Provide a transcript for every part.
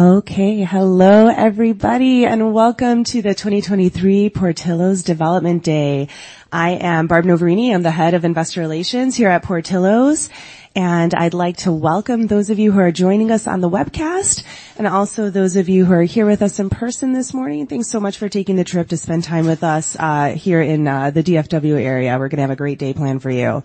Okay, hello, everybody, and welcome to the 2023 Portillo's Development Day. I am Barb Noverini. I'm the Head of Investor Relations here at Portillo's, and I'd like to welcome those of you who are joining us on the webcast, and also those of you who are here with us in person this morning. Thanks so much for taking the trip to spend time with us here in the DFW area. We're gonna have a great day planned for you.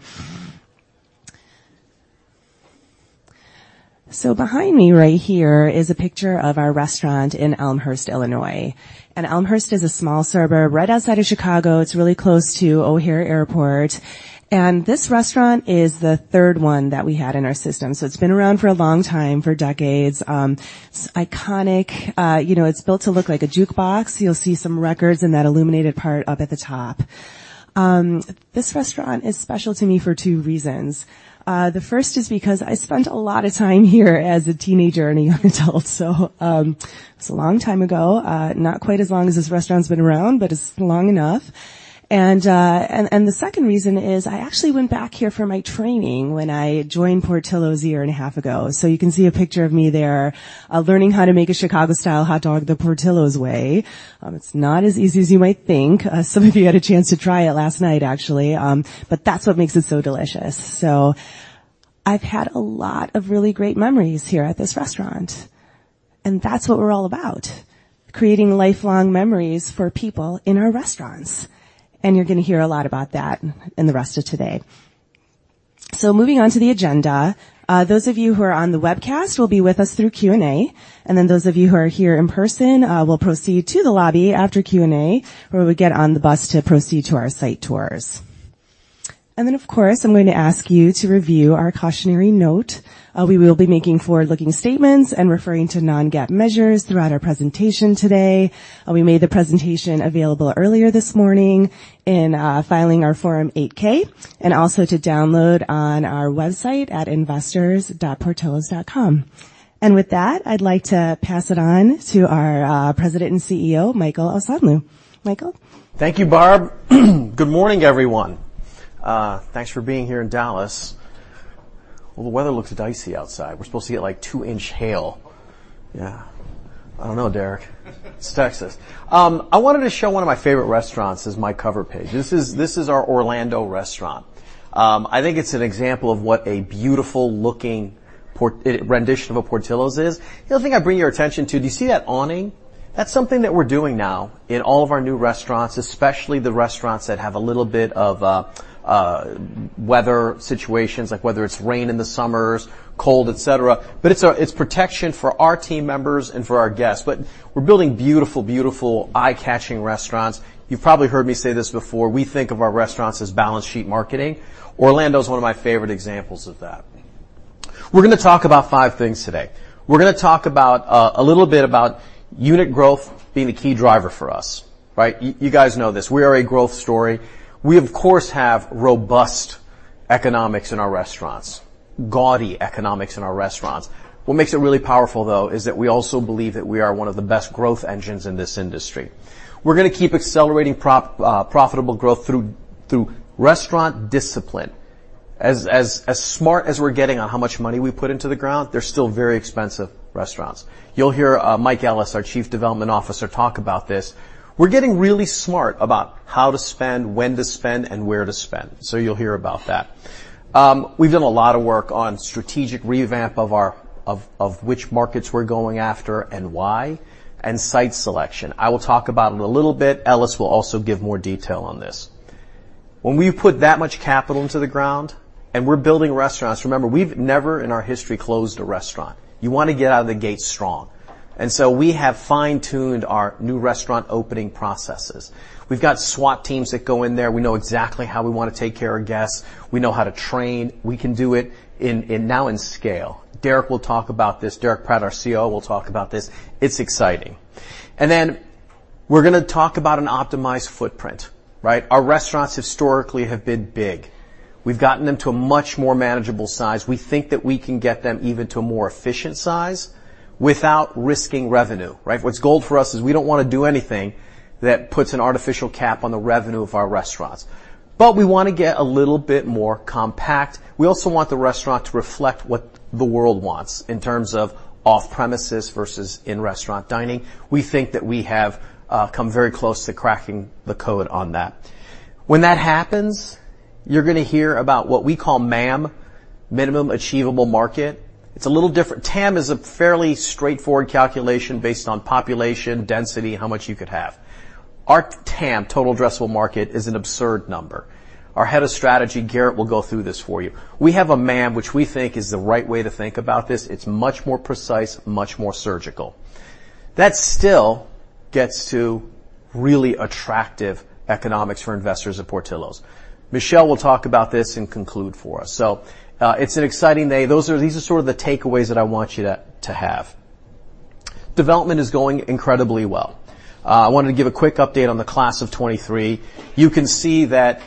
Behind me right here is a picture of our restaurant in Elmhurst, Illinois. Elmhurst is a small suburb right outside of Chicago. It's really close to O'Hare Airport, and this restaurant is the third one that we had in our system, so it's been around for a long time, for decades. It's iconic. You know, it's built to look like a jukebox. You'll see some records in that illuminated part up at the top. This restaurant is special to me for two reasons. The first is because I spent a lot of time here as a teenager and a young adult, so it's a long time ago, not quite as long as this restaurant's been around, but it's long enough. The second reason is I actually went back here for my training when I joined Portillo's a year and a half ago. You can see a picture of me there, learning how to make a Chicago-style hot dog, the Portillo's way. It's not as easy as you might think. Some of you had a chance to try it last night, actually, but that's what makes it so delicious. So I've had a lot of really great memories here at this restaurant, and that's what we're all about, creating lifelong memories for people in our restaurants, and you're gonna hear a lot about that in the rest of today. So moving on to the agenda, those of you who are on the webcast will be with us through Q&A, and then those of you who are here in person will proceed to the lobby after Q&A, where we get on the bus to proceed to our site tours. And then, of course, I'm going to ask you to review our cautionary note. We will be making forward-looking statements and referring to non-GAAP measures throughout our presentation today. We made the presentation available earlier this morning in filing our Form 8-K, and also to download on our website at investors.portillos.com. With that, I'd like to pass it on to our President and CEO, Michael Osanloo. Michael? Thank you, Barb. Good morning, everyone. Thanks for being here in Dallas. Well, the weather looks dicey outside. We're supposed to get, like, 2-inch hail. Yeah. I don't know, Derrick. It's Texas. I wanted to show one of my favorite restaurants as my cover page. This is, this is our Orlando restaurant. I think it's an example of what a beautiful-looking Port-- rendition of a Portillo's is. The other thing I bring your attention to, do you see that awning? That's something that we're doing now in all of our new restaurants, especially the restaurants that have a little bit of weather situations, like, whether it's rain in the summers, cold, et cetera. But it's, it's protection for our team members and for our guests. But we're building beautiful, beautiful, eye-catching restaurants. You've probably heard me say this before: We think of our restaurants as balance sheet marketing. Orlando is one of my favorite examples of that. We're gonna talk about five things today. We're gonna talk about a little bit about unit growth being a key driver for us, right? You guys know this. We are a growth story. We, of course, have robust economics in our restaurants, gaudy economics in our restaurants. What makes it really powerful, though, is that we also believe that we are one of the best growth engines in this industry. We're gonna keep accelerating profitable growth through restaurant discipline. As smart as we're getting on how much money we put into the ground, they're still very expensive restaurants. You'll hear Mike Ellis, our Chief Development Officer, talk about this. We're getting really smart about how to spend, when to spend, and where to spend, so you'll hear about that. We've done a lot of work on strategic revamp of our-- of, of which markets we're going after and why, and site selection. I will talk about it a little bit. Ellis will also give more detail on this. When we put that much capital into the ground, and we're building restaurants... Remember, we've never in our history closed a restaurant. You wanna get out of the gate strong, and so we have fine-tuned our new restaurant opening processes. We've got SWAT teams that go in there. We know exactly how we want to take care of guests. We know how to train. We can do it in, in-- now in scale. Derrick will talk about this. Derrick Pratt, our COO, will talk about this. It's exciting. And then we're gonna talk about an optimized footprint, right? Our restaurants historically have been big. We've gotten them to a much more manageable size. We think that we can get them even to a more efficient size without risking revenue, right? What's gold for us is we don't want to do anything that puts an artificial cap on the revenue of our restaurants, but we want to get a little bit more compact. We also want the restaurant to reflect what the world wants in terms of off-premises versus in-restaurant dining. We think that we have come very close to cracking the code on that. When that happens, you're gonna hear about what we call MAM, Minimum Achievable Market. It's a little different. TAM is a fairly straightforward calculation based on population, density, how much you could have. Our TAM, Total Addressable Market, is an absurd number. Our head of strategy, Garrett, will go through this for you. We have a MAM, which we think is the right way to think about this. It's much more precise, much more surgical. That still gets to really attractive economics for investors at Portillo's. Michelle will talk about this and conclude for us. So, it's an exciting day. These are sort of the takeaways that I want you to have. Development is going incredibly well. I wanted to give a quick update on the Class of 2023. You can see that.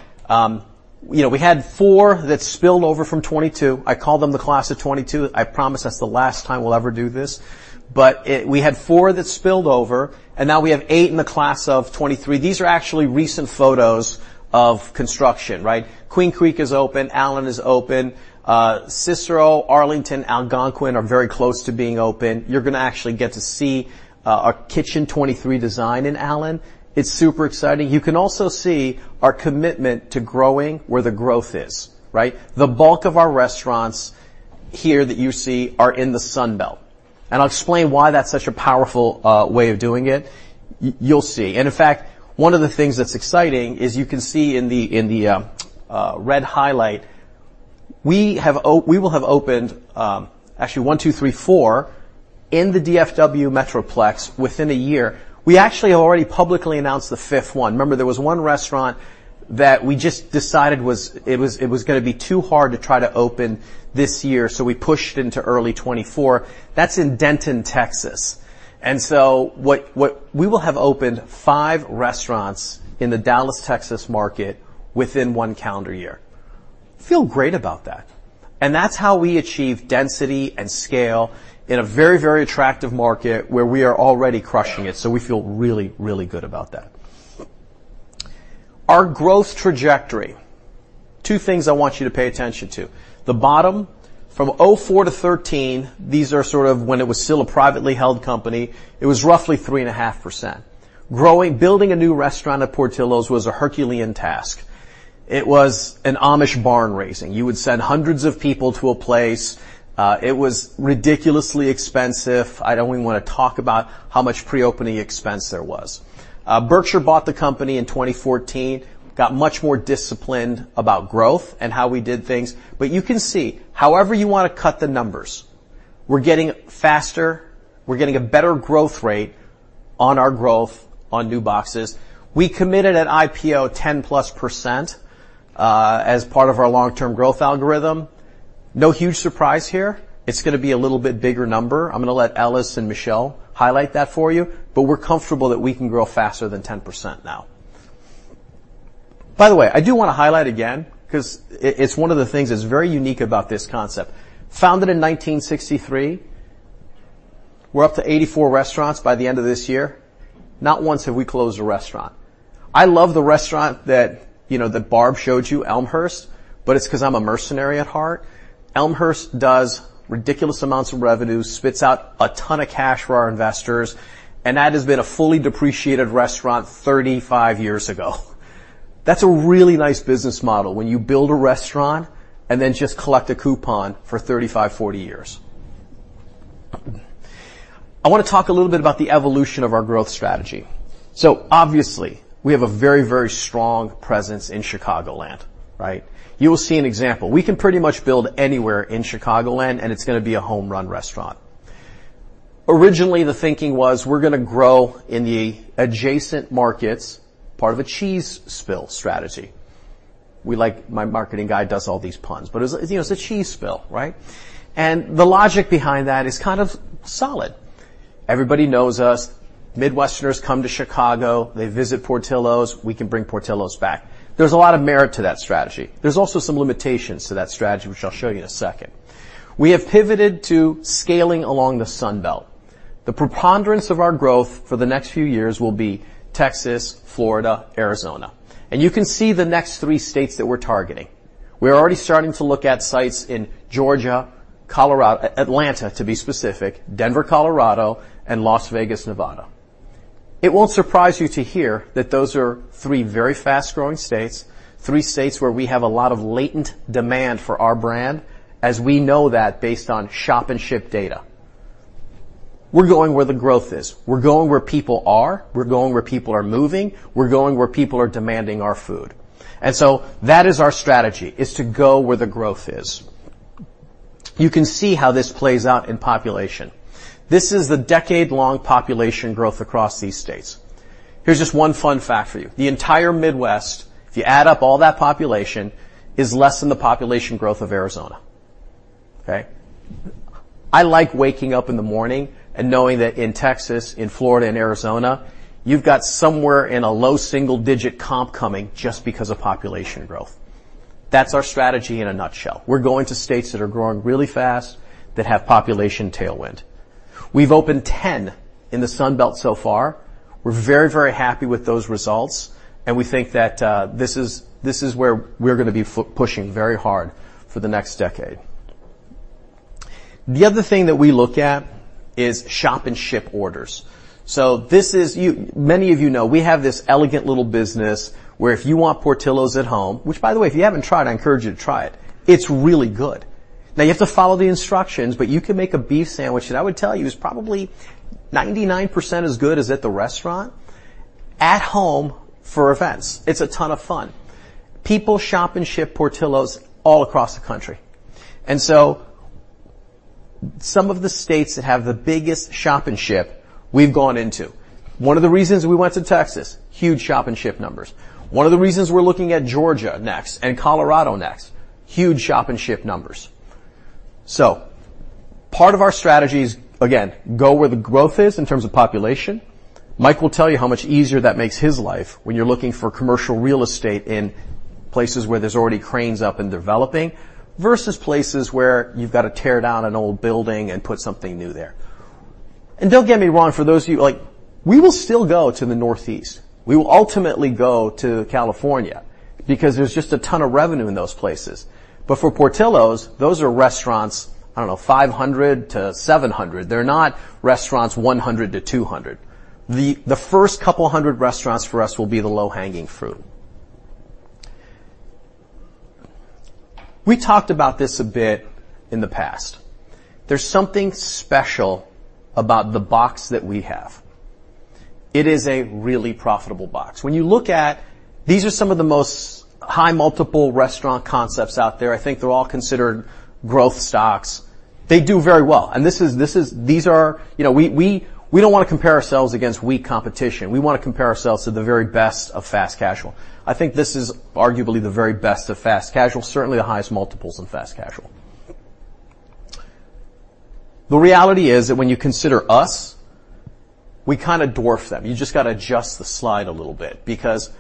You know, we had four that spilled over from 2022. I call them the Class of 2022. I promise that's the last time we'll ever do this, but we had four that spilled over, and now we have eight in the Class of 2023. These are actually recent photos of construction, right? Queen Creek is open. Allen is open. Cicero, Arlington, Algonquin, are very close to being open. You're gonna actually get to see our Kitchen 23 design in Allen. It's super exciting. You can also see our commitment to growing where the growth is, right? The bulk of our restaurants here that you see are in the Sun Belt, and I'll explain why that's such a powerful way of doing it. You'll see. And in fact, one of the things that's exciting is you can see in the red highlight, we will have opened, actually 1, 2, 3, 4 in the DFW Metroplex within a year. We actually already publicly announced the fifth one. Remember, there was one restaurant that we just decided was—it was, it was gonna be too hard to try to open this year, so we pushed into early 2024. That's in Denton, Texas. What we will have opened is five restaurants in the Dallas, Texas, market within one calendar year. Feel great about that. That's how we achieve density and scale in a very, very attractive market where we are already crushing it, so we feel really, really good about that. Our growth trajectory. Two things I want you to pay attention to. The bottom, from 2004 to 2013, these are sort of when it was still a privately held company, it was roughly 3.5%. Growing—building a new restaurant at Portillo's was a Herculean task. It was an Amish barn raising. You would send hundreds of people to a place. It was ridiculously expensive. I don't even wanna talk about how much pre-opening expense there was. Berkshire bought the company in 2014, got much more disciplined about growth and how we did things. But you can see, however you want to cut the numbers, we're getting faster, we're getting a better growth rate on our growth on new boxes. We committed an IPO 10%+, as part of our long-term growth algorithm. No huge surprise here. It's gonna be a little bit bigger number. I'm gonna let Ellis and Michelle highlight that for you, but we're comfortable that we can grow faster than 10% now. By the way, I do wanna highlight again, 'cause it, it's one of the things that's very unique about this concept. Founded in 1963, we're up to 84 restaurants by the end of this year. Not once have we closed a restaurant. I love the restaurant that, you know, that Barb showed you, Elmhurst, but it's 'cause I'm a mercenary at heart. Elmhurst does ridiculous amounts of revenue, spits out a ton of cash for our investors, and that has been a fully depreciated restaurant 35 years ago. That's a really nice business model when you build a restaurant and then just collect a coupon for 35, 40 years. I wanna talk a little bit about the evolution of our growth strategy. So obviously, we have a very, very strong presence in Chicagoland, right? You will see an example. We can pretty much build anywhere in Chicagoland, and it's gonna be a home-run restaurant. Originally, the thinking was we're gonna grow in the adjacent markets, part of a cheese spill strategy. We like... My marketing guy does all these puns, but it's, you know, it's a cheese spill, right? And the logic behind that is kind of solid. Everybody knows us. Midwesterners come to Chicago, they visit Portillo's. We can bring Portillo's back. There's a lot of merit to that strategy. There's also some limitations to that strategy, which I'll show you in a second. We have pivoted to scaling along the Sun Belt. The preponderance of our growth for the next few years will be Texas, Florida, Arizona, and you can see the next three states that we're targeting. We're already starting to look at sites in Georgia, Colorado... Atlanta, to be specific, Denver, Colorado, and Las Vegas, Nevada. It won't surprise you to hear that those are three very fast-growing states, three states where we have a lot of latent demand for our brand, as we know that based on Shop & Ship data. We're going where the growth is. We're going where people are. We're going where people are moving. We're going where people are demanding our food. And so that is our strategy, is to go where the growth is. You can see how this plays out in population. This is the decade-long population growth across these states. Here's just one fun fact for you: The entire Midwest, if you add up all that population, is less than the population growth of Arizona, okay? I like waking up in the morning and knowing that in Texas, in Florida, and Arizona, you've got somewhere in a low single-digit comp coming just because of population growth. That's our strategy in a nutshell. We're going to states that are growing really fast, that have population tailwind. We've opened 10 in the Sun Belt so far. We're very, very happy with those results, and we think that this is, this is where we're gonna be pushing very hard for the next decade. The other thing that we look at is Shop & Ship orders. So many of you know, we have this elegant little business where if you want Portillo's at home, which, by the way, if you haven't tried, I encourage you to try it. It's really good. Now, you have to follow the instructions, but you can make a beef sandwich, and I would tell you, it's probably 99% as good as at the restaurant, at home for events. It's a ton of fun. People Shop & Ship Portillo's all across the country. So some of the states that have the biggest Shop & Ship, we've gone into. One of the reasons we went to Texas, huge Shop & Ship numbers. One of the reasons we're looking at Georgia next and Colorado next, huge Shop & Ship numbers.... So part of our strategy is, again, go where the growth is in terms of population. Mike will tell you how much easier that makes his life when you're looking for commercial real estate in places where there's already cranes up and developing, versus places where you've got to tear down an old building and put something new there. And don't get me wrong, for those of you, like, we will still go to the Northeast. We will ultimately go to California, because there's just a ton of revenue in those places. For Portillo's, those are restaurants, I don't know, 500 to 700. They're not restaurants 100 to 200. The first couple hundred restaurants for us will be the low-hanging fruit. We talked about this a bit in the past. There's something special about the box that we have. It is a really profitable box. When you look at... These are some of the most high multiple restaurant concepts out there. I think they're all considered growth stocks. They do very well, and this is, this is-- these are-- you know, we, we, we don't want to compare ourselves against weak competition. We want to compare ourselves to the very best of fast casual. I think this is arguably the very best of fast casual, certainly the highest multiples in fast casual. The reality is that when you consider us, we kind of dwarf them. You just got to adjust the slide a little bit because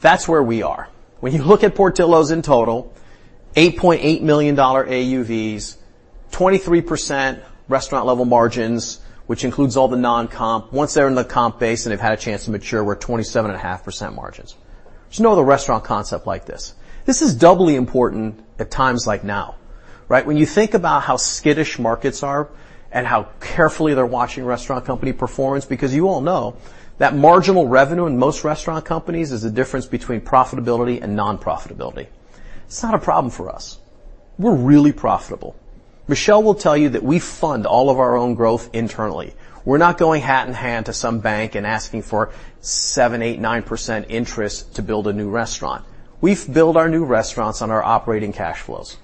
that's where we are. When you look at Portillo's in total, $8.8 million AUVs, 23% restaurant-level margins, which includes all the non-comp. Once they're in the comp base, and they've had a chance to mature, we're 27.5% margins. There's no other restaurant concept like this. This is doubly important at times like now, right? When you think about how skittish markets are and how carefully they're watching restaurant company performance, because you all know that marginal revenue in most restaurant companies is the difference between profitability and non-profitability. It's not a problem for us. We're really profitable. Michelle will tell you that we fund all of our own growth internally. We're not going hat in hand to some bank and asking for 7%, 8%, 9% interest to build a new restaurant. We build our new restaurants on our operating cash flows.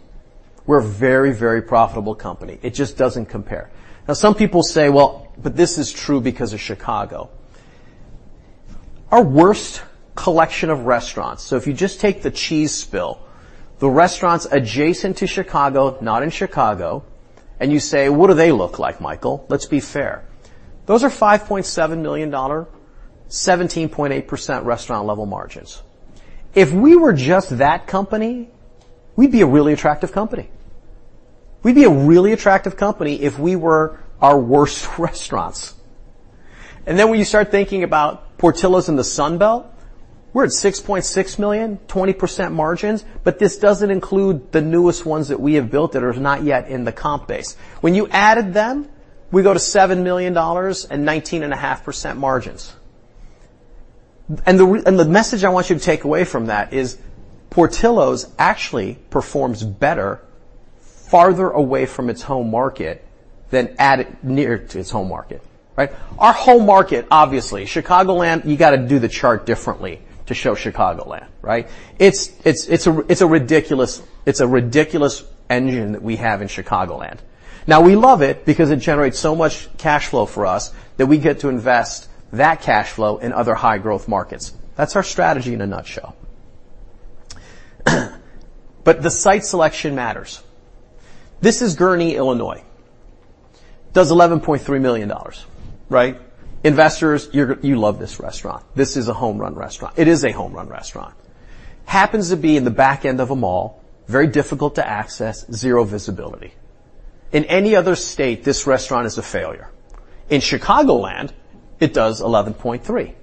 We're a very, very profitable company. It just doesn't compare. Now, some people say, "Well, but this is true because of Chicago." Our worst collection of restaurants, so if you just take the Chicagoland, the restaurants adjacent to Chicago, not in Chicago, and you say, "What do they look like, Michael? Let's be fair." Those are $5.7 million, 17.8% restaurant-level margins. If we were just that company, we'd be a really attractive company. We'd be a really attractive company if we were our worst restaurants. When you start thinking about Portillo's in the Sun Belt, we're at $6.6 million, 20% margins, but this doesn't include the newest ones that we have built that are not yet in the comp base. When you added them, we go to $7 million and 19.5% margins. The message I want you to take away from that is Portillo's actually performs better farther away from its home market than at it, near to its home market, right? Our home market, obviously, Chicagoland, you got to do the chart differently to show Chicagoland, right? It's, it's, it's a, it's a ridiculous, it's a ridiculous engine that we have in Chicagoland. Now, we love it because it generates so much cash flow for us, that we get to invest that cash flow in other high-growth markets. That's our strategy in a nutshell. But the site selection matters. This is Gurnee, Illinois. Does $11.3 million, right? Investors, you're you love this restaurant. This is a home-run restaurant. It is a home-run restaurant. Happens to be in the back end of a mall, very difficult to access, zero visibility. In any other state, this restaurant is a failure. In Chicagoland, it does $11.3 million.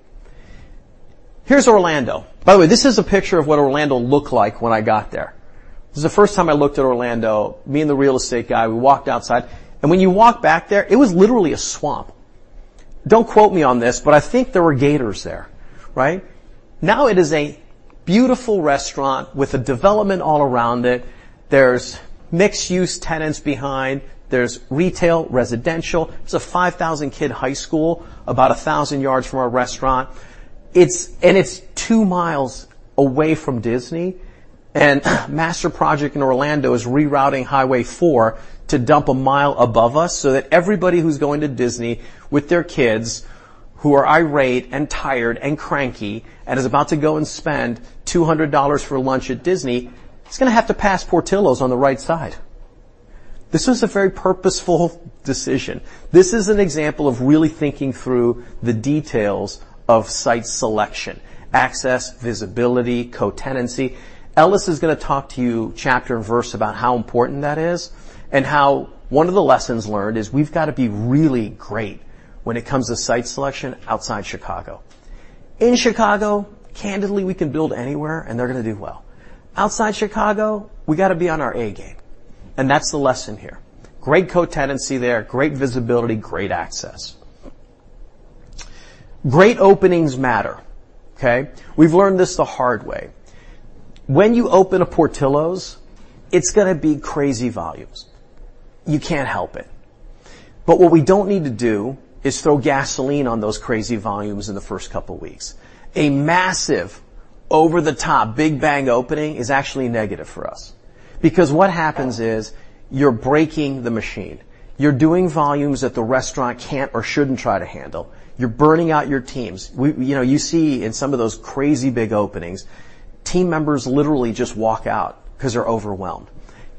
Here's Orlando. By the way, this is a picture of what Orlando looked like when I got there. This is the first time I looked at Orlando. Me and the real estate guy, we walked outside, and when you walk back there, it was literally a swamp. Don't quote me on this, but I think there were gators there, right? Now it is a beautiful restaurant with a development all around it. There's mixed-use tenants behind. There's retail, residential. There's a 5,000-kid high school about 1,000 yards from our restaurant. It's two miles away from Disney, and Master Project in Orlando is rerouting Highway 4 to dump 1 mile above us so that everybody who's going to Disney with their kids, who are irate and tired and cranky and is about to go and spend $200 for lunch at Disney, is gonna have to pass Portillo's on the right side. This was a very purposeful decision. This is an example of really thinking through the details of site selection, access, visibility, co-tenancy. Ellis is going to talk to you chapter and verse about how important that is and how one of the lessons learned is we've got to be really great when it comes to site selection outside Chicago. In Chicago, candidly, we can build anywhere, and they're going to do well. Outside Chicago, we got to be on our A game, and that's the lesson here. Great co-tenancy there, great visibility, great access. Great openings matter, okay? We've learned this the hard way. When you open a Portillo's, it's gonna be crazy volumes. You can't help it. But what we don't need to do is throw gasoline on those crazy volumes in the first couple weeks. A massive, over-the-top, big bang opening is actually negative for us because what happens is you're breaking the machine. You're doing volumes that the restaurant can't or shouldn't try to handle. You're burning out your teams. We, you know, you see in some of those crazy big openings, team members literally just walk out because they're overwhelmed.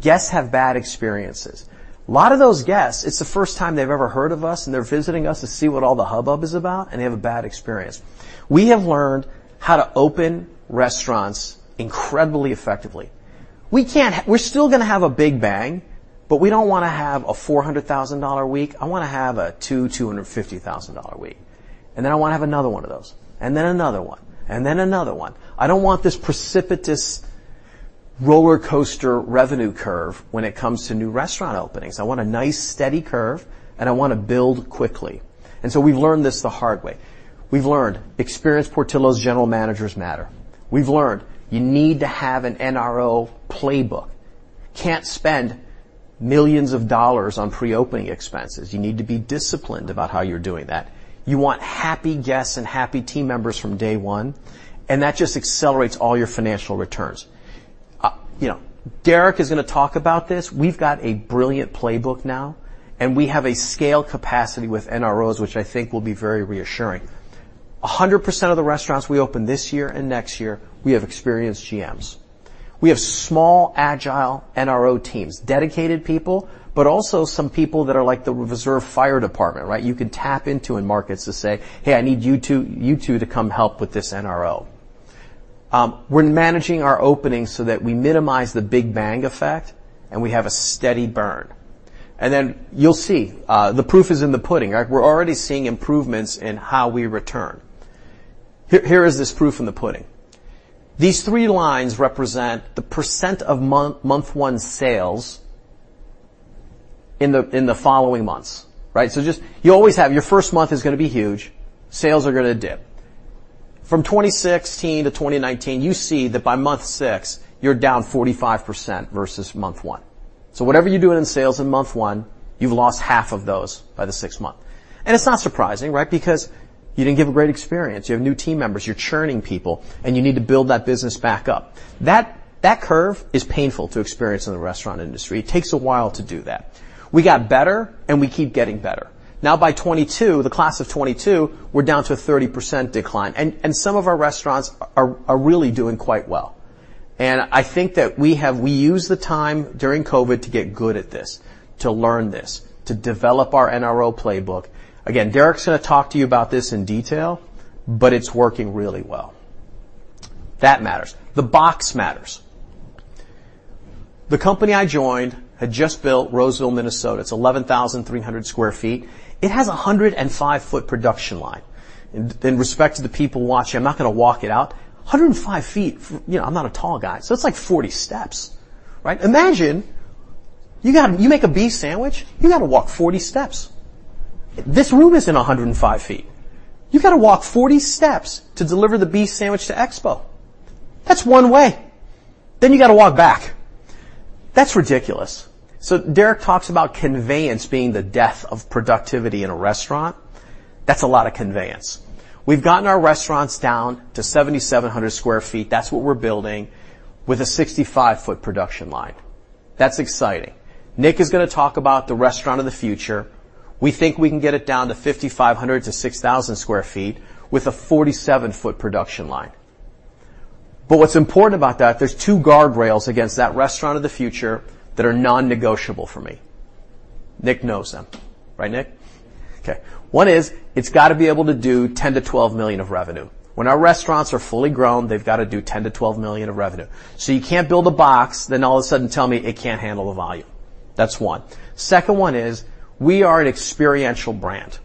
Guests have bad experiences. A lot of those guests, it's the first time they've ever heard of us, and they're visiting us to see what all the hubbub is about, and they have a bad experience. We have learned how to open restaurants incredibly effectively. We can't. We're still gonna have a big bang, but we don't want to have a $400,000 week. I want to have a $250,000 week, and then I want to have another one of those, and then another one, and then another one. I don't want this precipitous rollercoaster revenue curve when it comes to new restaurant openings. I want a nice, steady curve, and I want to build quickly. So we've learned this the hard way. We've learned experienced Portillo's general managers matter. We've learned you need to have an NRO playbook. Can't spend millions of dollars on pre-opening expenses. You need to be disciplined about how you're doing that. You want happy guests and happy team members from day one, and that just accelerates all your financial returns. You know, Derrick is going to talk about this. We've got a brilliant playbook now, and we have a scale capacity with NROs, which I think will be very reassuring. 100% of the restaurants we open this year and next year, we have experienced GMs. We have small, agile NRO teams, dedicated people, but also some people that are like the reserve fire department, right? You can tap into in markets to say, "Hey, I need you two, you two to come help with this NRO." We're managing our openings so that we minimize the big bang effect, and we have a steady burn. Then you'll see, the proof is in the pudding. We're already seeing improvements in how we return. Here is this proof in the pudding. These three lines represent the percent of month 1 sales in the following months, right? You always have... Your first month is going to be huge. Sales are going to dip. From 2016 to 2019, you see that by month 6, you're down 45% versus month one. So whatever you're doing in sales in month one, you've lost half of those by the sixth month. And it's not surprising, right? Because you didn't give a great experience. You have new team members, you're churning people, and you need to build that business back up. That curve is painful to experience in the restaurant industry. It takes a while to do that. We got better, and we keep getting better. Now, by 2022, the class of 2022, we're down to a 30% decline, and some of our restaurants are really doing quite well. And I think that we have, we used the time during COVID to get good at this, to learn this, to develop our NRO playbook. Again, Derrick's going to talk to you about this in detail, but it's working really well. That matters. The box matters. The company I joined had just built Roseville, Minnesota. It's 11,300 sq ft. It has a 105-foot production line. In respect to the people watching, I'm not going to walk it out. 105 feet, you know, I'm not a tall guy, so it's like 40 steps, right? Imagine you got to. You make a beef sandwich, you got to walk 40 steps. This room isn't 105 feet. You've got to walk 40 steps to deliver the beef sandwich to expo. That's one way. Then you got to walk back. That's ridiculous. So Derrick talks about conveyance being the death of productivity in a restaurant. That's a lot of conveyance. We've gotten our restaurants down to 7,700 sq ft, that's what we're building, with a 65-foot production line. That's exciting. Nick is going to talk about the Restaurant of the Future. We think we can get it down to 5,500-6,000 sq ft with a 47-foot production line. But what's important about that, there's two guardrails against that Restaurant of the Future that are non-negotiable for me. Nick knows them. Right, Nick? Okay. One is, it's got to be able to do $10 million-$12 million of revenue. When our restaurants are fully grown, they've got to do $10 million-$12 million of revenue. So you can't build a box, then all of a sudden tell me it can't handle the volume. That's one. Second one is, we are an experiential brand.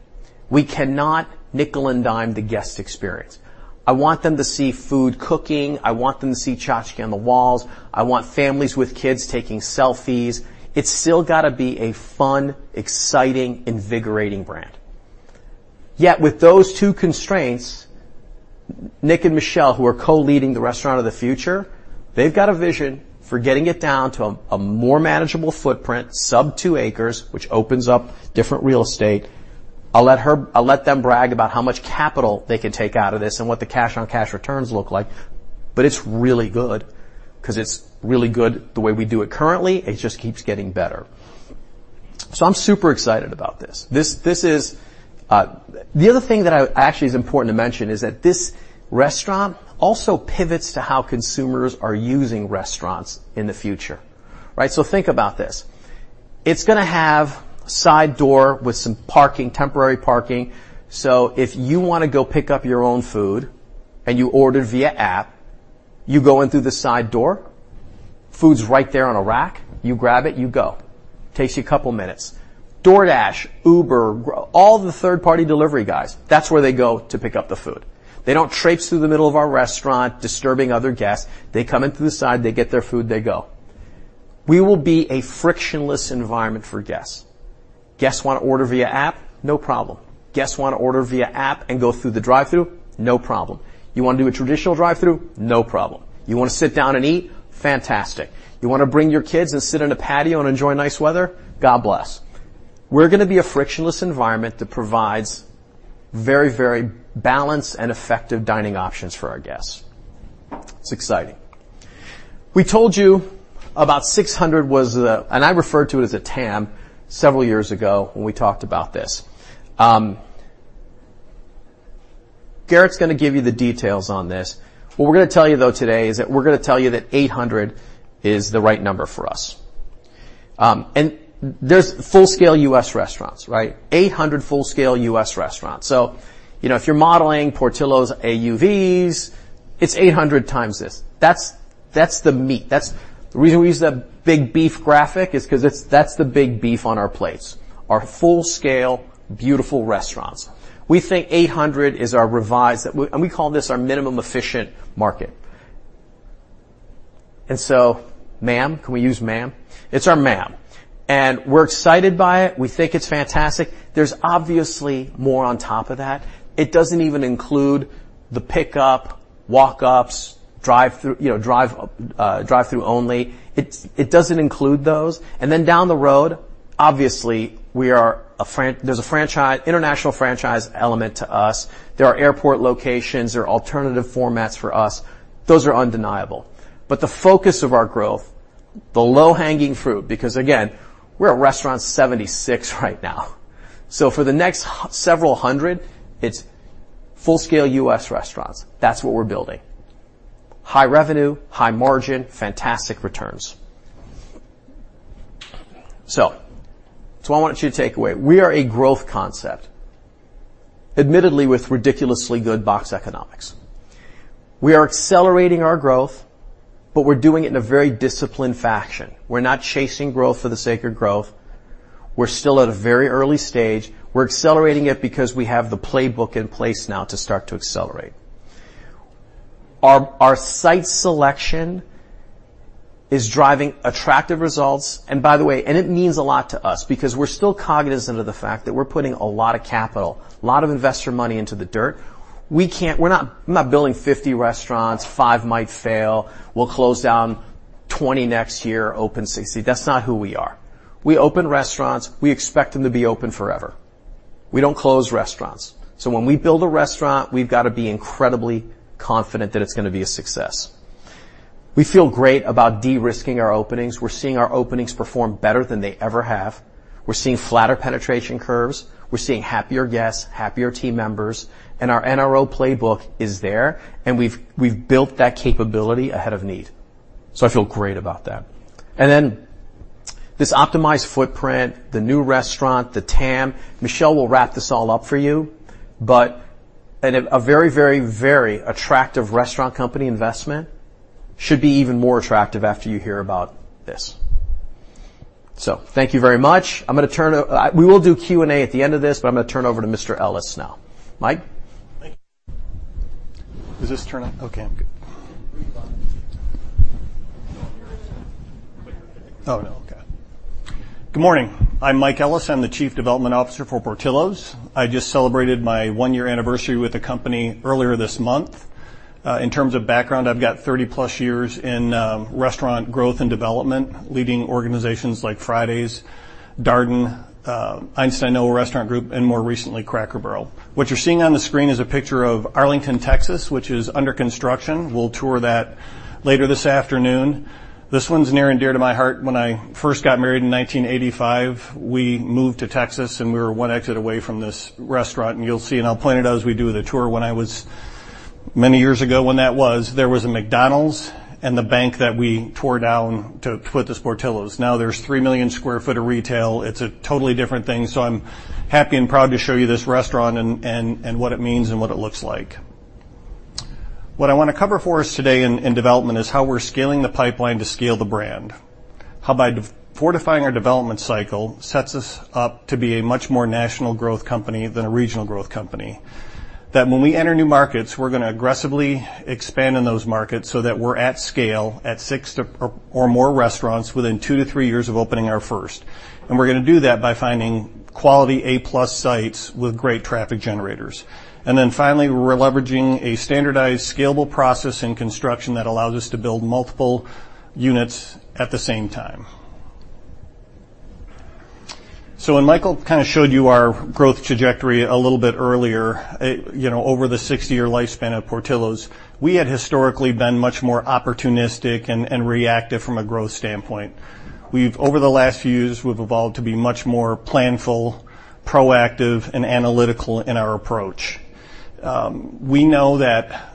We cannot nickel and dime the guest experience. I want them to see food cooking. I want them to see tchotchke on the walls. I want families with kids taking selfies. It's still got to be a fun, exciting, invigorating brand. Yet, with those two constraints, Nick and Michelle, who are co-leading the Restaurant of the Future, they've got a vision for getting it down to a more manageable footprint, sub 2 acres, which opens up different real estate. I'll let her-- I'll let them brag about how much capital they can take out of this and what the cash-on-cash returns look like, but it's really good because it's really good the way we do it currently. It just keeps getting better. I'm super excited about this. This is, this is... The other thing that I actually is important to mention is that this restaurant also pivots to how consumers are using restaurants in the future, right? Think about this: It's going to have a side door with some parking, temporary parking. If you want to go pick up your own food and you ordered via app, you go in through the side door, food's right there on a rack, you grab it, you go. Takes you a couple minutes. DoorDash, Uber, all the third-party delivery guys, that's where they go to pick up the food. They don't traipse through the middle of our restaurant, disturbing other guests. They come in through the side, they get their food, they go. We will be a frictionless environment for guests. Guests want to order via app? No problem. Guests want to order via app and go through the drive-thru? No problem. You want to do a traditional drive-thru? No problem. You want to sit down and eat? Fantastic. You want to bring your kids and sit on a patio and enjoy nice weather? God bless. We're going to be a frictionless environment that provides very, very balanced and effective dining options for our guests. It's exciting. We told you about 600 was the... And I referred to it as a TAM several years ago when we talked about this. Garrett's gonna give you the details on this. What we're gonna tell you, though, today is that we're gonna tell you that 800 is the right number for us. And there's full-scale U.S. restaurants, right? 800 full-scale U.S. restaurants. So, you know, if you're modeling Portillo's AUVs, it's 800 times this. That's, that's the meat. That's the reason we use the big beef graphic is 'cause it's, that's the big beef on our plates, our full-scale, beautiful restaurants. We think 800 is our revised, and we call this our minimum efficient market. And so MAM, can we use MAM? It's our MAM, and we're excited by it. We think it's fantastic. There's obviously more on top of that. It doesn't even include the pickup, walk-ups, drive-through, you know, drive, drive-through only. It doesn't include those, and then down the road, obviously, we are a franchise. There's an international franchise element to us. There are airport locations. There are alternative formats for us. Those are undeniable. But the focus of our growth, the low-hanging fruit, because, again, we're at restaurant 76 right now. So for the next several hundred, it's full-scale U.S. restaurants. That's what we're building. High revenue, high margin, fantastic returns. So that's what I want you to take away. We are a growth concept, admittedly, with ridiculously good box economics. We are accelerating our growth, but we're doing it in a very disciplined fashion. We're not chasing growth for the sake of growth. We're still at a very early stage. We're accelerating it because we have the playbook in place now to start to accelerate. Our site selection is driving attractive results, and by the way, and it means a lot to us because we're still cognizant of the fact that we're putting a lot of capital, a lot of investor money into the dirt. We can't. We're not building 50 restaurants. Five might fail. We'll close down 20 next year, open six. See, that's not who we are. We open restaurants. We expect them to be open forever. We don't close restaurants, so when we build a restaurant, we've got to be incredibly confident that it's gonna be a success. We feel great about de-risking our openings. We're seeing our openings perform better than they ever have. We're seeing flatter penetration curves. We're seeing happier guests, happier team members, and our NRO playbook is there, and we've built that capability ahead of need, so I feel great about that. And then this optimized footprint, the new restaurant, the TAM, Michelle will wrap this all up for you, but... And a very, very, very attractive restaurant company investment should be even more attractive after you hear about this. So thank you very much. We will do Q&A at the end of this, but I'm gonna turn over to Mr. Ellis now. Mike? Thank you. Does this turn on? Okay, I'm good. Green button. Oh, no. Okay. Good morning. I'm Mike Ellis. I'm the Chief Development Officer for Portillo's. I just celebrated my one-year anniversary with the company earlier this month. In terms of background, I've got 30+ years in restaurant growth and development, leading organizations like Fridays, Darden, Einstein Noah Restaurant Group, and more recently, Cracker Barrel. What you're seeing on the screen is a picture of Arlington, Texas, which is under construction. We'll tour that later this afternoon. This one's near and dear to my heart. When I first got married in 1985, we moved to Texas, and we were one exit away from this restaurant, and you'll see, and I'll point it out as we do the tour. When I was... Many years ago, when that was, there was a McDonald's and the bank that we tore down to put this Portillo's. Now there's 3 million sq ft of retail. It's a totally different thing, so I'm happy and proud to show you this restaurant and what it means and what it looks like. What I want to cover for us today in development is how we're scaling the pipeline to scale the brand. How by fortifying our development cycle sets us up to be a much more national growth company than a regional growth company. That when we enter new markets, we're gonna aggressively expand in those markets so that we're at scale at 6 or more restaurants within 2 to 3 years of opening our first, and we're gonna do that by finding quality A-plus sites with great traffic generators. And then finally, we're leveraging a standardized, scalable process in construction that allows us to build multiple units at the same time. So when Michael kind of showed you our growth trajectory a little bit earlier, you know, over the 60-year lifespan of Portillo's, we had historically been much more opportunistic and, and reactive from a growth standpoint. Over the last few years, we've evolved to be much more planful, proactive, and analytical in our approach. We know that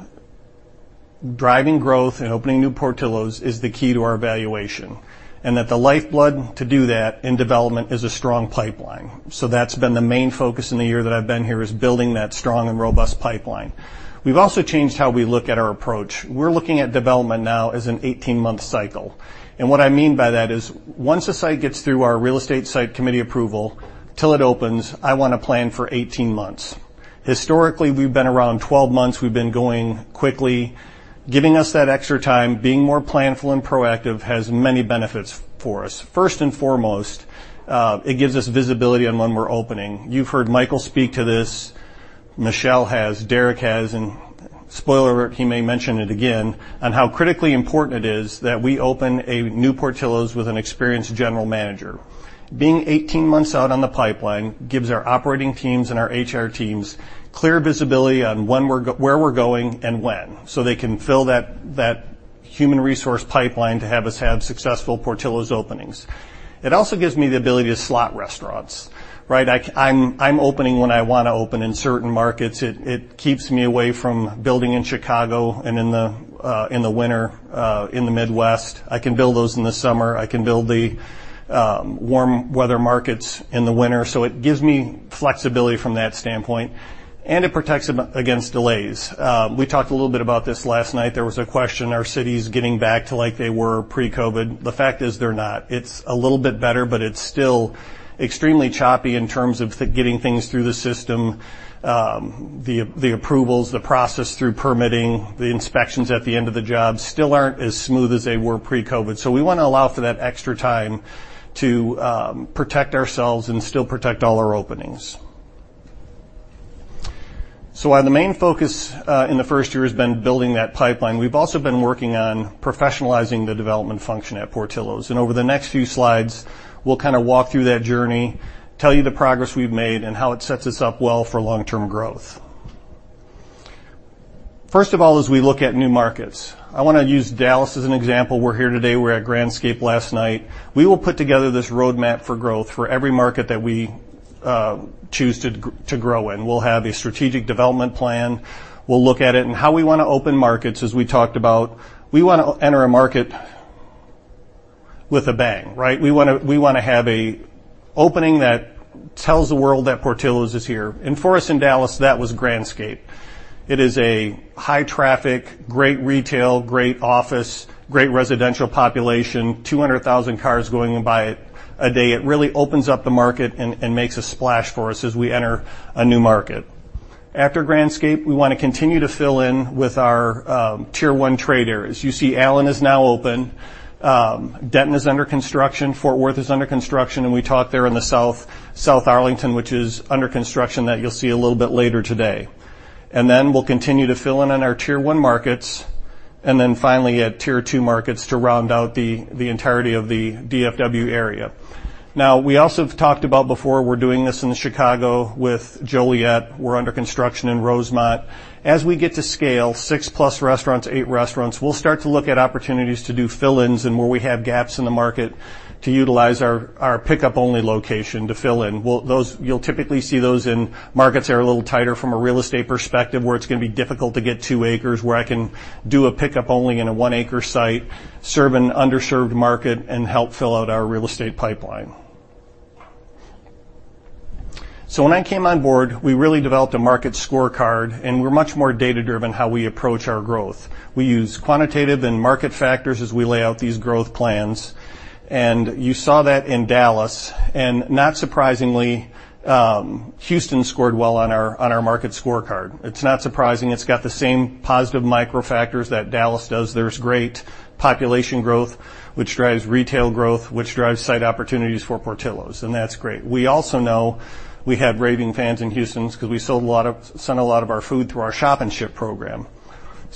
driving growth and opening new Portillo's is the key to our valuation and that the lifeblood to do that in development is a strong pipeline. So that's been the main focus in the year that I've been here, is building that strong and robust pipeline. We've also changed how we look at our approach. We're looking at development now as an 18-month cycle, and what I mean by that is, once a site gets through our real estate site committee approval, till it opens, I want to plan for 18 months. Historically, we've been around 12 months. We've been going quickly. Giving us that extra time, being more planful and proactive has many benefits for us. First and foremost, it gives us visibility on when we're opening. You've heard Michael speak to this, Michelle has, Derrick has, and spoiler alert, he may mention it again, on how critically important it is that we open a new Portillo's with an experienced general manager. Being 18 months out on the pipeline gives our operating teams and our HR teams clear visibility on when we're going and when, so they can fill that, that-... human resource pipeline to have us have successful Portillo's openings. It also gives me the ability to slot restaurants, right? I can, I'm, I'm opening when I want to open in certain markets. It keeps me away from building in Chicago and in the winter, in the Midwest. I can build those in the summer. I can build the warm weather markets in the winter. It gives me flexibility from that standpoint, and it protects against delays. We talked a little bit about this last night. There was a question, are cities getting back to like they were pre-COVID? The fact is, they're not. It's a little bit better, but it's still extremely choppy in terms of getting things through the system. The approvals, the process through permitting, the inspections at the end of the job still aren't as smooth as they were pre-COVID. So we want to allow for that extra time to protect ourselves and still protect all our openings. So while the main focus in the first year has been building that pipeline, we've also been working on professionalizing the development function at Portillo's, and over the next few slides, we'll kind of walk through that journey, tell you the progress we've made, and how it sets us up well for long-term growth. First of all, as we look at new markets, I want to use Dallas as an example. We're here today. We were at Grandscape last night. We will put together this roadmap for growth for every market that we choose to grow in. We'll have a strategic development plan. We'll look at it and how we want to open markets, as we talked about. We want to enter a market with a bang, right? We want to, we want to have an opening that tells the world that Portillo's is here. And for us in Dallas, that was Grandscape. It is a high traffic, great retail, great office, great residential population, 200,000 cars going by it a day. It really opens up the market and, and makes a splash for us as we enter a new market. After Grandscape, we want to continue to fill in with our Tier 1 trade areas. You see Allen is now open. Denton is under construction, Fort Worth is under construction, and we talked there in the south, South Arlington, which is under construction, that you'll see a little bit later today. Then we'll continue to fill in on our Tier One markets, and then finally, at Tier Two markets to round out the entirety of the DFW area. Now, we also talked about before, we're doing this in Chicago with Joliet. We're under construction in Rosemont. As we get to scale, 6+ restaurants, 8 restaurants, we'll start to look at opportunities to do fill-ins and where we have gaps in the market to utilize our pickup only location to fill in. We'll those. You'll typically see those in markets that are a little tighter from a real estate perspective, where it's going to be difficult to get 2 acres, where I can do a pickup only in a 1-acre site, serve an underserved market, and help fill out our real estate pipeline. When I came on board, we really developed a market scorecard, and we're much more data-driven how we approach our growth. We use quantitative and market factors as we lay out these growth plans, and you saw that in Dallas, and not surprisingly, Houston scored well on our market scorecard. It's not surprising. It's got the same positive micro factors that Dallas does. There's great population growth, which drives retail growth, which drives site opportunities for Portillo's, and that's great. We also know we have raving fans in Houston 'cause we sold a lot of—sent a lot of our food through our Shop & Ship program.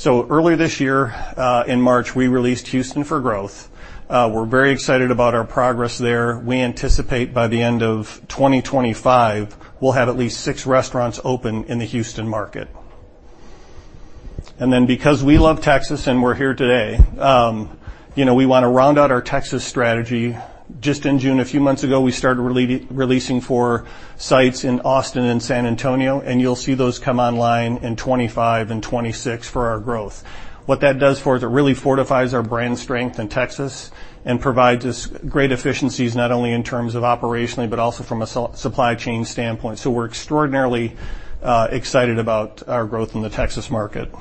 Earlier this year, in March, we released Houston for growth. We're very excited about our progress there. We anticipate by the end of 2025, we'll have at least 6 restaurants open in the Houston market. And then because we love Texas, and we're here today, you know, we want to round out our Texas strategy. Just in June, a few months ago, we started releasing four sites in Austin and San Antonio, and you'll see those come online in 2025 and 2026 for our growth. What that does for us, it really fortifies our brand strength in Texas and provides us great efficiencies, not only in terms of operationally, but also from a supply chain standpoint. So we're extraordinarily excited about our growth in the Texas market.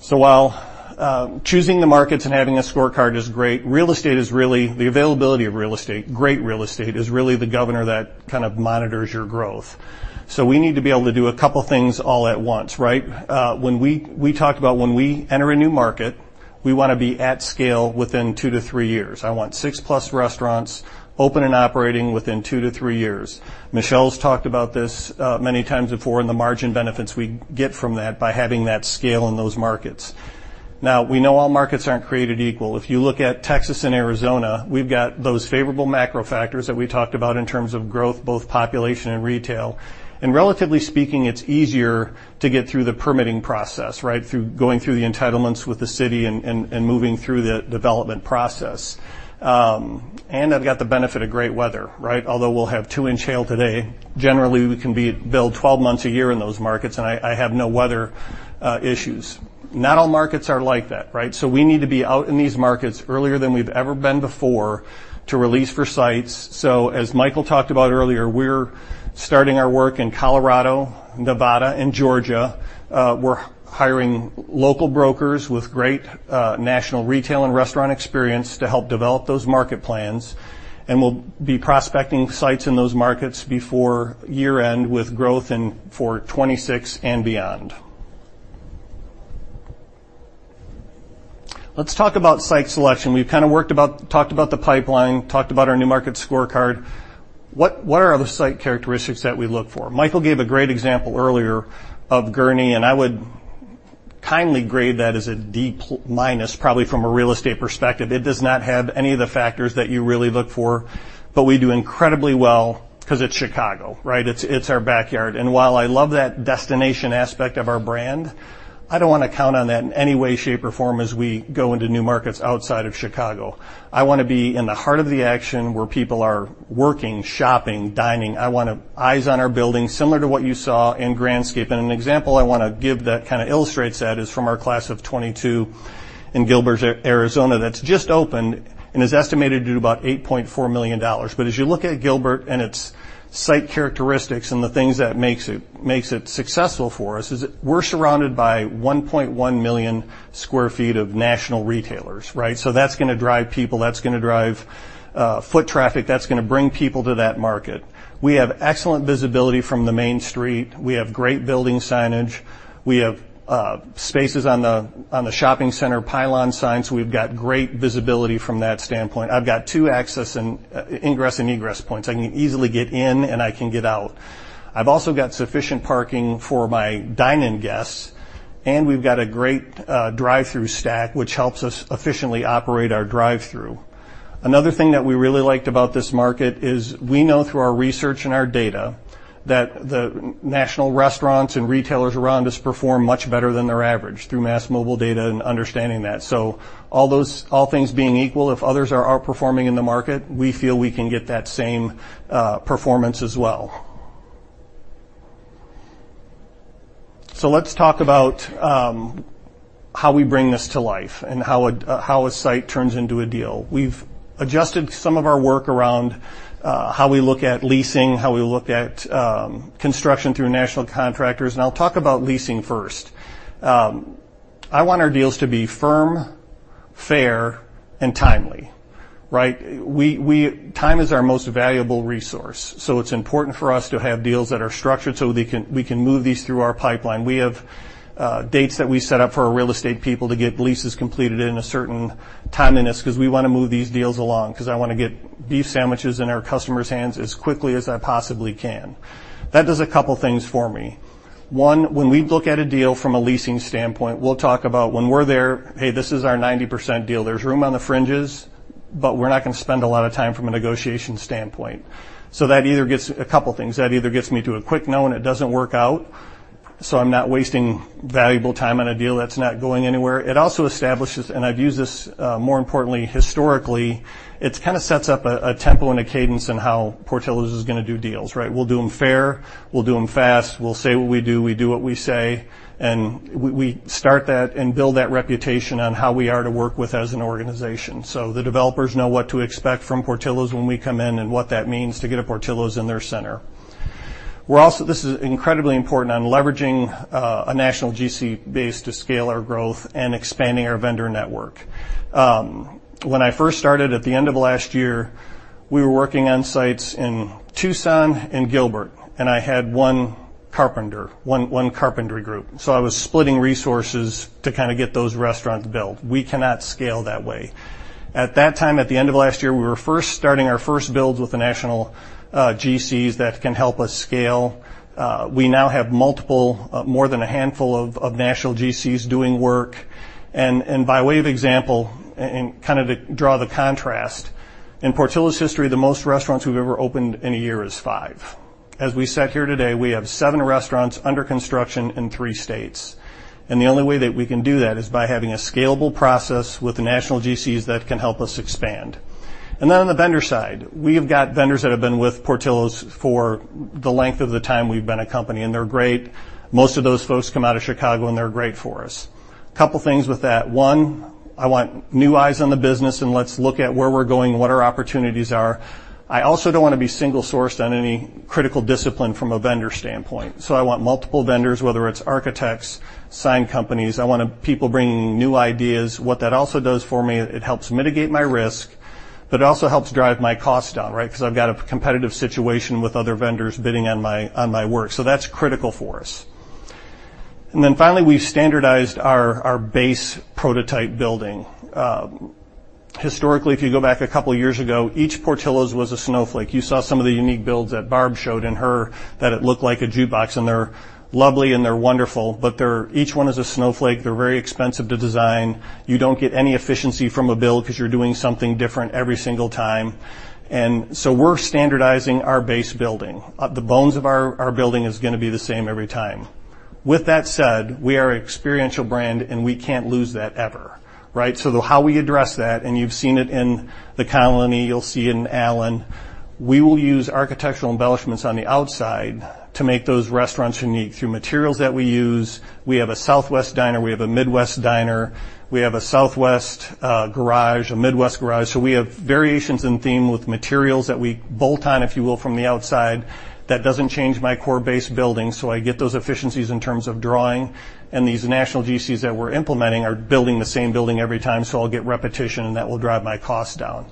So while choosing the markets and having a scorecard is great, real estate is really the availability of great real estate is really the governor that kind of monitors your growth. So we need to be able to do a couple things all at once, right? When we talked about when we enter a new market, we want to be at scale within 2-3 years. I want 6+ restaurants open and operating within 2-3 years. Michelle's talked about this many times before, and the margin benefits we get from that by having that scale in those markets. Now, we know all markets aren't created equal. If you look at Texas and Arizona, we've got those favorable macro factors that we talked about in terms of growth, both population and retail. And relatively speaking, it's easier to get through the permitting process, right? Through going through the entitlements with the city and moving through the development process. And I've got the benefit of great weather, right? Although we'll have two-inch hail today, generally, we can build 12 months a year in those markets, and I have no weather issues. Not all markets are like that, right? We need to be out in these markets earlier than we've ever been before to release for sites. As Michael talked about earlier, we're starting our work in Colorado, Nevada, and Georgia. We're hiring local brokers with great national retail and restaurant experience to help develop those market plans, and we'll be prospecting sites in those markets before year-end, with growth in for 2026 and beyond. Let's talk about site selection. We've kind of worked about—talked about the pipeline, talked about our new market scorecard. What are the site characteristics that we look for? Michael gave a great example earlier of Gurnee, and I would... Kindly grade that as a D minus, probably from a real estate perspective. It does not have any of the factors that you really look for, but we do incredibly well because it's Chicago, right? It's, it's our backyard, and while I love that destination aspect of our brand, I don't want to count on that in any way, shape, or form as we go into new markets outside of Chicago. I want to be in the heart of the action, where people are working, shopping, dining. I want eyes on our building, similar to what you saw in Grandscape. And an example I want to give that kind of illustrates that is from our class of 2022 in Gilbert, Arizona, that's just opened and is estimated to do about $8.4 million. But as you look at Gilbert and its site characteristics and the things that makes it successful for us, is we're surrounded by 1.1 million sq ft of national retailers, right? So that's going to drive people, that's going to drive foot traffic. That's going to bring people to that market. We have excellent visibility from the main street. We have great building signage. We have spaces on the shopping center pylon signs. We've got great visibility from that standpoint. I've got two access and ingress and egress points. I can easily get in, and I can get out. I've also got sufficient parking for my dine-in guests, and we've got a great drive-thru stack, which helps us efficiently operate our drive-thru. Another thing that we really liked about this market is we know through our research and our data that the national restaurants and retailers around us perform much better than their average through mass mobile data and understanding that. So all those, all things being equal, if others are outperforming in the market, we feel we can get that same performance as well. So let's talk about how we bring this to life and how a site turns into a deal. We've adjusted some of our work around how we look at leasing, how we look at construction through national contractors, and I'll talk about leasing first. I want our deals to be firm, fair, and timely, right? We, we... Time is our most valuable resource, so it's important for us to have deals that are structured so they can—we can move these through our pipeline. We have dates that we set up for our real estate people to get leases completed in a certain timeliness because we want to move these deals along, 'cause I want to get beef sandwiches in our customers' hands as quickly as I possibly can. That does a couple things for me. One, when we look at a deal from a leasing standpoint, we'll talk about when we're there, "Hey, this is our 90% deal." There's room on the fringes, but we're not going to spend a lot of time from a negotiation standpoint. So that either gets a couple things. That either gets me to a quick no, and it doesn't work out, so I'm not wasting valuable time on a deal that's not going anywhere. It also establishes, and I've used this, more importantly, historically, it kind of sets up a, a tempo and a cadence in how Portillo's is going to do deals, right? We'll do them fair, we'll do them fast, we'll say what we do, we do what we say, and we, we start that and build that reputation on how we are to work with as an organization. So the developers know what to expect from Portillo's when we come in and what that means to get a Portillo's in their center. We're also. This is incredibly important on leveraging a national GC base to scale our growth and expanding our vendor network. When I first started at the end of last year, we were working on sites in Tucson and Gilbert, and I had one carpenter, one carpentry group. So I was splitting resources to kind of get those restaurants built. We cannot scale that way. At that time, at the end of last year, we were first starting our first builds with the national GCs that can help us scale. We now have multiple, more than a handful of national GCs doing work. And by way of example, kind of to draw the contrast, in Portillo's history, the most restaurants we've ever opened in a year is five. As we sit here today, we have seven restaurants under construction in three states, and the only way that we can do that is by having a scalable process with the national GCs that can help us expand. Then on the vendor side, we've got vendors that have been with Portillo's for the length of the time we've been a company, and they're great. Most of those folks come out of Chicago, and they're great for us. A couple things with that. One, I want new eyes on the business, and let's look at where we're going and what our opportunities are. I also don't want to be single-sourced on any critical discipline from a vendor standpoint. So I want multiple vendors, whether it's architects, sign companies. I want people bringing new ideas. What that also does for me, it helps mitigate my risk, but it also helps drive my cost down, right? Because I've got a competitive situation with other vendors bidding on my, on my work. That's critical for us. Finally, we've standardized our, our base prototype building. Historically, if you go back a couple of years ago, each Portillo's was a snowflake. You saw some of the unique builds that Barb showed in her, that it looked like a jukebox, and they're lovely, and they're wonderful, but they're each one is a snowflake. They're very expensive to design. You don't get any efficiency from a build because you're doing something different every single time. We're standardizing our base building. The bones of our, our building is going to be the same every time. With that said, we are an experiential brand, and we can't lose that ever, right? So how we address that, and you've seen it in The Colony, you'll see it in Allen, we will use architectural embellishments on the outside to make those restaurants unique through materials that we use. We have a Southwest diner. We have a Midwest diner. We have a Southwest garage, a Midwest garage. So we have variations in theme with materials that we bolt on, if you will, from the outside. That doesn't change my core base building, so I get those efficiencies in terms of drawing, and these national GCs that we're implementing are building the same building every time, so I'll get repetition, and that will drive my costs down.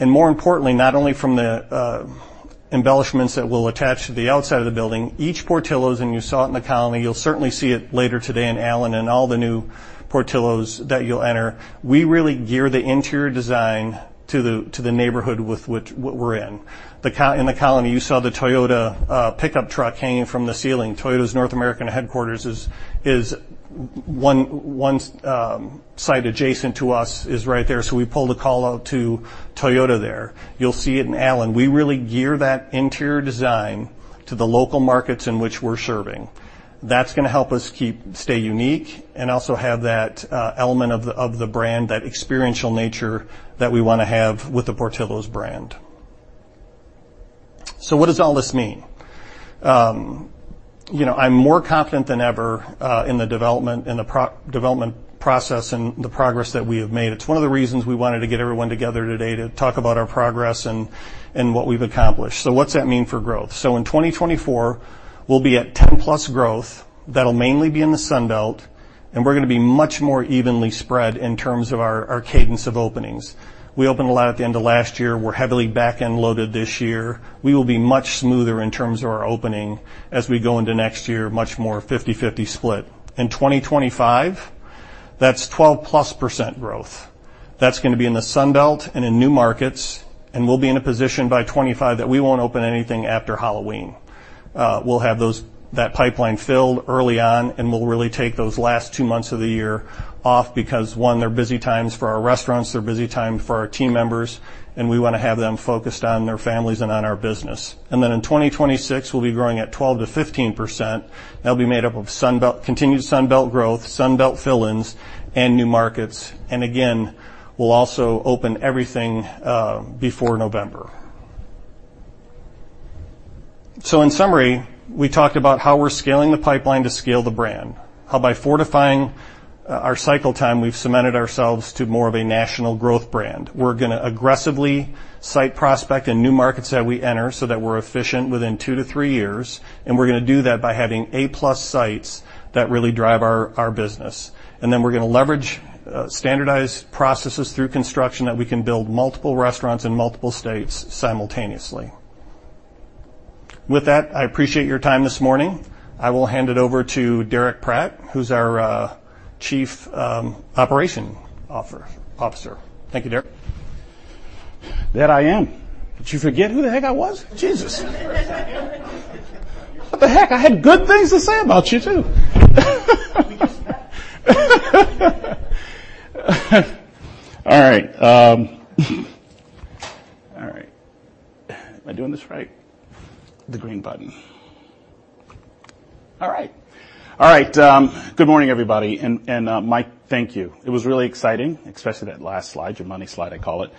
More importantly, not only from the embellishments that we'll attach to the outside of the building, each Portillo's, and you saw it in The Colony, you'll certainly see it later today in Allen and all the new Portillo's that you'll enter, we really gear the interior design to the neighborhood with which what we're in. In The Colony, you saw the Toyota pickup truck hanging from the ceiling. Toyota's North American headquarters is one site adjacent to us, is right there, so we pulled a call out to Toyota there. You'll see it in Allen. We really gear that interior design to the local markets in which we're serving. That's gonna help us keep, stay unique and also have that element of the brand, that experiential nature that we want to have with the Portillo's brand. So what does all this mean? You know, I'm more confident than ever in the development process and the progress that we have made. It's one of the reasons we wanted to get everyone together today, to talk about our progress and what we've accomplished. So what's that mean for growth? So in 2024, we'll be at 10+ growth. That'll mainly be in the Sun Belt, and we're gonna be much more evenly spread in terms of our cadence of openings. We opened a lot at the end of last year. We're heavily back-end loaded this year. We will be much smoother in terms of our opening as we go into next year, much more 50/50 split. In 2025, that's 12%+ growth. That's gonna be in the Sun Belt and in new markets, and we'll be in a position by 2025 that we won't open anything after Halloween. We'll have those, that pipeline filled early on, and we'll really take those last two months of the year off because, one, they're busy times for our restaurants, they're busy time for our team members, and we want to have them focused on their families and on our business. And then in 2026, we'll be growing at 12%-15%. That'll be made up of Sun Belt, continued Sun Belt growth, Sun Belt fill-ins, and new markets, and again, we'll also open everything before November. In summary, we talked about how we're scaling the pipeline to scale the brand, how by fortifying our cycle time, we've cemented ourselves to more of a national growth brand. We're gonna aggressively site prospect in new markets that we enter so that we're efficient within 2-3 years, and we're gonna do that by having A-plus sites that really drive our business. And then we're gonna leverage standardized processes through construction, that we can build multiple restaurants in multiple states simultaneously. With that, I appreciate your time this morning. I will hand it over to Derrick Pratt, who's our Chief Operating Officer. Thank you, Derrick. That I am. Did you forget who the heck I was? Jesus! What the heck? I had good things to say about you, too. All right. All right. Am I doing this right? The green button. All right. All right, good morning, everybody, and Mike, thank you. It was really exciting, especially that last slide, your money slide, I call it.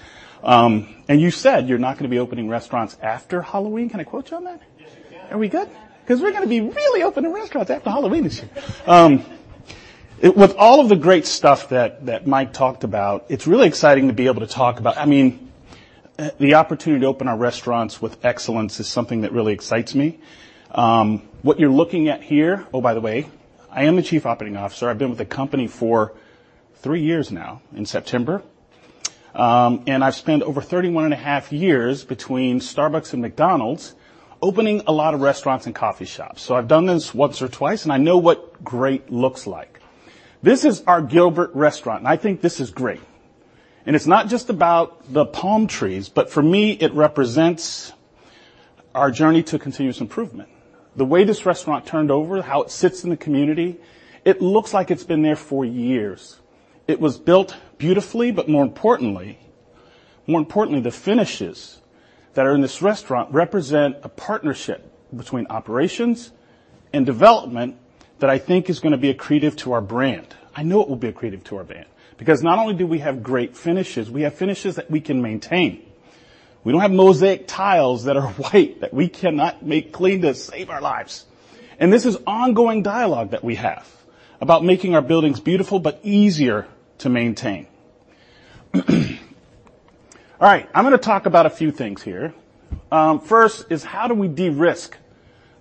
And you said you're not gonna be opening restaurants after Halloween. Can I quote you on that? Yes, you can. Are we good? 'Cause we're gonna be really opening restaurants after Halloween this year. With all of the great stuff that, that Mike talked about, it's really exciting to be able to talk about... I mean, the opportunity to open our restaurants with excellence is something that really excites me. What you're looking at here. Oh, by the way, I am the Chief Operating Officer. I've been with the company for three years now, in September, and I've spent over 31.5 years between Starbucks and McDonald's, opening a lot of restaurants and coffee shops. So I've done this once or twice, and I know what great looks like. This is our Gilbert restaurant, and I think this is great, and it's not just about the palm trees, but for me, it represents our journey to continuous improvement. The way this restaurant turned over, how it sits in the community, it looks like it's been there for years. It was built beautifully, but more importantly, more importantly, the finishes that are in this restaurant represent a partnership between operations and development that I think is gonna be accretive to our brand. I know it will be accretive to our brand because not only do we have great finishes, we have finishes that we can maintain. We don't have mosaic tiles that are white that we cannot make clean to save our lives! And this is ongoing dialogue that we have about making our buildings beautiful, but easier to maintain. All right, I'm gonna talk about a few things here. First is: how do we de-risk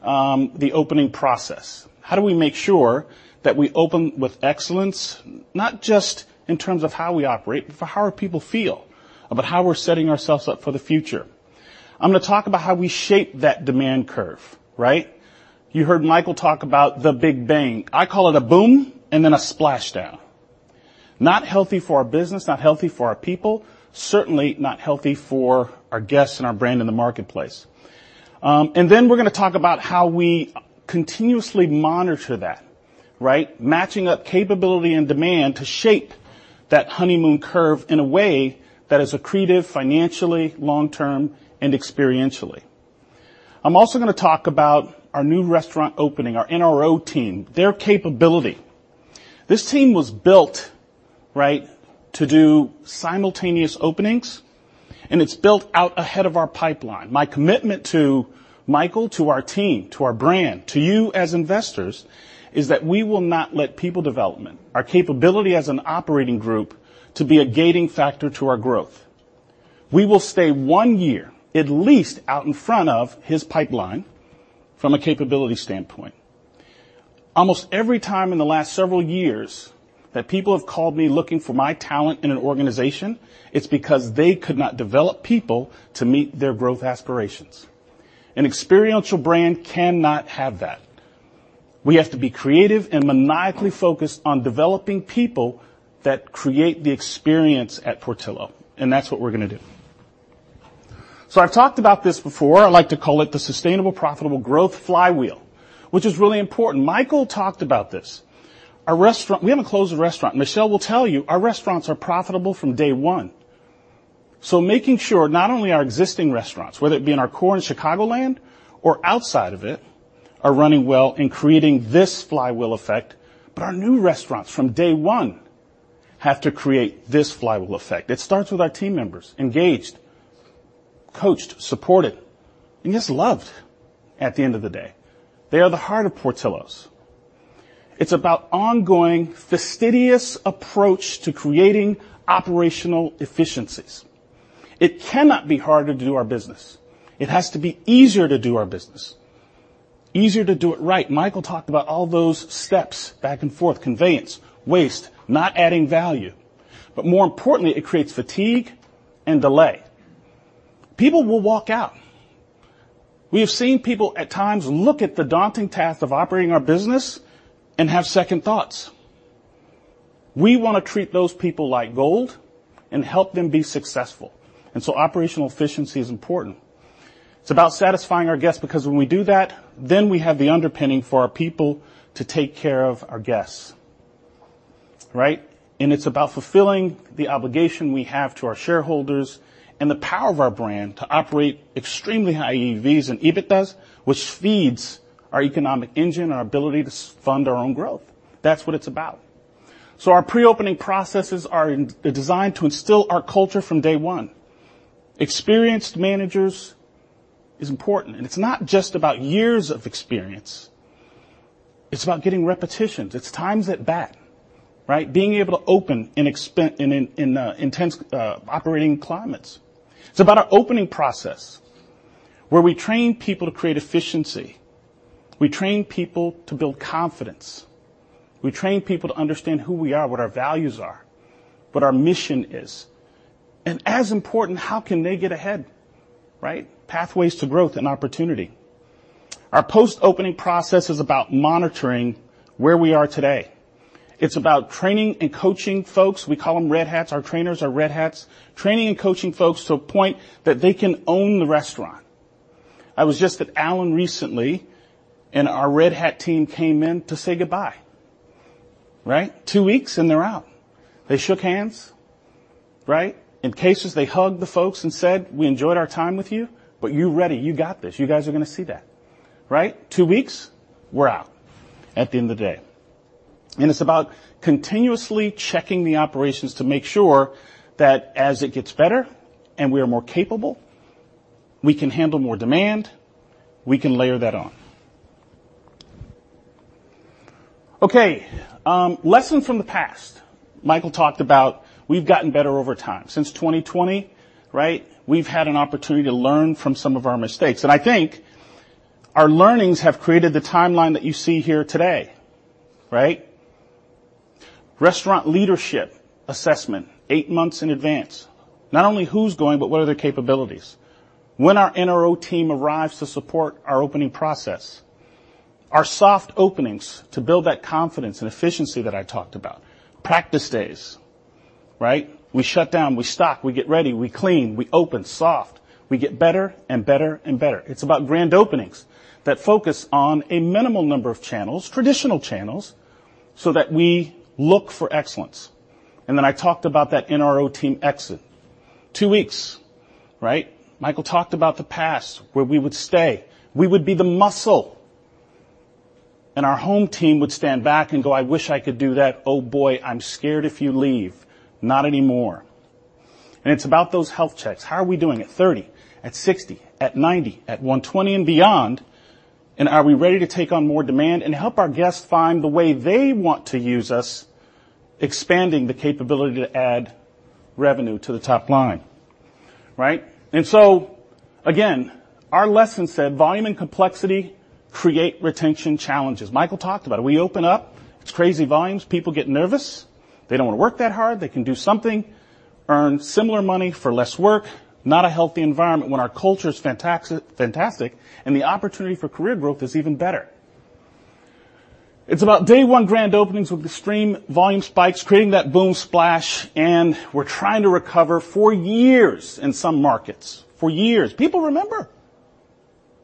the opening process? How do we make sure that we open with excellence, not just in terms of how we operate, but for how our people feel about how we're setting ourselves up for the future? I'm gonna talk about how we shape that demand curve, right? You heard Michael talk about the Big Bang. I call it a boom and then a splashdown. Not healthy for our business, not healthy for our people, certainly not healthy for our guests and our brand in the marketplace. Then we're gonna talk about how we continuously monitor that, right? Matching up capability and demand to shape that honeymoon curve in a way that is accretive financially, long-term, and experientially. I'm also gonna talk about our new restaurant opening, our NRO team, their capability. This team was built, right, to do simultaneous openings, and it's built out ahead of our pipeline. My commitment to Michael, to our team, to our brand, to you as investors, is that we will not let people development, our capability as an operating group, to be a gating factor to our growth. We will stay one year at least out in front of his pipeline from a capability standpoint.... Almost every time in the last several years that people have called me looking for my talent in an organization, it's because they could not develop people to meet their growth aspirations. An experiential brand cannot have that. We have to be creative and maniacally focused on developing people that create the experience at Portillo's, and that's what we're gonna do. So I've talked about this before. I like to call it the sustainable, profitable growth flywheel, which is really important. Michael talked about this. Our restaurant-- We haven't closed a restaurant. Michelle will tell you, our restaurants are profitable from day one, so making sure not only our existing restaurants, whether it be in our core in Chicagoland or outside of it, are running well and creating this flywheel effect, but our new restaurants, from day one, have to create this flywheel effect. It starts with our team members, engaged, coached, supported, and yes, loved, at the end of the day. They are the heart of Portillo's. It's about ongoing, fastidious approach to creating operational efficiencies. It cannot be harder to do our business. It has to be easier to do our business, easier to do it right. Michael talked about all those steps back and forth, conveyance, waste, not adding value, but more importantly, it creates fatigue and delay. People will walk out. We have seen people at times look at the daunting task of operating our business and have second thoughts. We want to treat those people like gold and help them be successful, and so operational efficiency is important. It's about satisfying our guests, because when we do that, then we have the underpinning for our people to take care of our guests, right? And it's about fulfilling the obligation we have to our shareholders and the power of our brand to operate extremely high AUVs and EBITDAs, which feeds our economic engine, our ability to self-fund our own growth. That's what it's about. So our pre-opening processes are in, they're designed to instill our culture from day one. Experienced managers is important, and it's not just about years of experience. It's about getting repetitions. It's times at bat, right? Being able to open in expe... In intense operating climates. It's about our opening process, where we train people to create efficiency, we train people to build confidence, we train people to understand who we are, what our values are, what our mission is, and as important, how can they get ahead, right? Pathways to growth and opportunity. Our post-opening process is about monitoring where we are today. It's about training and coaching folks. We call them Red Hats. Our trainers are Red Hats. Training and coaching folks to a point that they can own the restaurant. I was just at Allen recently, and our Red Hat team came in to say goodbye, right? Two weeks, and they're out. They shook hands, right? In cases, they hugged the folks and said, "We enjoyed our time with you, but you're ready. You got this." You guys are gonna see that, right? Two weeks, we're out at the end of the day. And it's about continuously checking the operations to make sure that as it gets better and we are more capable, we can handle more demand, we can layer that on. Okay, lesson from the past. Michael talked about we've gotten better over time. Since 2020, right, we've had an opportunity to learn from some of our mistakes, and I think our learnings have created the timeline that you see here today, right? Restaurant leadership assessment, eight months in advance. Not only who's going, but what are their capabilities? When our NRO team arrives to support our opening process, our soft openings, to build that confidence and efficiency that I talked about. Practice days, right? We shut down, we stock, we get ready, we clean, we open, soft. We get better and better and better. It's about grand openings that focus on a minimal number of channels, traditional channels, so that we look for excellence. And then I talked about that NRO team exit. Two weeks, right? Michael talked about the past, where we would stay. We would be the muscle, and our home team would stand back and go, "I wish I could do that. Oh, boy, I'm scared if you leave." Not anymore. And it's about those health checks. How are we doing at 30, at 60, at 90, at 120 and beyond? And are we ready to take on more demand and help our guests find the way they want to use us, expanding the capability to add revenue to the top line, right? And so, again, our lesson said, volume and complexity create retention challenges. Michael talked about it. We open up, it's crazy volumes, people get nervous. They don't want to work that hard. They can do something, earn similar money for less work, not a healthy environment when our culture is fantastic, and the opportunity for career growth is even better. It's about day one grand openings with extreme volume spikes, creating that boom splash, and we're trying to recover for years in some markets. For years. People remember!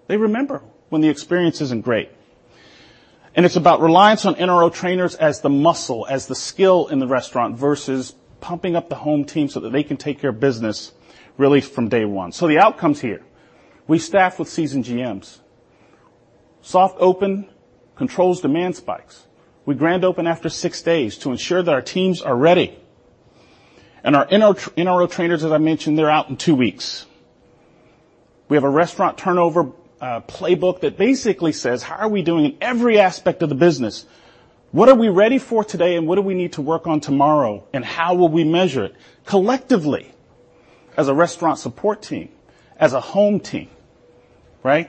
They remember when the experience isn't great. It's about reliance on NRO trainers as the muscle, as the skill in the restaurant, versus pumping up the home team so that they can take care of business really from day one. The outcomes here, we staff with seasoned GMs. Soft open controls demand spikes. We grand open after six days to ensure that our teams are ready. Our NRO trainers, as I mentioned, they're out in two weeks. We have a restaurant turnover playbook that basically says, "How are we doing in every aspect of the business? What are we ready for today, and what do we need to work on tomorrow, and how will we measure it collectively?" as a restaurant support team, as a home team, right?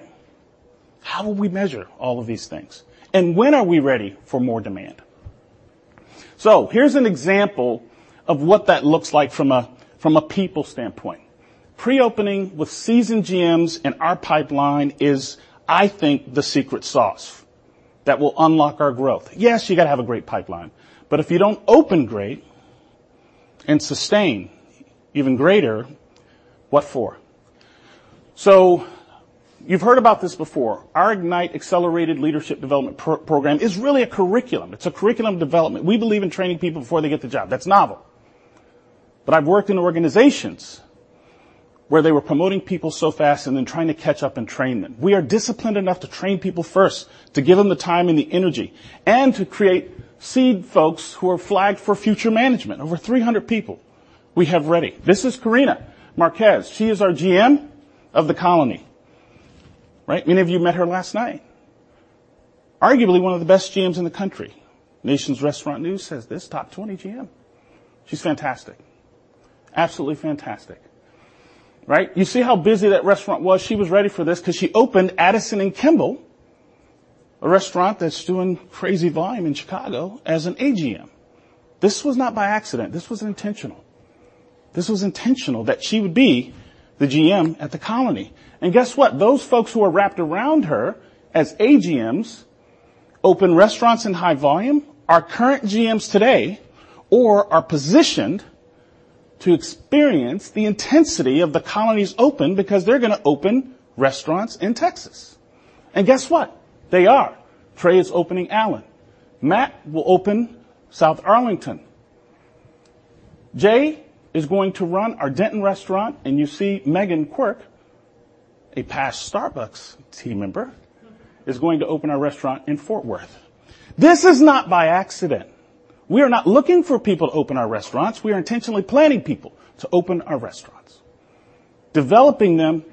How do we measure all of these things, and when are we ready for more demand? So here's an example of what that looks like from a people standpoint. Pre-opening with seasoned GMs in our pipeline is, I think, the secret sauce that will unlock our growth. Yes, you gotta have a great pipeline, but if you don't open great and sustain even greater, what for? So you've heard about this before. Our Ignite Accelerated Leadership Development Program is really a curriculum. It's a curriculum development. We believe in training people before they get the job. That's novel. But I've worked in organizations where they were promoting people so fast and then trying to catch up and train them. We are disciplined enough to train people first, to give them the time and the energy, and to create seed folks who are flagged for future management. Over 300 people we have ready. This is Karina Marquez. She is our GM of The Colony, right? Many of you met her last night. Arguably, one of the best GMs in the country. Nation's Restaurant News says this, "Top 20 GM." She's fantastic. Absolutely fantastic, right? You see how busy that restaurant was. She was ready for this 'cause she opened Addison and Kimball, a restaurant that's doing crazy volume in Chicago, as an AGM. This was not by accident. This was intentional. This was intentional that she would be the GM at The Colony, and guess what? Those folks who were wrapped around her as AGMs opened restaurants in high volume, are current GMs today, or are positioned to experience the intensity of The Colony's open because they're gonna open restaurants in Texas. And guess what? They are. Trey is opening Allen. Matt will open South Arlington. Jay is going to run our Denton restaurant, and you see Megan Quirk, a past Starbucks team member, is going to open our restaurant in Fort Worth. This is not by accident. We are not looking for people to open our restaurants. We are intentionally planning people to open our restaurants, developing them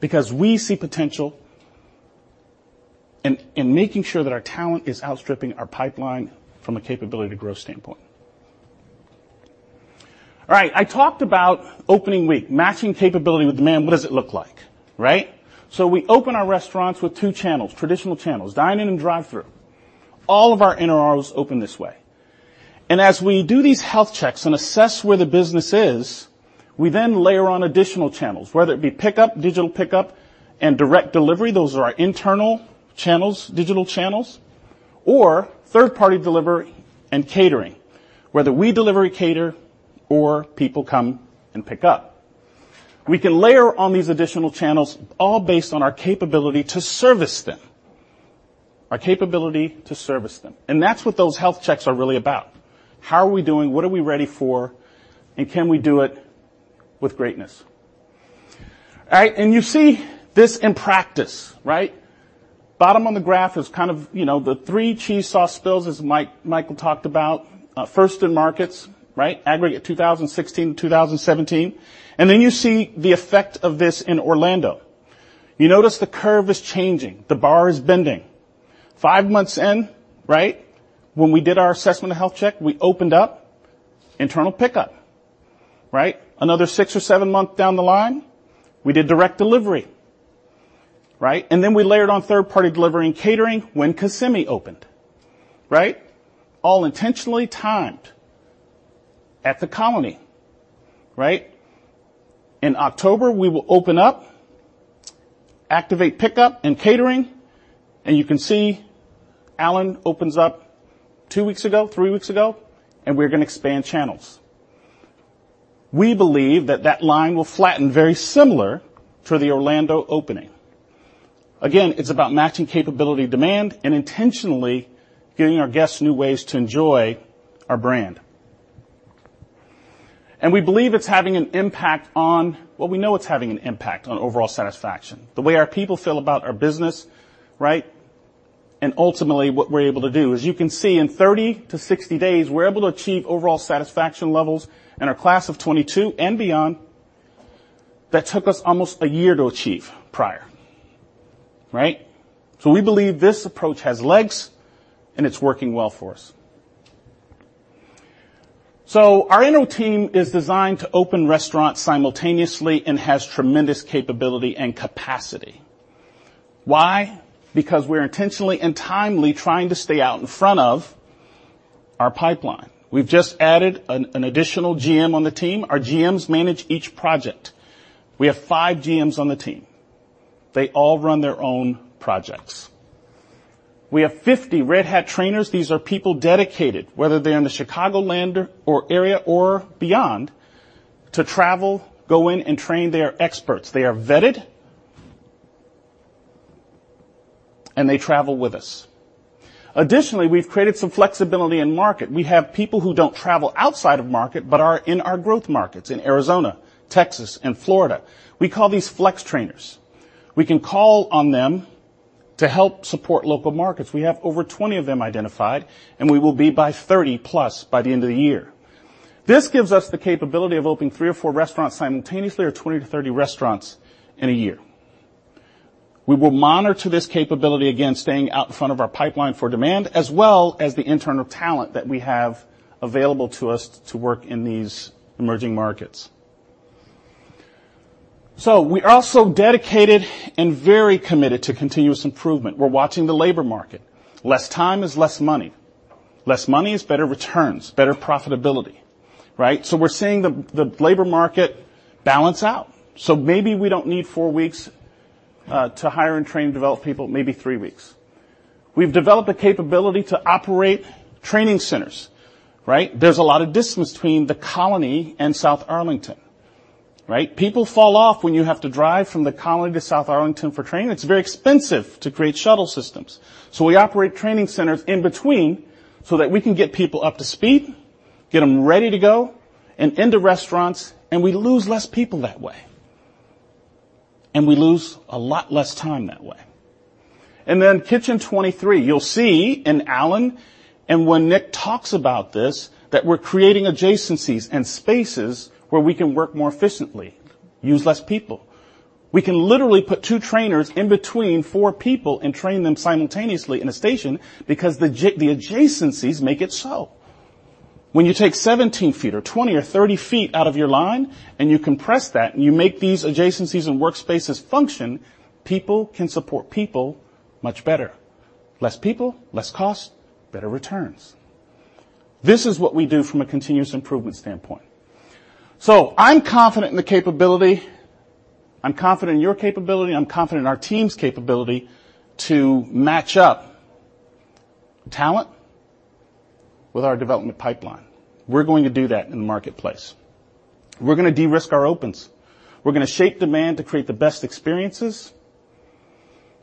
because we see potential in making sure that our talent is outstripping our pipeline from a capability to grow standpoint. All right, I talked about opening week, matching capability with demand. What does it look like, right? So we open our restaurants with two channels, traditional channels, dine-in and drive-through. All of our new ones open this way, and as we do these health checks and assess where the business is, we then layer on additional channels, whether it be pickup, digital pickup, and direct delivery. Those are our internal channels, digital channels, or third-party delivery and catering, whether we deliver, cater, or people come and pick up. We can layer on these additional channels, all based on our capability to service them, our capability to service them, and that's what those health checks are really about. How are we doing? What are we ready for, and can we do it with greatness? All right, and you see this in practice, right? bottom on the graph is kind of, you know, the three cheese sauce spills, as Mike Ellis talked about, first in markets, right? Aggregate 2016-2017, and then you see the effect of this in Orlando. You notice the curve is changing, the bar is bending. Five months in, right? When we did our assessment and health check, we opened up internal pickup, right? Another six or seven months down the line, we did direct delivery, right, and then we layered on third-party delivery and catering when Kissimmee opened, right? All intentionally timed at The Colony, right? In October, we will open up, activate pickup and catering, and you can see Allen opens up two weeks ago, three weeks ago, and we're gonna expand channels. We believe that that line will flatten very similar to the Orlando opening. Again, it's about matching capability demand and intentionally giving our guests new ways to enjoy our brand. And we believe it's having an impact on... Well, we know it's having an impact on overall satisfaction, the way our people feel about our business, right, and ultimately, what we're able to do. As you can see, in 30-60 days, we're able to achieve overall satisfaction levels in our class of 2022 and beyond that took us almost a year to achieve prior, right? So we believe this approach has legs, and it's working well for us. So our NRO team is designed to open restaurants simultaneously and has tremendous capability and capacity. Why? Because we're intentionally and timely trying to stay out in front of our pipeline. We've just added an additional GM on the team. Our GMs manage each project. We have 5 GMs on the team. They all run their own projects. We have 50 Red Hat trainers. These are people dedicated, whether they're in the Chicagoland area or beyond, to travel, go in, and train their experts. They are vetted, and they travel with us. Additionally, we've created some flexibility in market. We have people who don't travel outside of market but are in our growth markets in Arizona, Texas, and Florida. We call these flex trainers. We can call on them to help support local markets. We have over 20 of them identified, and we will be by 30+ by the end of the year. This gives us the capability of opening 3 or 4 restaurants simultaneously, or 20-30 restaurants in a year. We will monitor to this capability, again, staying out in front of our pipeline for demand, as well as the internal talent that we have available to us to work in these emerging markets. So we are also dedicated and very committed to continuous improvement. We're watching the labor market. Less time is less money. Less money is better returns, better profitability, right? So we're seeing the labor market balance out. So maybe we don't need four weeks to hire and train and develop people, maybe three weeks. We've developed a capability to operate training centers, right? There's a lot of distance between The Colony and South Arlington, right? People fall off when you have to drive from The Colony to South Arlington for training. It's very expensive to create shuttle systems, so we operate training centers in between so that we can get people up to speed, get them ready to go and into restaurants, and we lose less people that way, and we lose a lot less time that way. And then Kitchen 23, you'll see in Allen, and when Nick talks about this, that we're creating adjacencies and spaces where we can work more efficiently, use less people. We can literally put 2 trainers in between 4 people and train them simultaneously in a station because the adjacencies make it so. When you take 17 feet or 20 or 30 feet out of your line and you compress that, and you make these adjacencies and workspaces function, people can support people much better. Less people, less cost, better returns. This is what we do from a continuous improvement standpoint. So I'm confident in the capability, I'm confident in your capability, I'm confident in our team's capability to match up talent with our development pipeline. We're going to do that in the marketplace. We're gonna de-risk our opens. We're gonna shape demand to create the best experiences.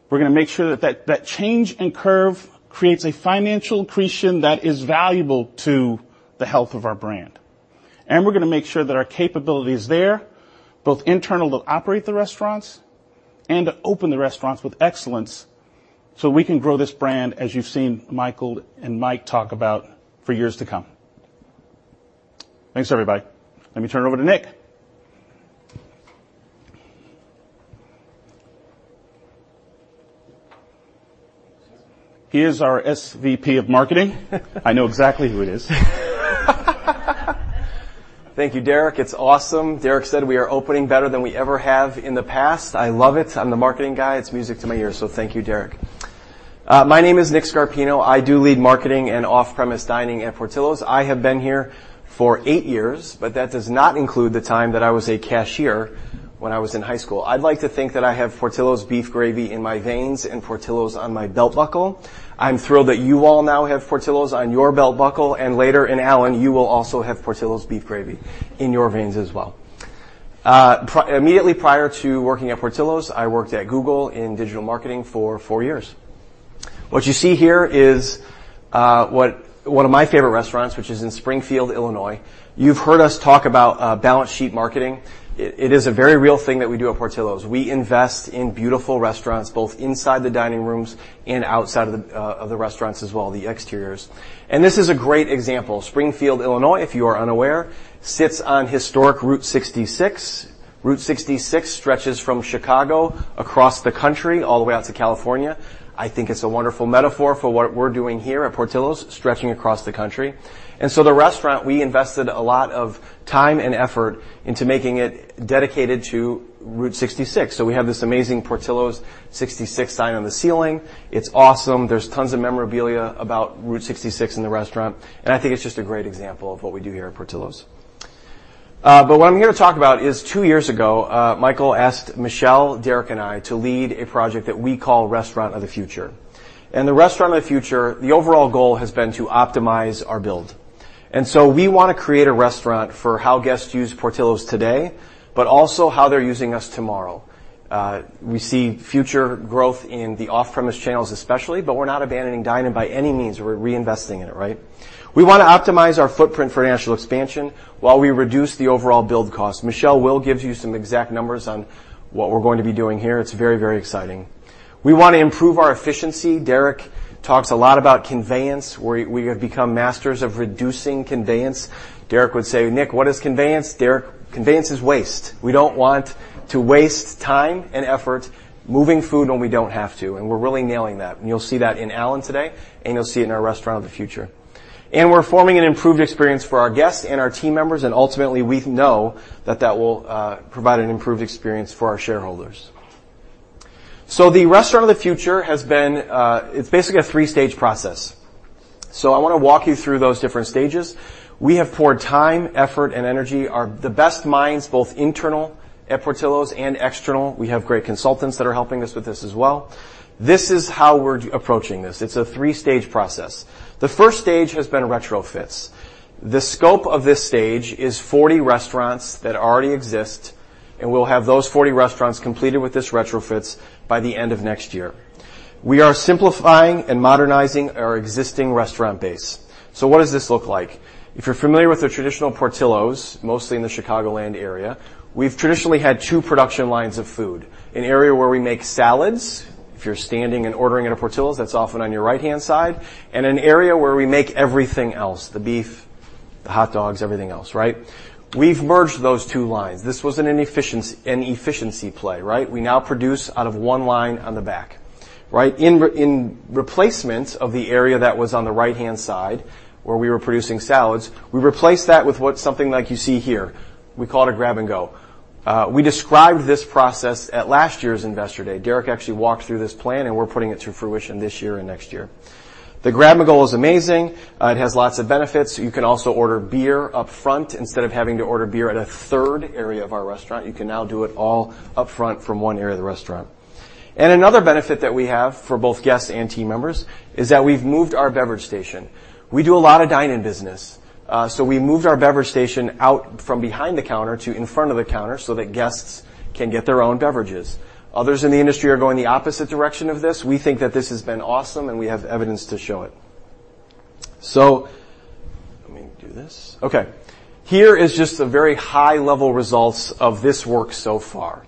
We're gonna make sure that that, that change and curve creates a financial accretion that is valuable to the health of our brand. And we're gonna make sure that our capability is there, both internal, to operate the restaurants and to open the restaurants with excellence, so we can grow this brand, as you've seen Michael and Mike talk about, for years to come. Thanks, everybody. Let me turn it over to Nick. He is our SVP of Marketing. I know exactly who it is. Thank you, Derrick. It's awesome. Derrick said we are opening better than we ever have in the past. I love it. I'm the marketing guy. It's music to my ears, so thank you, Derrick. My name is Nick Scarpino. I do lead marketing and off-premise dining at Portillo's. I have been here for eight years, but that does not include the time that I was a cashier when I was in high school. I'd like to think that I have Portillo's beef gravy in my veins and Portillo's on my belt buckle. I'm thrilled that you all now have Portillo's on your belt buckle, and later in Allen, you will also have Portillo's beef gravy in your veins as well. Immediately prior to working at Portillo's, I worked at Google in digital marketing for four years. What you see here is one of my favorite restaurants, which is in Springfield, Illinois. You've heard us talk about balance sheet marketing. It is a very real thing that we do at Portillo's. We invest in beautiful restaurants, both inside the dining rooms and outside of the restaurants as well, the exteriors, and this is a great example. Springfield, Illinois, if you are unaware, sits on Historic Route 66. Route 66 stretches from Chicago across the country, all the way out to California. I think it's a wonderful metaphor for what we're doing here at Portillo's, stretching across the country. And so the restaurant, we invested a lot of time and effort into making it dedicated to Route 66. So we have this amazing Portillo's 66 sign on the ceiling. It's awesome. There's tons of memorabilia about Route 66 in the restaurant, and I think it's just a great example of what we do here at Portillo's. But what I'm here to talk about is two years ago, Michael asked Michelle, Derrick, and I to lead a project that we call Restaurant of the Future. The Restaurant of the Future, the overall goal has been to optimize our build. So we want to create a restaurant for how guests use Portillo's today, but also how they're using us tomorrow. We see future growth in the off-premise channels, especially, but we're not abandoning dine-in by any means. We're reinvesting in it, right? We want to optimize our footprint for national expansion while we reduce the overall build cost. Michelle will give you some exact numbers on what we're going to be doing here. It's very, very exciting. We want to improve our efficiency. Derrick talks a lot about conveyance, where we have become masters of reducing conveyance. Derrick would say, "Nick, what is conveyance?" Derrick, "Conveyance is waste." We don't want to waste time and effort moving food when we don't have to, and we're really nailing that, and you'll see that in Allen today, and you'll see it in our Restaurant of the Future. We're forming an improved experience for our guests and our team members, and ultimately, we know that that will provide an improved experience for our shareholders. So the Restaurant of the Future has been. It's basically a three-stage process, so I wanna walk you through those different stages. We have poured time, effort, and energy. Our best minds, both internal at Portillo's and external, we have great consultants that are helping us with this as well. This is how we're approaching this. It's a three-stage process. The first stage has been retrofits. The scope of this stage is 40 restaurants that already exist, and we'll have those 40 restaurants completed with these retrofits by the end of next year. We are simplifying and modernizing our existing restaurant base. So what does this look like? If you're familiar with the traditional Portillo's, mostly in the Chicagoland area, we've traditionally had two production lines of food, an area where we make salads. If you're standing and ordering at a Portillo's, that's often on your right-hand side, and an area where we make everything else, the beef, the hot dogs, everything else, right? We've merged those two lines. This was an efficiency, an efficiency play, right? We now produce out of one line on the back, right? In replacement of the area that was on the right-hand side, where we were producing salads, we replaced that with what something like you see here. We call it a Grab and Go. We described this process at last year's Investor Day. Derrick actually walked through this plan, and we're putting it through fruition this year and next year. The Grab and Go is amazing. It has lots of benefits. You can also order beer up front. Instead of having to order beer at a third area of our restaurant, you can now do it all upfront from one area of the restaurant. And another benefit that we have for both guests and team members is that we've moved our beverage station. We do a lot of dine-in business, so we moved our beverage station out from behind the counter to in front of the counter so that guests can get their own beverages. Others in the industry are going the opposite direction of this. We think that this has been awesome, and we have evidence to show it. So let me do this. Okay, here is just a very high-level results of this work so far.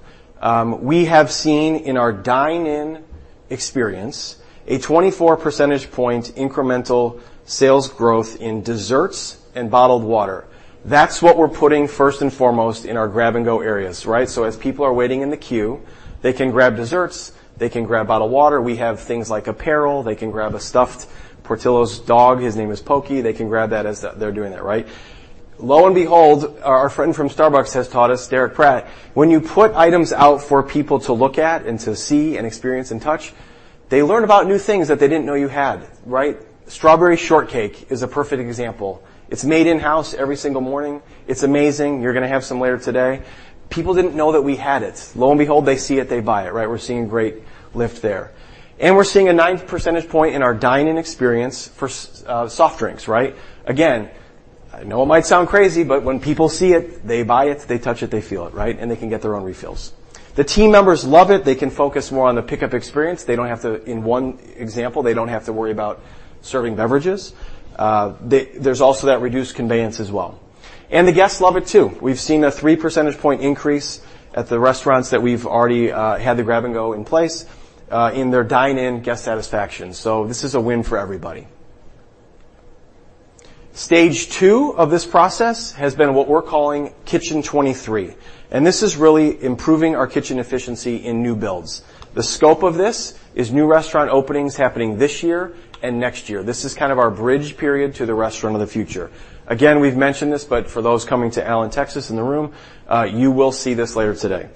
We have seen in our dine-in experience, a 24 percentage point incremental sales growth in desserts and bottled water. That's what we're putting first and foremost in our grab-and-go areas, right? So as people are waiting in the queue, they can grab desserts, they can grab bottled water. We have things like apparel. They can grab a stuffed Portillo's dog. His name is Pokey. They can grab that as they're doing that, right? Lo and behold, our friend from Starbucks has taught us, Derrick Pratt, when you put items out for people to look at and to see and experience and touch, they learn about new things that they didn't know you had, right? Strawberry Shortcake is a perfect example. It's made in-house every single morning. It's amazing. You're gonna have some later today. People didn't know that we had it. Lo and behold, they see it, they buy it, right? We're seeing great lift there. And we're seeing a 9 percentage point in our dine-in experience for soft drinks, right? Again, I know it might sound crazy, but when people see it, they buy it, they touch it, they feel it, right? And they can get their own refills. The team members love it. They can focus more on the pickup experience. They don't have to... In one example, they don't have to worry about serving beverages. They. There's also that reduced conveyance as well, and the guests love it, too. We've seen a 3 percentage point increase at the restaurants that we've already had the Grab and Go in place in their dine-in guest satisfaction. So this is a win for everybody. Stage two of this process has been what we're calling Kitchen 23, and this is really improving our kitchen efficiency in new builds. The scope of this is new restaurant openings happening this year and next year. This is kind of our bridge period to the Restaurant of the Future. Again, we've mentioned this, but for those coming to Allen, Texas, in the room, you will see this later today.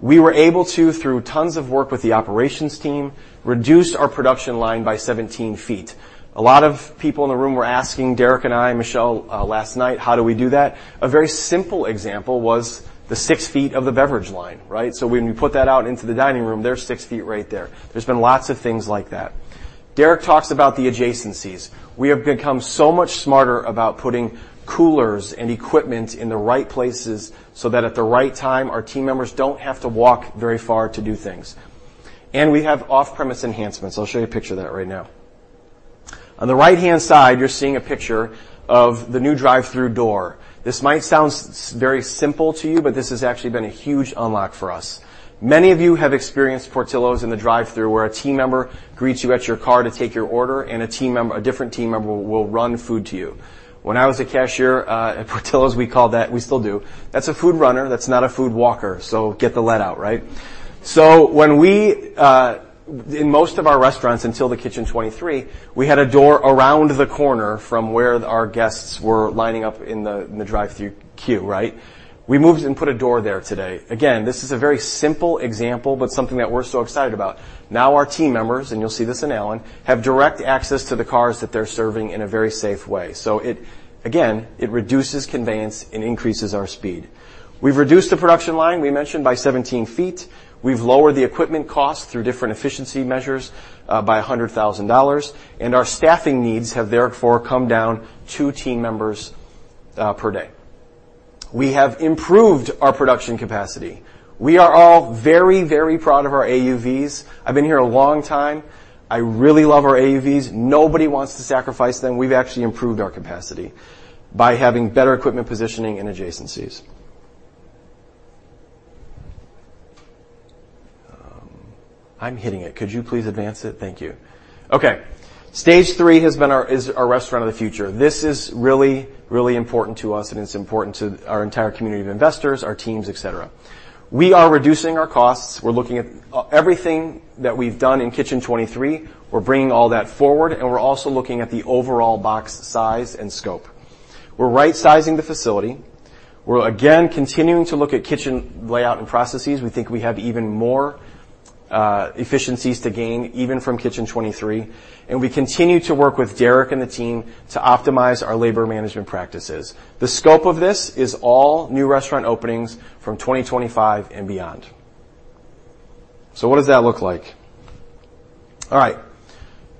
We were able to, through tons of work with the operations team, reduce our production line by 17 feet. A lot of people in the room were asking Derrick and I, and Michelle, last night, how do we do that? A very simple example was the 6 feet of the beverage line, right? So when we put that out into the dining room, there's 6 feet right there. There's been lots of things like that. Derrick talks about the adjacencies. We have become so much smarter about putting coolers and equipment in the right places, so that at the right time, our team members don't have to walk very far to do things. And we have off-premise enhancements. I'll show you a picture of that right now. On the right-hand side, you're seeing a picture of the new drive-thru door. This might sound very simple to you, but this has actually been a huge unlock for us. Many of you have experienced Portillo's in the drive-thru, where a team member greets you at your car to take your order, and a team member, a different team member will run food to you. When I was a cashier at Portillo's, we called that... We still do. That's a food runner. That's not a food walker, so get the lead out, right? In most of our restaurants, until the Kitchen 23, we had a door around the corner from where our guests were lining up in the drive-thru queue, right? We moved and put a door there today. Again, this is a very simple example, but something that we're so excited about. Now, our team members, and you'll see this in Allen, have direct access to the cars that they're serving in a very safe way. So it, again, it reduces conveyance and increases our speed. We've reduced the production line, we mentioned, by 17 feet. We've lowered the equipment cost through different efficiency measures by $100,000, and our staffing needs have, therefore, come down two team members per day. We have improved our production capacity. We are all very, very proud of our AUVs. I've been here a long time. I really love our AUVs. Nobody wants to sacrifice them. We've actually improved our capacity by having better equipment positioning and adjacencies. I'm hitting it. Could you please advance it? Thank you. Okay. Stage three has been our—is our Restaurant of the Future. This is really, really important to us, and it's important to our entire community of investors, our teams, et cetera. We are reducing our costs. We're looking at everything that we've done in Kitchen 23, we're bringing all that forward, and we're also looking at the overall box size and scope. We're right-sizing the facility. We're again continuing to look at kitchen layout and processes. We think we have even more efficiencies to gain, even from Kitchen 23, and we continue to work with Derrick and the team to optimize our labor management practices. The scope of this is all new restaurant openings from 2025 and beyond. So what does that look like? All right.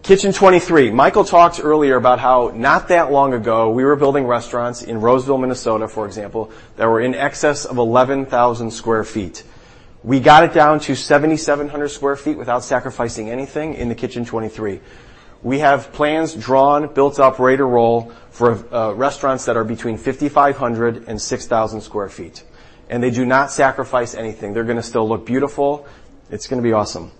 Kitchen 23. Michael talked earlier about how, not that long ago, we were building restaurants in Roseville, Minnesota, for example, that were in excess of 11,000 sq ft. We got it down to 7,700 sq ft without sacrificing anything in the Kitchen 23. We have plans drawn, built up, ready to roll for restaurants that are between 5,500 and 6,000 sq ft, and they do not sacrifice anything. They're gonna still look beautiful. It's gonna be awesome.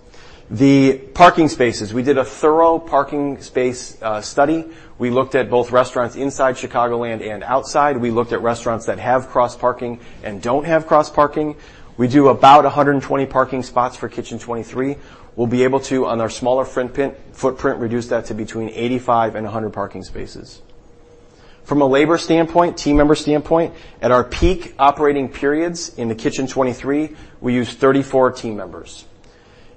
The parking spaces, we did a thorough parking space study. We looked at both restaurants inside Chicagoland and outside. We looked at restaurants that have cross parking and don't have cross parking. We do about 120 parking spots for Kitchen 23. We'll be able to, on our smaller footprint, reduce that to between 85 and 100 parking spaces. From a labor standpoint, team member standpoint, at our peak operating periods in the Kitchen 23, we use 34 team members.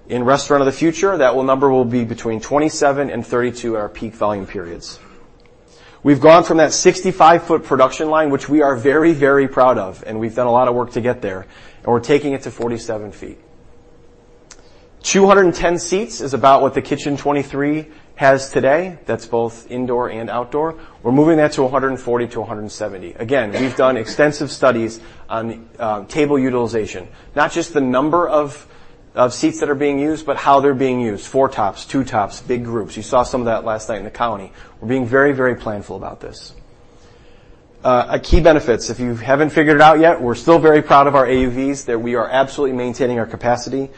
In Restaurant of the Future, that number will be between 27 and 32 at our peak volume periods. We've gone from that 65-foot production line, which we are very, very proud of, and we've done a lot of work to get there, and we're taking it to 47 feet. 210 seats is about what the Kitchen 23 has today. That's both indoor and outdoor. We're moving that to 140 to 170. Again, we've done extensive studies on, table utilization, not just the number of, of seats that are being used, but how they're being used. Four tops, two tops, big groups. You saw some of that last night in The Colony. We're being very, very planful about this. Key benefits, if you haven't figured it out yet, we're still very proud of our AUVs, that we are absolutely maintaining our capacity.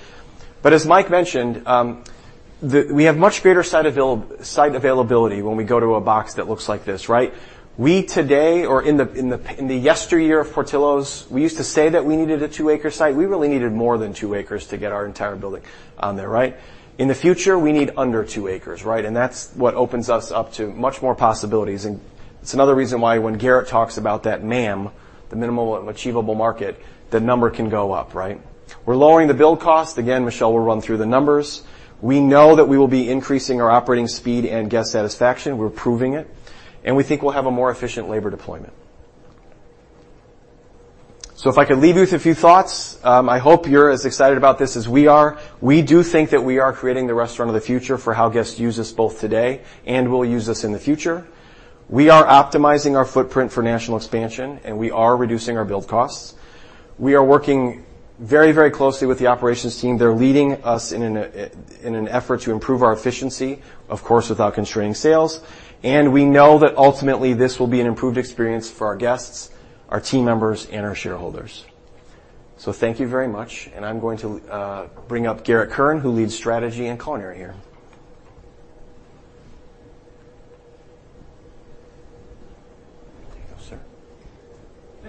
But as Mike mentioned, we have much greater site availability when we go to a box that looks like this, right? We today, or in the yesteryear of Portillo's, we used to say that we needed a two-acre site. We really needed more than two acres to get our entire building on there, right? In the future, we need under two acres, right? And that's what opens us up to much more possibilities, and it's another reason why when Garrett talks about that MAM, the minimum achievable market, the number can go up, right? We're lowering the build cost. Again, Michelle will run through the numbers. We know that we will be increasing our operating speed and guest satisfaction. We're proving it, and we think we'll have a more efficient labor deployment. So if I could leave you with a few thoughts, I hope you're as excited about this as we are. We do think that we are creating the Restaurant of the Future for how guests use us both today and will use us in the future. We are optimizing our footprint for national expansion, and we are reducing our build costs. We are working very, very closely with the operations team. They're leading us in an effort to improve our efficiency, of course, without constraining sales, and we know that ultimately this will be an improved experience for our guests, our team members, and our shareholders. Thank you very much, and I'm going to bring up Garrett Kern, who leads Strategy and Culinary here.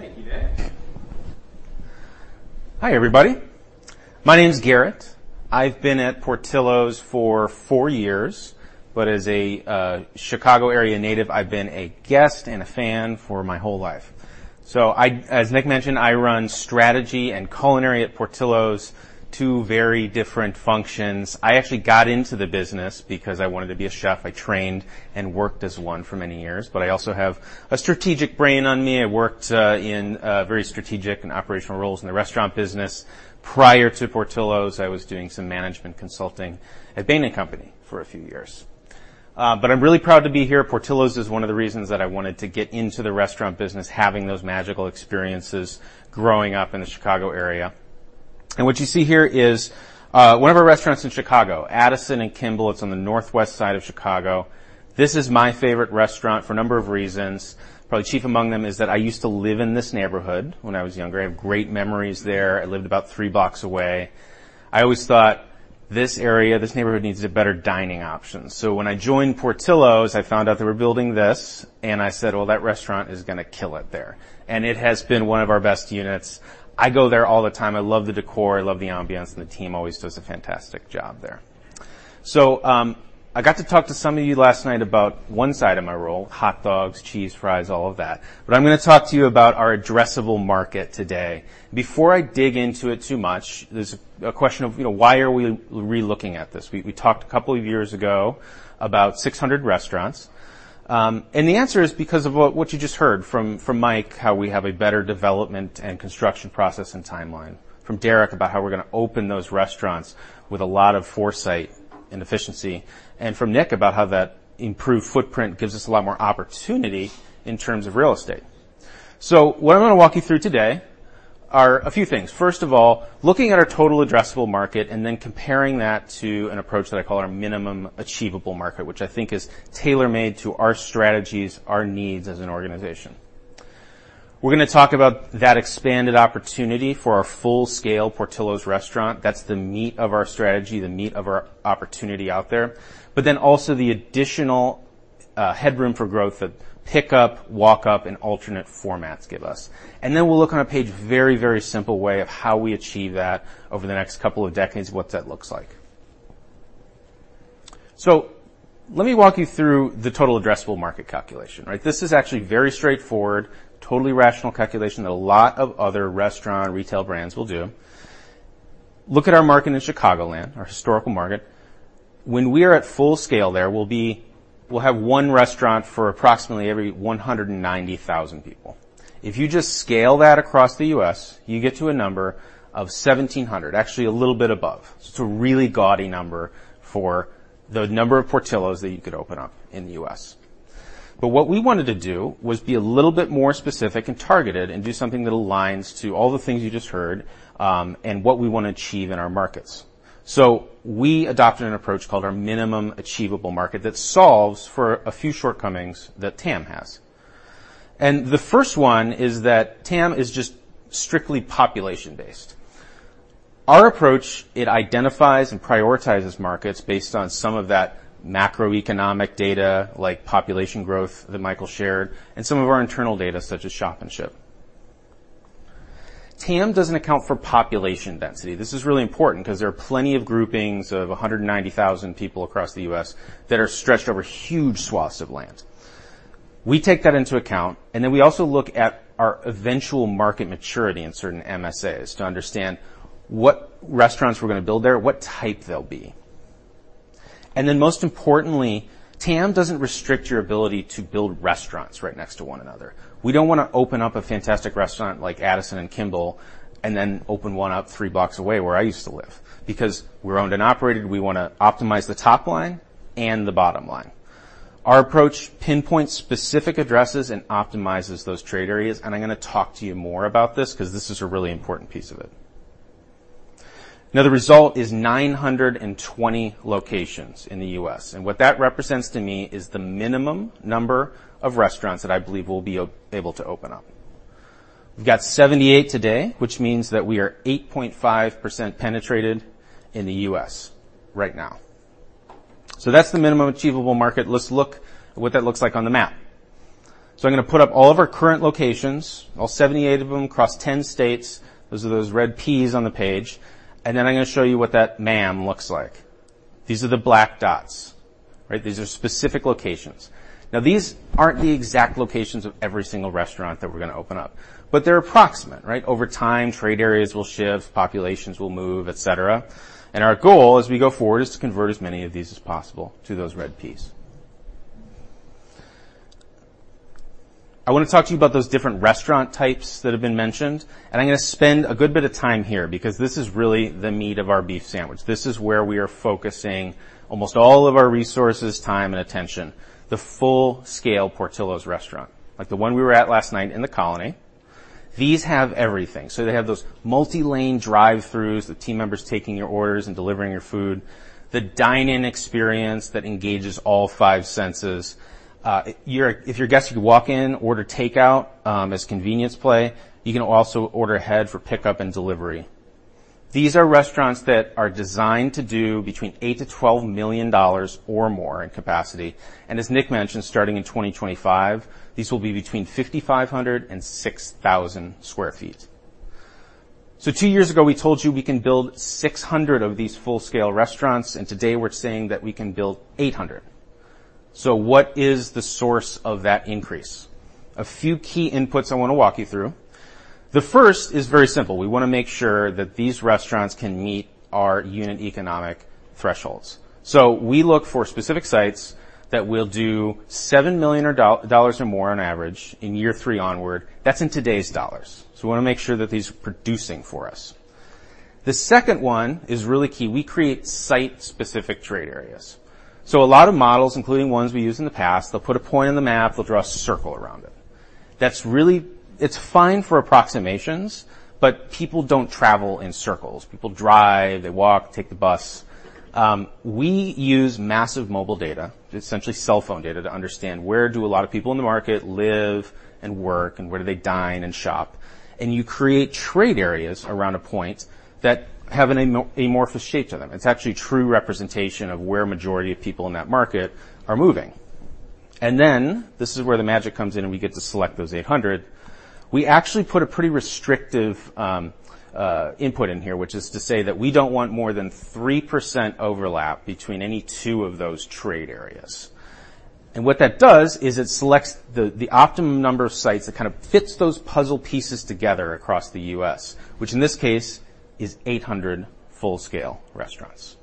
There you go, sir. Thank you, Nick. Hi, everybody. My name is Garrett. I've been at Portillo's for four years, but as a Chicago area native, I've been a guest and a fan for my whole life. So I... As Nick mentioned, I run Strategy and Culinary at Portillo's, two very different functions. I actually got into the business because I wanted to be a chef. I trained and worked as one for many years, but I also have a strategic brain on me. I worked in very strategic and operational roles in the restaurant business. Prior to Portillo's, I was doing some management consulting at Bain & Company for a few years. But I'm really proud to be here. Portillo's is one of the reasons that I wanted to get into the restaurant business, having those magical experiences growing up in the Chicago are. What you see here is one of our restaurants in Chicago, Addison and Kimball. It's on the northwest side of Chicago. This is my favorite restaurant for a number of reasons. Probably chief among them is that I used to live in this neighborhood when I was younger. I have great memories there. I lived about three blocks away. I always thought, "This area, this neighborhood needs a better dining option." So when I joined Portillo's, I found out they were building this, and I said, "Well, that restaurant is gonna kill it there." And it has been one of our best units. I go there all the time. I love the decor, I love the ambiance, and the team always does a fantastic job there. So, I got to talk to some of you last night about one side of my role, hot dogs, cheese fries, all of that. But I'm gonna talk to you about our addressable market today. Before I dig into it too much, there's a question of, you know, why are we re-looking at this? We talked a couple of years ago about 600 restaurants, and the answer is because of what you just heard from Mike, how we have a better development and construction process and timeline, from Derrick about how we're gonna open those restaurants with a lot of foresight and efficiency, and from Nick about how that improved footprint gives us a lot more opportunity in terms of real estate. So what I'm gonna walk you through today are a few things. First of all, looking at our total addressable market and then comparing that to an approach that I call our minimum achievable market, which I think is tailor-made to our strategies, our needs as an organization. We're gonna talk about that expanded opportunity for our full-scale Portillo's restaurant. That's the meat of our strategy, the meat of our opportunity out there, but then also the additional, headroom for growth that pickup, walk up, and alternate formats give us. And then we'll look on a page, very, very simple way of how we achieve that over the next couple of decades, what that looks like. So let me walk you through the total addressable market calculation, right? This is actually very straightforward, totally rational calculation that a lot of other restaurant and retail brands will do. Look at our market in Chicagoland, our historical market. When we are at full scale there, we'll have one restaurant for approximately every 190,000 people. If you just scale that across the U.S., you get to a number of 1,700, actually a little bit above. So it's a really gaudy number for the number of Portillo's that you could open up in the U.S. But what we wanted to do was be a little bit more specific and targeted and do something that aligns to all the things you just heard, and what we want to achieve in our markets. So we adopted an approach called our Minimum Achievable Market, that solves for a few shortcomings that TAM has. And the first one is that TAM is just strictly population-based. Our approach, it identifies and prioritizes markets based on some of that macroeconomic data, like population growth that Michael shared, and some of our internal data, such as Shop & Ship. TAM doesn't account for population density. This is really important because there are plenty of groupings of 190,000 people across the U.S. that are stretched over huge swaths of land. We take that into account, and then we also look at our eventual market maturity in certain MSAs to understand what restaurants we're going to build there, what type they'll be. And then, most importantly, TAM doesn't restrict your ability to build restaurants right next to one another. We don't want to open up a fantastic restaurant like Addison and Kimball, and then open one up three blocks away where I used to live. Because we're owned and operated, we wanna optimize the top line and the bottom line. Our approach pinpoints specific addresses and optimizes those trade areas, and I'm gonna talk to you more about this because this is a really important piece of it. Now, the result is 920 locations in the U.S., and what that represents to me is the minimum number of restaurants that I believe we'll be able to open up. We've got 78 today, which means that we are 8.5% penetrated in the U.S. right now. So that's the minimum achievable market. Let's look at what that looks like on the map. So I'm gonna put up all of our current locations, all 78 of them across 10 states. Those are those red Ps on the page, and then I'm gonna show you what that MAM looks like. These are the black dots. Right? These are specific locations. Now, these aren't the exact locations of every single restaurant that we're gonna open up, but they're approximate, right? Over time, trade areas will shift, populations will move, et cetera, and our goal, as we go forward, is to convert as many of these as possible to those red Ps. I want to talk to you about those different restaurant types that have been mentioned, and I'm gonna spend a good bit of time here because this is really the meat of our beef sandwich. This is where we are focusing almost all of our resources, time, and attention, the full-scale Portillo's restaurant, like the one we were at last night in The Colony. These have everything. So they have those multi-lane drive-thrus, the team members taking your orders and delivering your food, the dine-in experience that engages all five senses. If you're a guest, you can walk in, order takeout, as convenience play. You can also order ahead for pickup and delivery. These are restaurants that are designed to do between $8 million-$12 million or more in capacity, and as Nick mentioned, starting in 2025, these will be between 5,500-6,000 sq ft. So two years ago, we told you we can build 600 of these full-scale restaurants, and today we're saying that we can build 800. So what is the source of that increase? A few key inputs I want to walk you through. The first is very simple. We want to make sure that these restaurants can meet our unit economic thresholds. So we look for specific sites that will do $7 million or more on average in year three onward. That's in today's dollars. So we want to make sure that these are producing for us. The second one is really key. We create site-specific trade areas. So a lot of models, including ones we used in the past, they'll put a point on the map, they'll draw a circle around it. That's really... It's fine for approximations, but people don't travel in circles. People drive, they walk, take the bus. We use massive mobile data, essentially cell phone data, to understand where do a lot of people in the market live and work, and where do they dine and shop. And you create trade areas around a point that have an amorphous shape to them. It's actually a true representation of where majority of people in that market are moving. Then this is where the magic comes in and we get to select those 800. We actually put a pretty restrictive input in here, which is to say that we don't want more than 3% overlap between any two of those trade areas. And what that does is it selects the optimum number of sites that kind of fits those puzzle pieces together across the U.S., which in this case is 800 full-scale restaurants.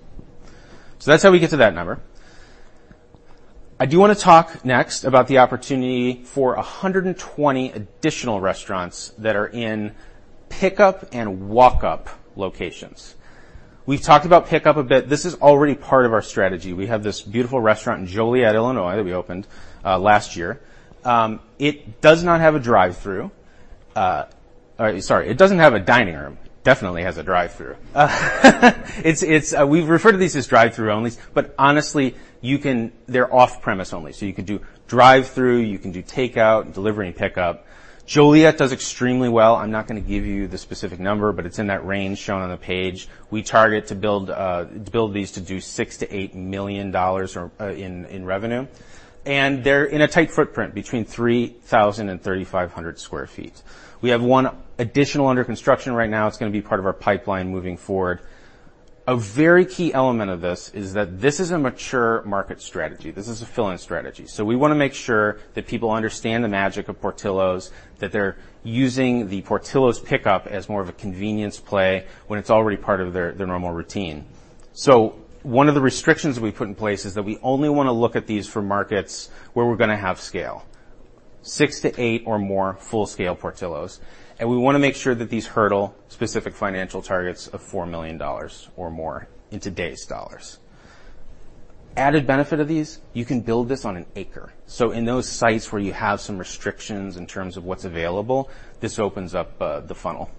So that's how we get to that number. I do want to talk next about the opportunity for 120 additional restaurants that are in pickup and walk-up locations. We've talked about pickup a bit. This is already part of our strategy. We have this beautiful restaurant in Joliet, Illinois, that we opened last year. It does not have a drive-thru. Sorry, it doesn't have a dining room. Definitely has a drive-thru. It's... We refer to these as drive-thru only, but honestly, you can, they're off-premise only. So you can do drive-thru, you can do takeout, delivery, and pickup. Joliet does extremely well. I'm not gonna give you the specific number, but it's in that range shown on the page. We target to build these to do $6 million-$8 million in revenue, and they're in a tight footprint between 3,000-3,500 sq ft. We have one additional under construction right now. It's gonna be part of our pipeline moving forward. A very key element of this is that this is a mature market strategy. This is a fill-in strategy. So we want to make sure that people understand the magic of Portillo's, that they're using the Portillo's pickup as more of a convenience play when it's already part of their normal routine. So one of the restrictions we've put in place is that we only want to look at these for markets where we're gonna have scale. 6 to 8 or more full-scale Portillo's, and we want to make sure that these hurdle specific financial targets of $4 million or more in today's dollars. Added benefit of these, you can build this on an acre. So in those sites where you have some restrictions in terms of what's available, this opens up the funnel.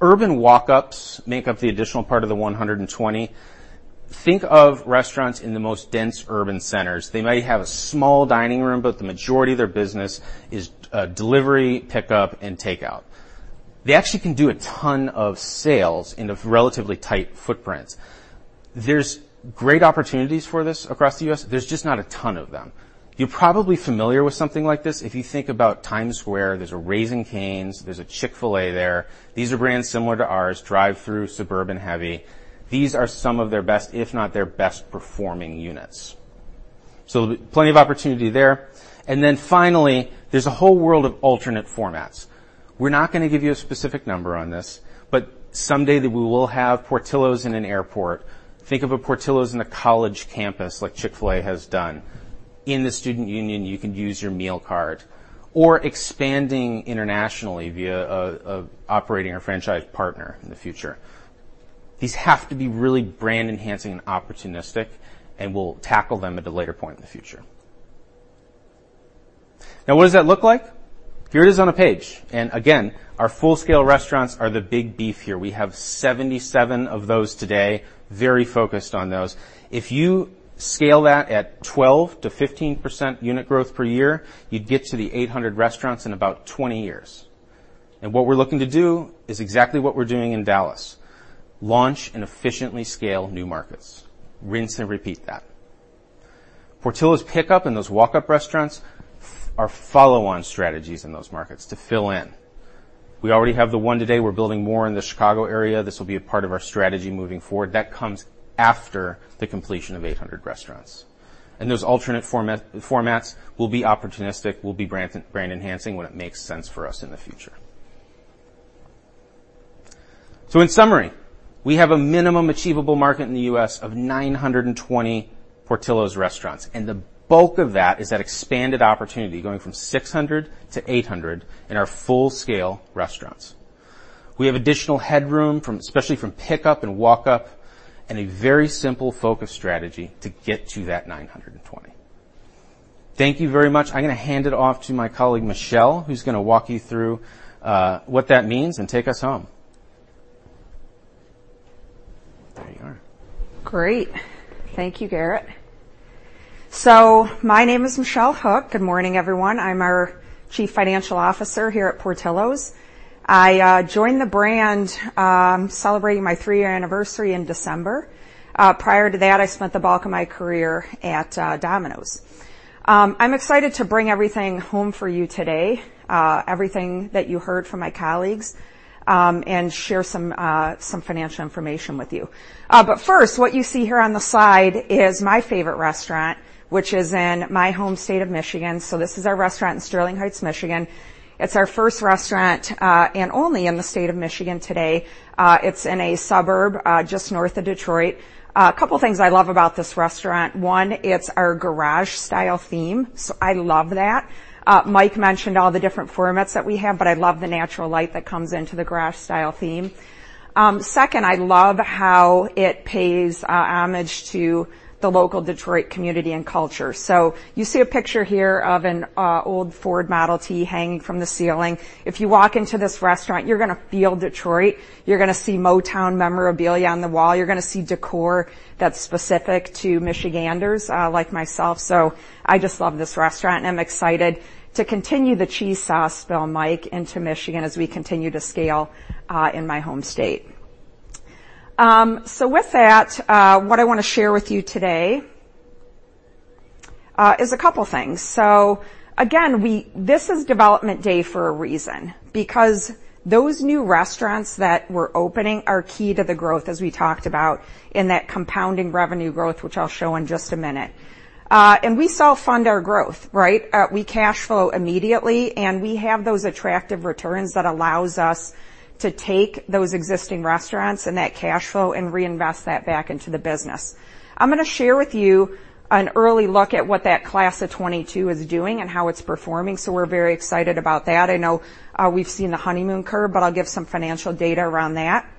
Urban walk-ups make up the additional part of the 120. Think of restaurants in the most dense urban centers. They might have a small dining room, but the majority of their business is delivery, pickup, and takeout. They actually can do a ton of sales in a relatively tight footprint. There's great opportunities for this across the U.S., there's just not a ton of them. You're probably familiar with something like this. If you think about Times Square, there's a Raising Cane's, there's a Chick-fil-A there. These are brands similar to ours, drive-through, suburban heavy. These are some of their best, if not their best, performing units. So plenty of opportunity there. And then finally, there's a whole world of alternate formats. We're not going to give you a specific number on this, but someday we will have Portillo's in an airport. Think of a Portillo's in a college campus, like Chick-fil-A has done. In the student union, you can use your meal card, or expanding internationally via an operating or franchise partner in the future. These have to be really brand-enhancing and opportunistic, and we'll tackle them at a later point in the future. Now, what does that look like? Here it is on a page. Again, our full-scale restaurants are the big beef here. We have 77 of those today, very focused on those. If you scale that at 12%-15% unit growth per year, you'd get to the 800 restaurants in about 20 years. What we're looking to do is exactly what we're doing in Dallas, launch and efficiently scale new markets. Rinse and repeat that. Portillo's pickup and those walk-up restaurants are follow-on strategies in those markets to fill in. We already have the one today, we're building more in the Chicago area. This will be a part of our strategy moving forward. That comes after the completion of 800 restaurants. Those alternate formats will be opportunistic, will be brand enhancing when it makes sense for us in the future. In summary, we have a minimum achievable market in the U.S. of 920 Portillo's restaurants, and the bulk of that is that expanded opportunity, going from 600 to 800 in our full-scale restaurants. We have additional headroom, from, especially from pickup and walk-up, and a very simple focus strategy to get to that 920. Thank you very much. I'm going to hand it off to my colleague, Michelle, who's going to walk you through what that means and take us home. There you are. Great. Thank you, Garrett. So my name is Michelle Hook. Good morning, everyone. I'm our Chief Financial Officer here at Portillo's. I joined the brand, celebrating my three-year anniversary in December. Prior to that, I spent the bulk of my career at Domino's. I'm excited to bring everything home for you today, everything that you heard from my colleagues, and share some financial information with you. But first, what you see here on the side is my favorite restaurant, which is in my home state of Michigan. So this is our restaurant in Sterling Heights, Michigan. It's our first restaurant, and only in the state of Michigan today. It's in a suburb, just north of Detroit. A couple of things I love about this restaurant. One, it's our garage-style theme, so I love that. Mike mentioned all the different formats that we have, but I love the natural light that comes into the garage-style theme. Second, I love how it pays homage to the local Detroit community and culture. So you see a picture here of an old Ford Model T hanging from the ceiling. If you walk into this restaurant, you're going to feel Detroit, you're going to see Motown memorabilia on the wall, you're going to see decor that's specific to Michiganders, like myself. So I just love this restaurant, and I'm excited to continue the cheese sauce build, Mike, into Michigan as we continue to scale in my home state. So with that, what I want to share with you today is a couple of things. So again, this is Development Day for a reason, because those new restaurants that we're opening are key to the growth, as we talked about, in that compounding revenue growth, which I'll show in just a minute. And we self-fund our growth, right? We cash flow immediately, and we have those attractive returns that allows us to take those existing restaurants and that cash flow and reinvest that back into the business. I'm going to share with you an early look at what that class of 22 is doing and how it's performing, so we're very excited about that. I know, we've seen the honeymoon curve, but I'll give some financial data around that.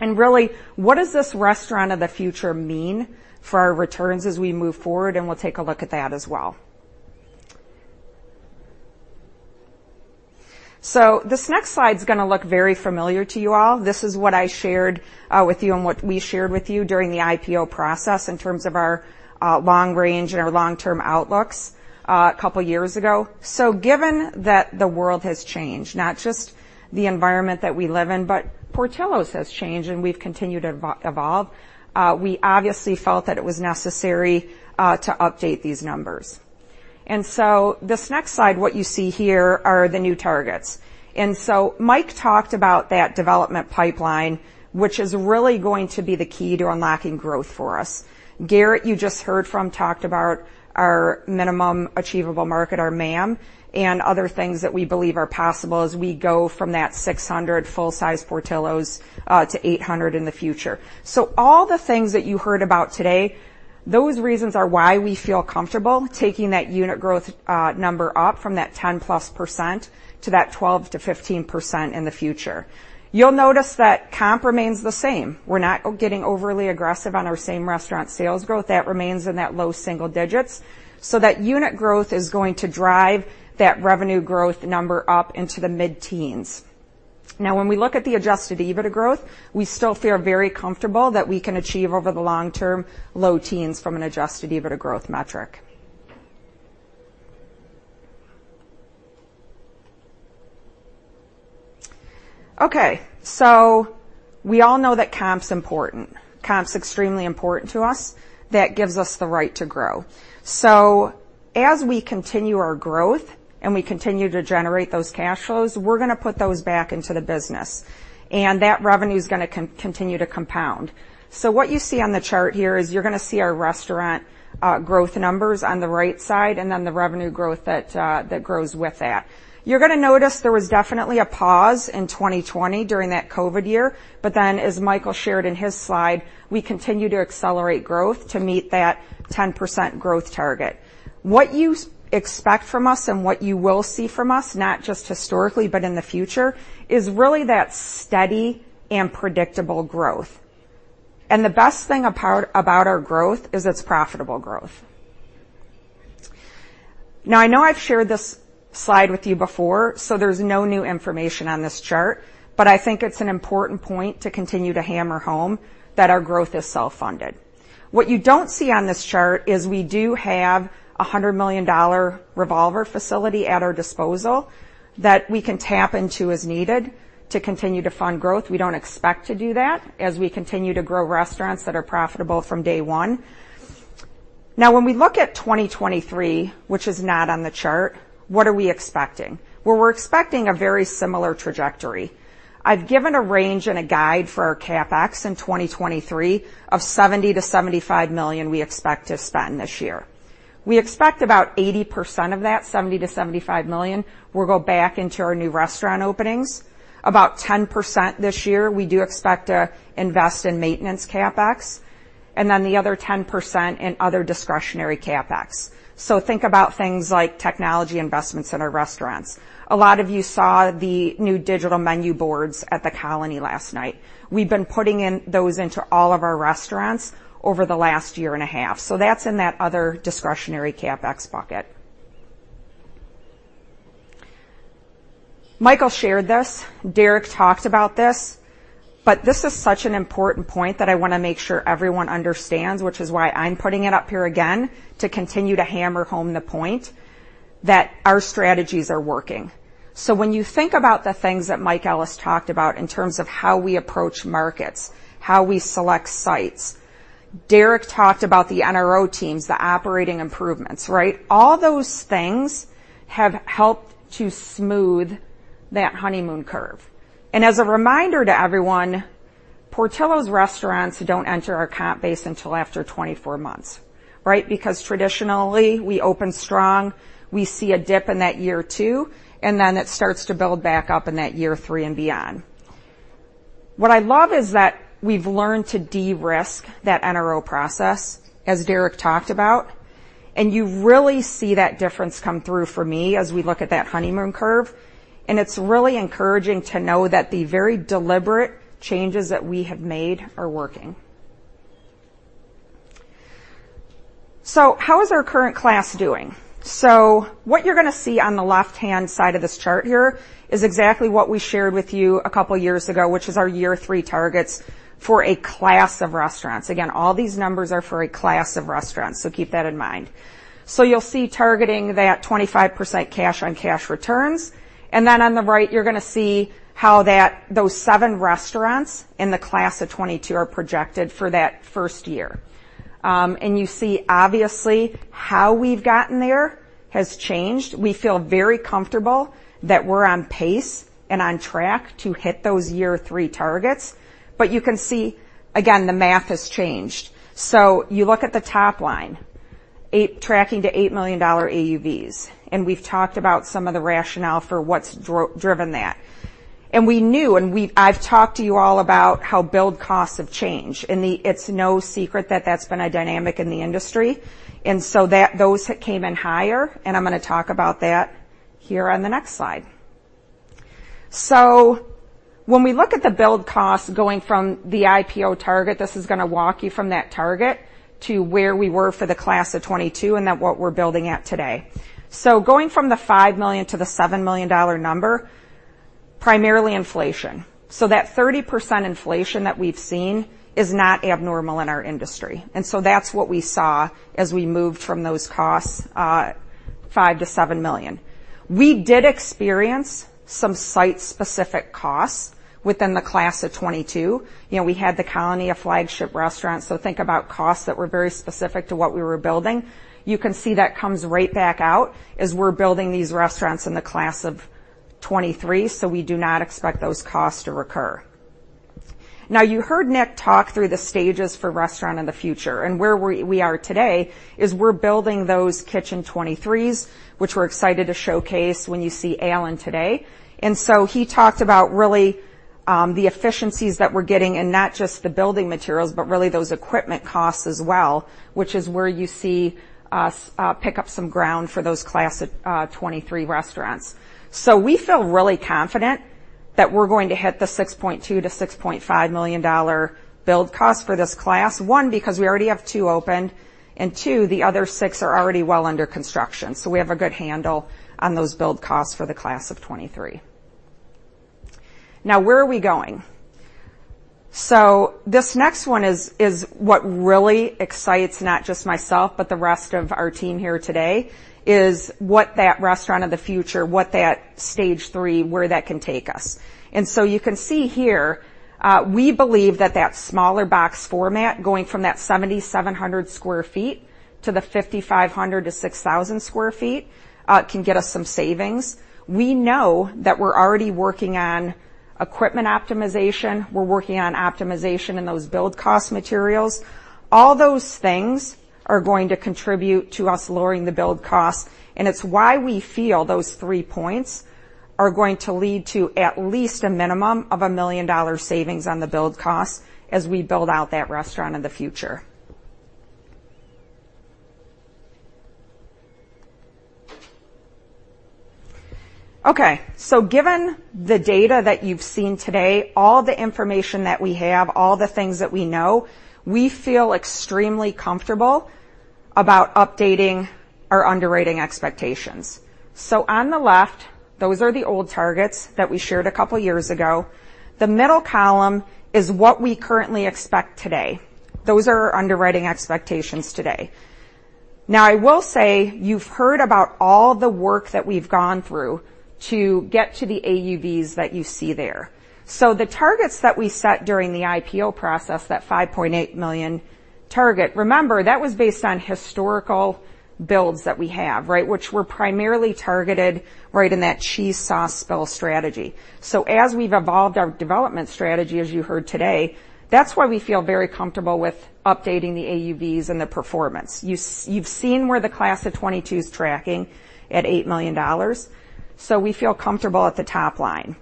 And really, what does this Restaurant of the Future mean for our returns as we move forward? And we'll take a look at that as well. So this next slide is going to look very familiar to you all. This is what I shared with you and what we shared with you during the IPO process in terms of our long range and our long-term outlooks a couple of years ago. So given that the world has changed, not just the environment that we live in, but Portillo's has changed and we've continued to evolve, we obviously felt that it was necessary to update these numbers. And so this next slide, what you see here are the new targets. And so Mike talked about that development pipeline, which is really going to be the key to unlocking growth for us. Garrett, you just heard from, talked about our minimum achievable market, our MAM, and other things that we believe are possible as we go from that 600 full-size Portillo's, to 800 in the future. So all the things that you heard about today, those reasons are why we feel comfortable taking that unit growth, number up from that 10%+ to that 12%-15% in the future. You'll notice that comp remains the same. We're not getting overly aggressive on our same-restaurant sales growth. That remains in that low single digits, so that unit growth is going to drive that revenue growth number up into the mid-teens. Now, when we look at the Adjusted EBITDA growth, we still feel very comfortable that we can achieve over the long term, low teens from an Adjusted EBITDA growth metric. Okay, so we all know that comp's important. Comp's extremely important to us. That gives us the right to grow. So as we continue our growth and we continue to generate those cash flows, we're going to put those back into the business, and that revenue is going to continue to compound. So what you see on the chart here is you're going to see our restaurant growth numbers on the right side and then the revenue growth that grows with that. You're going to notice there was definitely a pause in 2020 during that COVID year, but then, as Michael shared in his slide, we continue to accelerate growth to meet that 10% growth target. What you expect from us and what you will see from us, not just historically, but in the future, is really that steady and predictable growth. The best thing about our growth is it's profitable growth. Now, I know I've shared this slide with you before, so there's no new information on this chart, but I think it's an important point to continue to hammer home that our growth is self-funded. What you don't see on this chart is we do have a $100 million revolver facility at our disposal that we can tap into as needed to continue to fund growth. We don't expect to do that as we continue to grow restaurants that are profitable from day one. Now, when we look at 2023, which is not on the chart, what are we expecting? Well, we're expecting a very similar trajectory. I've given a range and a guide for our CapEx in 2023 of $70 million-$75 million we expect to spend this year. We expect about 80% of that, $70 million-$75 million, will go back into our new restaurant openings. About 10% this year, we do expect to invest in maintenance CapEx, and then the other 10% in other discretionary CapEx. So think about things like technology investments in our restaurants. A lot of you saw the new digital menu boards at The Colony last night. We've been putting in those into all of our restaurants over the last year and a half, so that's in that other discretionary CapEx bucket. Michael shared this, Derrick talked about this, but this is such an important point that I want to make sure everyone understands, which is why I'm putting it up here again, to continue to hammer home the point that our strategies are working. So when you think about the things that Mike Ellis talked about in terms of how we approach markets, how we select sites, Derrick talked about the NRO teams, the operating improvements, right? All those things have helped to smooth that honeymoon curve. And as a reminder to everyone, Portillo's restaurants don't enter our comp base until after 24 months, right? Because traditionally, we open strong, we see a dip in that year 2, and then it starts to build back up in that year 3 and beyond. What I love is that we've learned to de-risk that NRO process, as Derrick talked about, and you really see that difference come through for me as we look at that honeymoon curve. And it's really encouraging to know that the very deliberate changes that we have made are working. So how is our current class doing? So what you're going to see on the left-hand side of this chart here is exactly what we shared with you a couple of years ago, which is our year three targets for a class of restaurants. Again, all these numbers are for a class of restaurants, so keep that in mind. So you'll see targeting that 25% cash-on-cash returns, and then on the right, you're going to see how that—those seven restaurants in the class of 2022 are projected for that first year. And you see, obviously, how we've gotten there has changed. We feel very comfortable that we're on pace and on track to hit those year three targets, but you can see, again, the math has changed. So you look at the top line, tracking to $8 million AUVs, and we've talked about some of the rationale for what's driven that. And we knew, and I've talked to you all about how build costs have changed, and it's no secret that that's been a dynamic in the industry, and so those came in higher, and I'm going to talk about that here on the next slide. So when we look at the build costs going from the IPO target, this is going to walk you from that target to where we were for the class of 2022 and to what we're building at today. So going from the $5 million to the $7 million number, primarily inflation. So that 30% inflation that we've seen is not abnormal in our industry. That's what we saw as we moved from those costs, five to seven million. We did experience some site-specific costs within the class of '22. You know, we had The Colony, a flagship restaurant, so think about costs that were very specific to what we were building. You can see that comes right back out as we're building these restaurants in the class of '23, so we do not expect those costs to recur. Now, you heard Nick talk through the stages for restaurant in the future, and where we are today is we're building those Kitchen 23s, which we're excited to showcase when you see Allen today. So he talked about really the efficiencies that we're getting and not just the building materials, but really those equipment costs as well, which is where you see us pick up some ground for those class 2023 restaurants. So we feel really confident that we're going to hit the $6.2 million-$6.5 million build cost for this class. 1, because we already have 2 open, and 2, the other 6 are already well under construction. So we have a good handle on those build costs for the class of 2023. Now, where are we going? So this next one is what really excites not just myself, but the rest of our team here today, is what that Restaurant of the Future, what that Stage Three, where that can take us. You can see here, we believe that that smaller box format, going from that 7,700 sq ft to the 5,500-6,000 sq ft, can get us some savings. We know that we're already working on equipment optimization. We're working on optimization in those build cost materials. All those things are going to contribute to us lowering the build cost, and it's why we feel those three points are going to lead to at least a minimum of $1 million savings on the build cost as we build out that restaurant in the future. Okay, so given the data that you've seen today, all the information that we have, all the things that we know, we feel extremely comfortable about updating our underwriting expectations. On the left, those are the old targets that we shared a couple of years ago. The middle column is what we currently expect today. Those are our underwriting expectations today. Now, I will say, you've heard about all the work that we've gone through to get to the AUVs that you see there. So the targets that we set during the IPO process, that $5.8 million target, remember, that was based on historical builds that we have, right, which were primarily targeted right in that cheese sauce spill strategy. So as we've evolved our development strategy, as you heard today, that's why we feel very comfortable with updating the AUVs and the performance. You've seen where the class of '22 is tracking at $8 million, so we feel comfortable at the top line.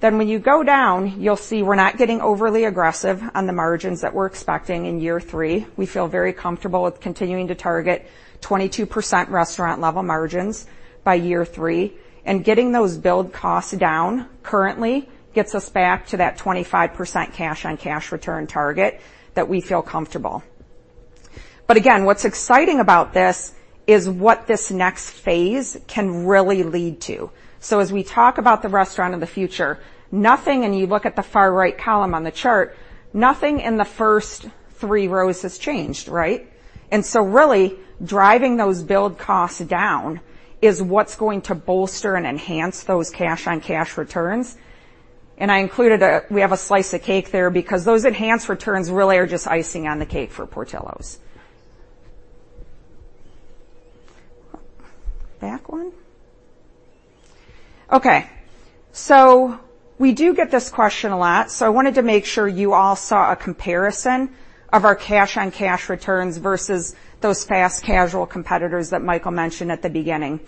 Then when you go down, you'll see we're not getting overly aggressive on the margins that we're expecting in year three. We feel very comfortable with continuing to target 22% restaurant level margins by year three, and getting those build costs down currently gets us back to that 25% cash-on-cash return target that we feel comfortable. But again, what's exciting about this is what this next phase can really lead to. So as we talk about the restaurant in the future, nothing, and you look at the far right column on the chart, nothing in the first three rows has changed, right? And so really, driving those build costs down is what's going to bolster and enhance those cash-on-cash returns. And I included a... We have a slice of cake there because those enhanced returns really are just icing on the cake for Portillo's. Back one. Okay, so we do get this question a lot, so I wanted to make sure you all saw a comparison of our cash-on-cash returns versus those fast casual competitors that Michael mentioned at the beginning.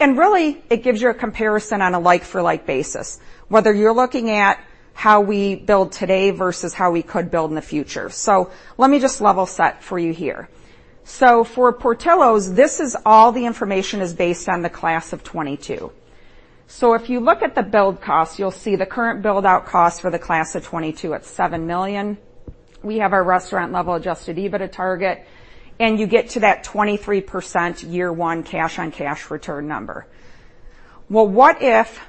And really, it gives you a comparison on a like-for-like basis, whether you're looking at how we build today versus how we could build in the future. So let me just level set for you here. So for Portillo's, this is all the information is based on the class of 2022. So if you look at the build cost, you'll see the current build-out cost for the class of 2022 at $7 million. We have our restaurant level adjusted EBITDA target, and you get to that 23% year one cash-on-cash return number. Well, what if,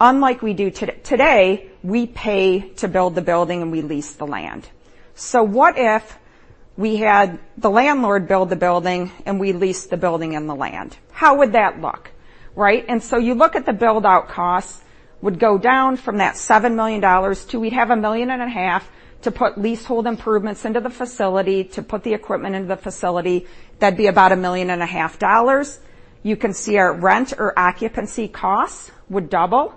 unlike we do today, we pay to build the building and we lease the land? So what if we had the landlord build the building and we leased the building and the land? How would that look, right? And so you look at the build-out costs, would go down from that $7 million to we'd have $1.5 million to put leasehold improvements into the facility, to put the equipment into the facility. That'd be about $1.5 million. You can see our rent or occupancy costs would double,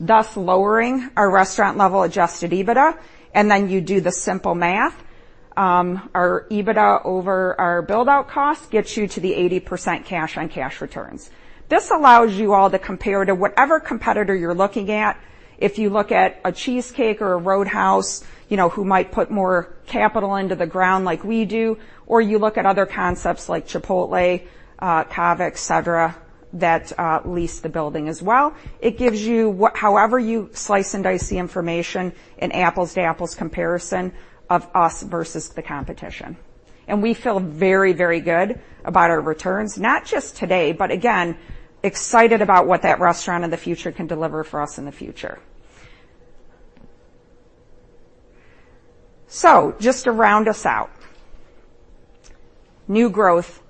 thus lowering our restaurant level adjusted EBITDA, and then you do the simple math. Our EBITDA over our build-out cost gets you to the 80% cash-on-cash returns. This allows you all to compare to whatever competitor you're looking at. If you look at a Cheesecake or a Roadhouse, you know, who might put more capital into the ground like we do, or you look at other concepts like Chipotle, Cava, et cetera, that lease the building as well. It gives you what... However, you slice and dice the information in apples-to-apples comparison of us versus the competition. And we feel very, very good about our returns, not just today, but again, excited about what that restaurant in the future can deliver for us in the future.... So just to round us out, new growth,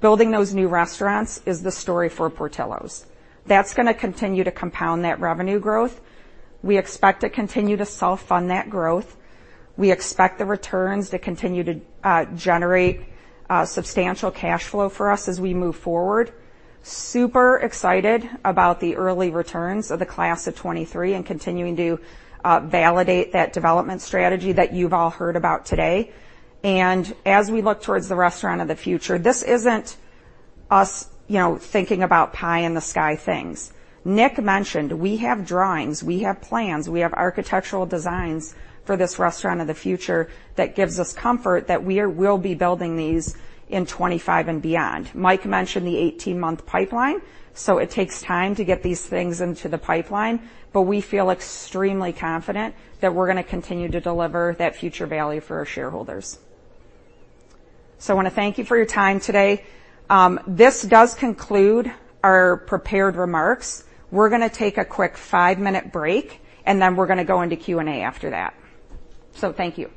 building those new restaurants is the story for Portillo's. That's going to continue to compound that revenue growth. We expect to continue to self-fund that growth. We expect the returns to continue to generate substantial cash flow for us as we move forward. Super excited about the early returns of the class of 2023 and continuing to validate that development strategy that you've all heard about today. As we look towards the Restaurant of the Future, this isn't us, you know, thinking about pie-in-the-sky things. Nick mentioned we have drawings, we have plans, we have architectural designs for this Restaurant of the Future that gives us comfort that we will be building these in 2025 and beyond. Mike mentioned the 18-month pipeline, so it takes time to get these things into the pipeline, but we feel extremely confident that we're going to continue to deliver that future value for our shareholders. I want to thank you for your time today. This does conclude our prepared remarks. We're going to take a quick 5-minute break, and then we're going to go into Q&A after that. Thank you.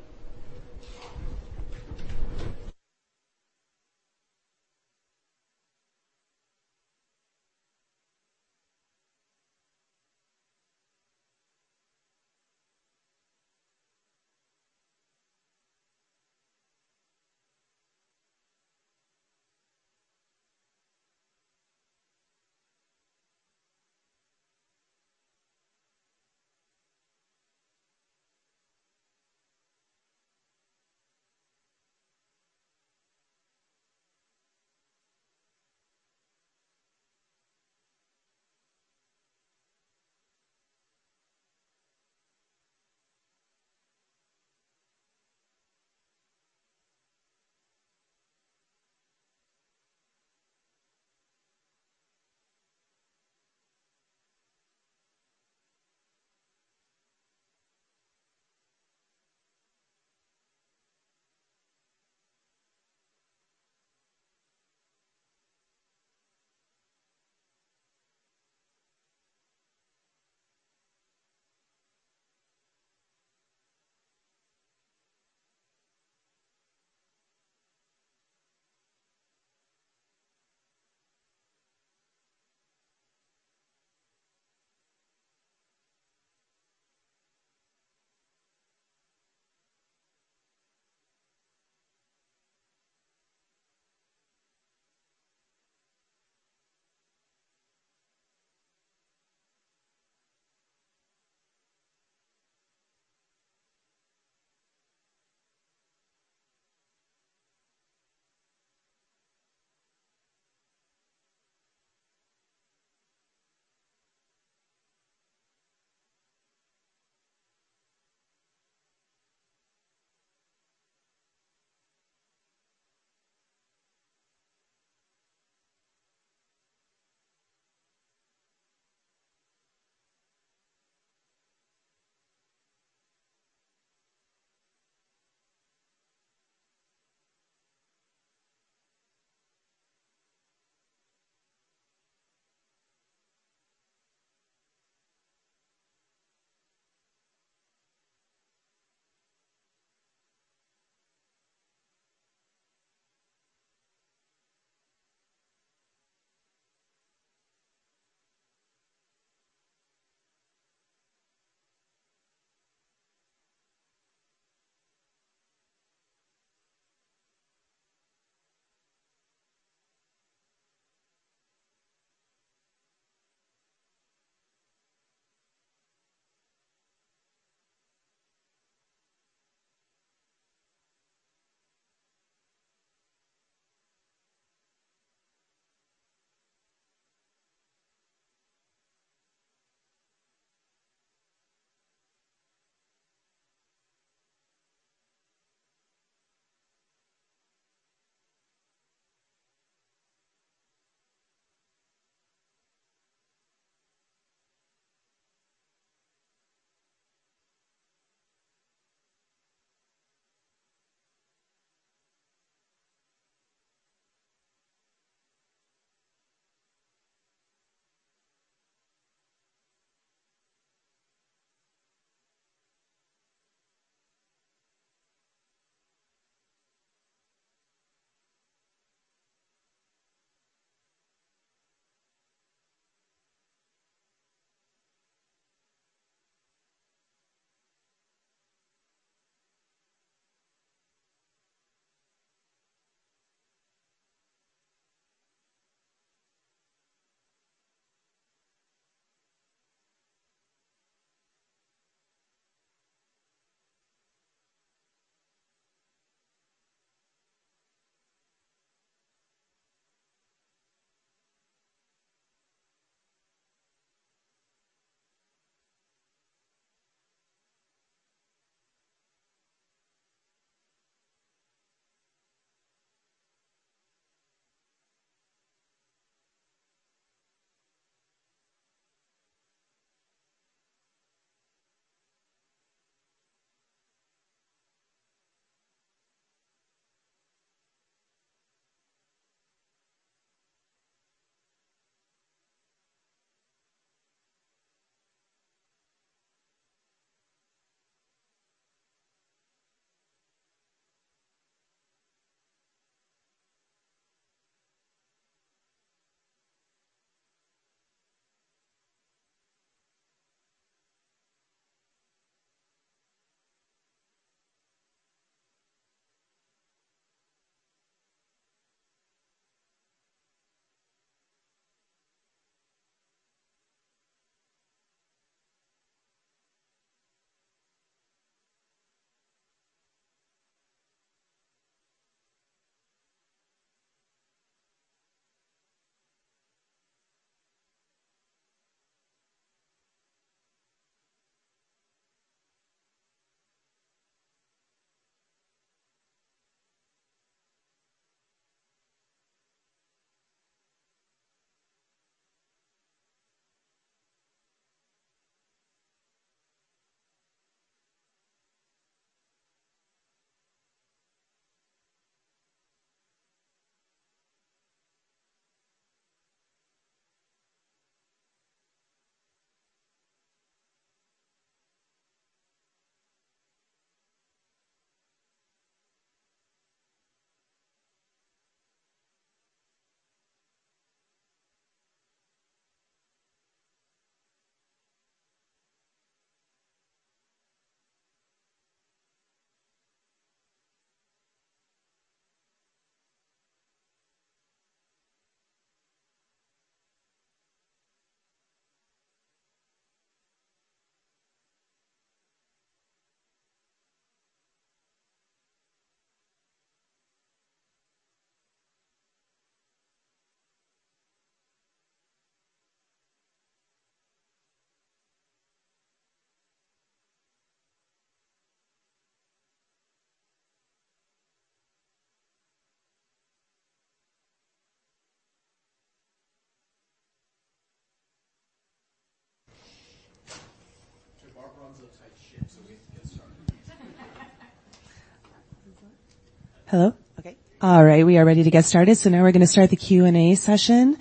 Barb's a tight ship, so we have to get started. Hello? Okay. All right, we are ready to get started. So now we're going to start the Q&A session.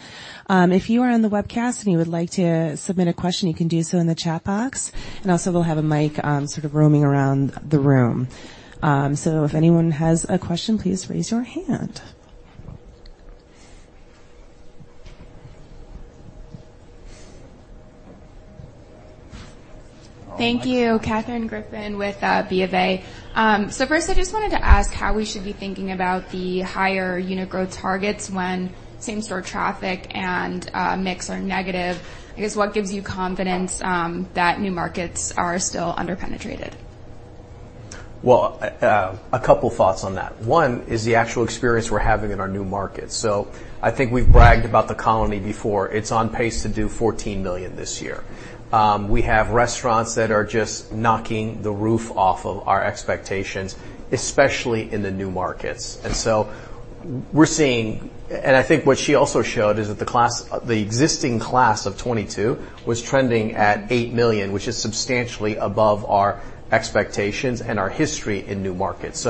If you are on the webcast and you would like to submit a question, you can do so in the chat box. And also, we'll have a mic, sort of roaming around the room. So if anyone has a question, please raise your hand. Thank you. Katherine Griffin with BofA. So first, I just wanted to ask how we should be thinking about the higher unit growth targets when same-store traffic and mix are negative. I guess, what gives you confidence that new markets are still under-penetrated? Well, a couple thoughts on that. One is the actual experience we're having in our new markets. I think we've bragged about The Colony before. It's on pace to do $14 million this year. We have restaurants that are just knocking the roof off of our expectations, especially in the new markets. We're seeing-- I think what she also showed is that the existing class of 2022 was trending at $8 million, which is substantially above our expectations and our history in new markets.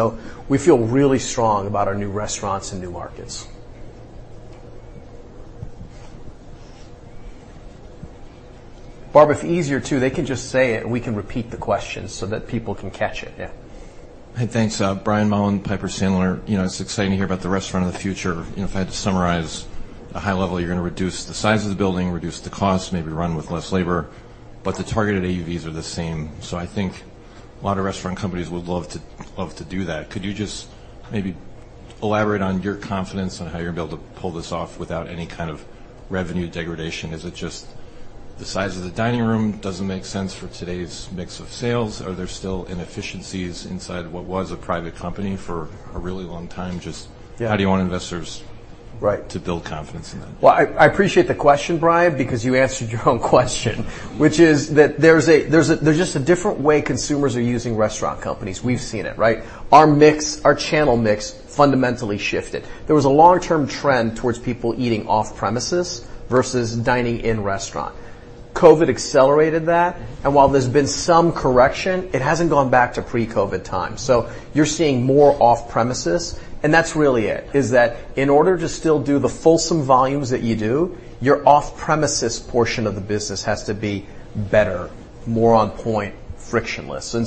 We feel really strong about our new restaurants and new markets. Barbara, if it's easier, too, they can just say it, and we can repeat the question so that people can catch it. Yeah. Hey, thanks. Brian Mullan, Piper Sandler. You know, it's exciting to hear about the Restaurant of the Future. If I had to summarize at a high level, you're going to reduce the size of the building, reduce the cost, maybe run with less labor, but the targeted AUVs are the same. So I think a lot of restaurant companies would love to, love to do that. Could you just maybe elaborate on your confidence on how you're going to be able to pull this off without any kind of revenue degradation? Is it just the size of the dining room doesn't make sense for today's mix of sales? Are there still inefficiencies inside what was a private company for a really long? Just- Yeah. How do you want investors to build confidence in that? Well, I appreciate the question, Brian, because you answered your own question, which is that there's just a different way consumers are using restaurant companies. We've seen it, right? Our mix, our channel mix fundamentally shifted. There was a long-term trend towards people eating off-premises versus dining in restaurant. COVID accelerated that, and while there's been some correction, it hasn't gone back to pre-COVID times. So you're seeing more off-premises, and that's really it, is that in order to still do the fulsome volumes that you do, your off-premises portion of the business has to be better, more on point, frictionless. And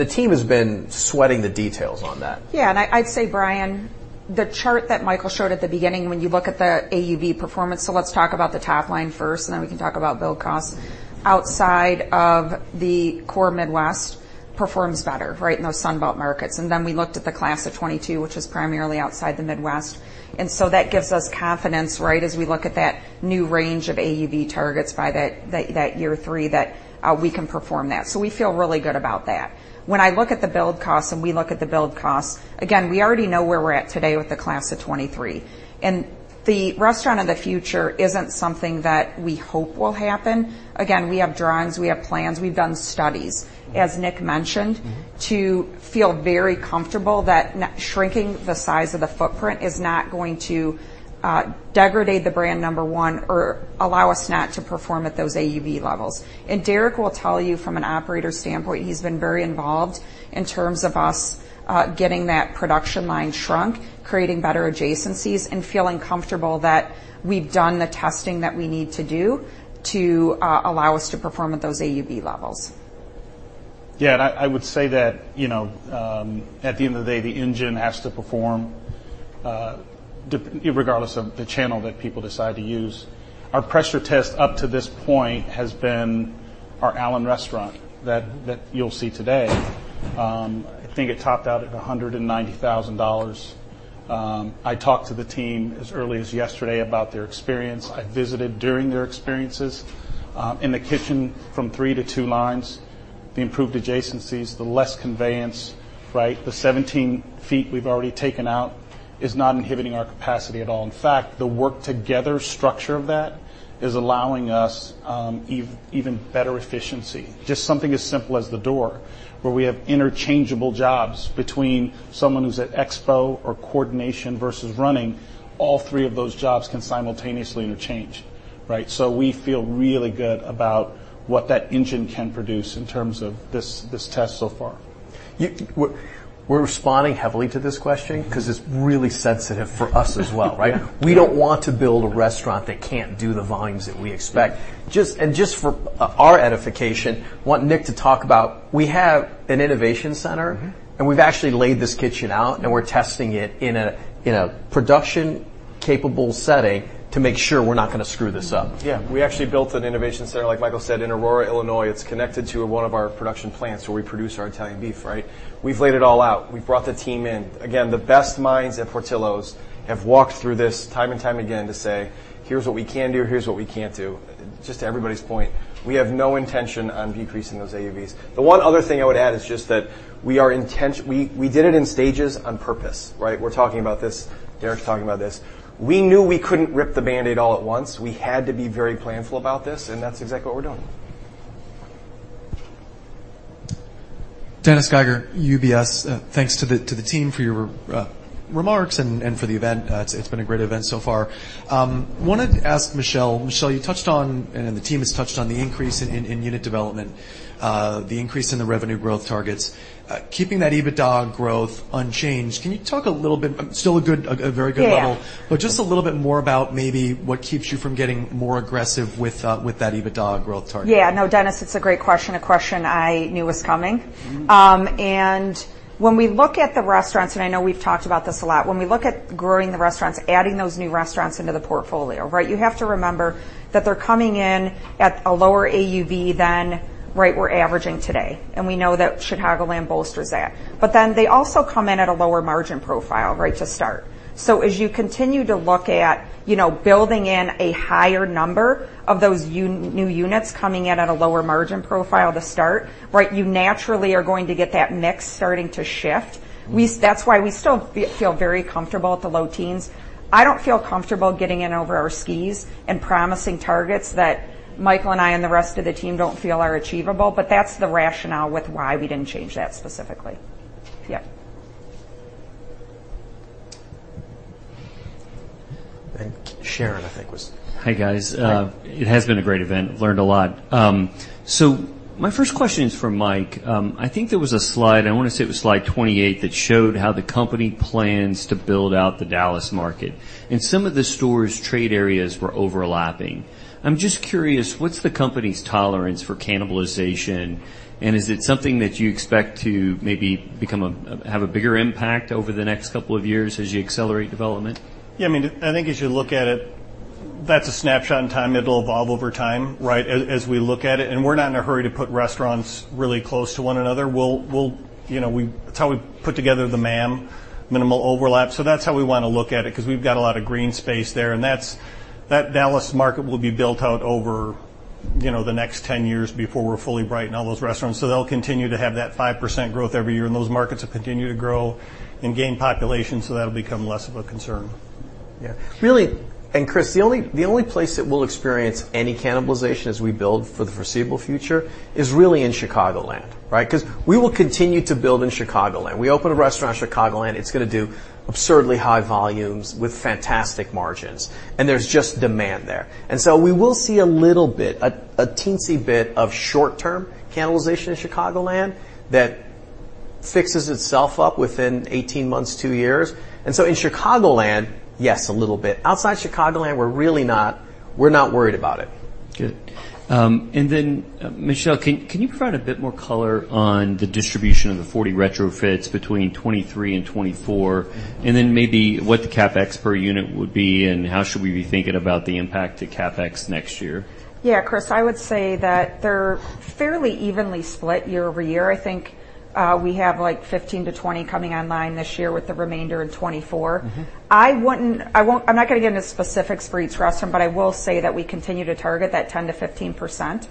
the team has been sweating the details on that. Yeah, and I'd say, Brian, the chart that Michael showed at the beginning, when you look at the AUV performance, so let's talk about the top line first, and then we can talk about build costs. Outside of the core Midwest performs better, right, in those Sunbelt markets. And then we looked at the class of 2022, which is primarily outside the Midwest. And so that gives us confidence, right, as we look at that new range of AUV targets by that year three that we can perform that. So we feel really good about that. When I look at the build costs, and we look at the build costs, again, we already know where we're at today with the class of 2023. And the restaurant in the future isn't something that we hope will happen. Again, we have drawings, we have plans, we've done studies, as Nick mentioned- to feel very comfortable that shrinking the size of the footprint is not going to degradate the brand, number one, or allow us not to perform at those AUV levels. And Derrick will tell you from an operator standpoint, he's been very involved in terms of us getting that production line shrunk, creating better adjacencies, and feeling comfortable that we've done the testing that we need to do to allow us to perform at those AUV levels. Yeah, and I, I would say that, you know, at the end of the day, the engine has to perform irregardless of the channel that people decide to use. Our pressure test up to this point has been our Allen restaurant that you'll see today. I think it topped out at $190,000. I talked to the team as early as yesterday about their experience. I visited during their experiences in the kitchen from three to two lines, the improved adjacencies, the less conveyance, right? The 17 feet we've already taken out is not inhibiting our capacity at all. In fact, the work together structure of that is allowing us even better efficiency. Just something as simple as the door, where we have interchangeable jobs between someone who's at expo or coordination versus running. All three of those jobs can simultaneously interchange, right? We feel really good about what that engine can produce in terms of this, this test so far. We're, we're responding heavily to this question 'cause it's really sensitive for us as well, right? We don't want to build a restaurant that can't do the volumes that we expect. And just for our edification, I want Nick to talk about, we have an innovation center-. And we've actually laid this kitchen out, and we're testing it in a production-capable setting to make sure we're not gonna screw this up. Yeah. We actually built an innovation center, like Michael said, in Aurora, Illinois. It's connected to one of our production plants, where we produce our Italian Beef, right? We've laid it all out. We've brought the team in. Again, the best minds at Portillo's have walked through this time and time again to say, "Here's what we can do. Here's what we can't do." Just to everybody's point, we have no intention on decreasing those AUVs. The one other thing I would add is just that we are intent... We, we did it in stages on purpose, right? We're talking about this. Derrick's talking about this. We knew we couldn't rip the Band-Aid all at once. We had to be very planful about this, and that's exactly what we're doing. Dennis Geiger, UBS. Thanks to the team for your remarks and for the event. It's been a great event so far. Wanted to ask Michelle. Michelle, you touched on, and then the team has touched on the increase in unit development, the increase in the revenue growth targets. Keeping that EBITDA growth unchanged, can you talk a little bit... Still a good, a very good level- Yeah. But just a little bit more about maybe what keeps you from getting more aggressive with, with that EBITDA growth target? Yeah. No, Dennis, it's a great question, a question I knew was coming. And when we look at the restaurants, and I know we've talked about this a lot, when we look at growing the restaurants, adding those new restaurants into the portfolio, right, you have to remember that they're coming in at a lower AUV than, right, we're averaging today, and we know that Chicagoland bolsters that. But then they also come in at a lower margin profile, right, to start. So as you continue to look at, you know, building in a higher number of those new units coming in at a lower margin profile to start, right, you naturally are going to get that mix starting to shift. That's why we still feel very comfortable at the low teens. I don't feel comfortable getting in over our skis and promising targets that Michael and I and the rest of the team don't feel are achievable, but that's the rationale with why we didn't change that specifically. Yeah. Sharon, I think, was- Hi, guys. Hi. It has been a great event. Learned a lot. So my first question is for Mike. I think there was a slide, I want to say it was slide 28, that showed how the company plans to build out the Dallas market, and some of the stores' trade areas were overlapping. I'm just curious, what's the company's tolerance for cannibalization, and is it something that you expect to maybe have a bigger impact over the next couple of years as you accelerate development? Yeah, I mean, I think as you look at it, that's a snapshot in time. It'll evolve over time, right, as we look at it, and we're not in a hurry to put restaurants really close to one another. We'll. You know, that's how we put together the MAM, minimal overlap. So that's how we want to look at it, 'cause we've got a lot of green space there, and that's. That Dallas market will be built out over, you know, the next 10 years before we're fully built in all those restaurants. So they'll continue to have that 5% growth every year, and those markets will continue to grow and gain population, so that'll become less of a concern. Yeah. Really, and Chris, the only place that we'll experience any cannibalization as we build for the foreseeable future is really in Chicagoland, right? 'Cause we will continue to build in Chicagoland. We open a restaurant in Chicagoland, it's gonna do absurdly high volumes with fantastic margins, and there's just demand there. And so we will see a little bit, a teensy bit, of short-term cannibalization in Chicagoland that fixes itself up within 18 months, two years. And so in Chicagoland, yes, a little bit. Outside Chicagoland, we're really not worried about it. Good. And then, Michelle, can, can you provide a bit more color on the distribution of the 40 retrofits between 2023 and 2024, and then maybe what the CapEx per unit would be, and how should we be thinking about the impact to CapEx next year? Yeah, Chris, I would say that they're fairly evenly split year-over-year. I think, we have, like, 15-20 coming online this year, with the remainder in 2024. I won't. I'm not gonna get into specifics for each restaurant, but I will say that we continue to target that 10%-15%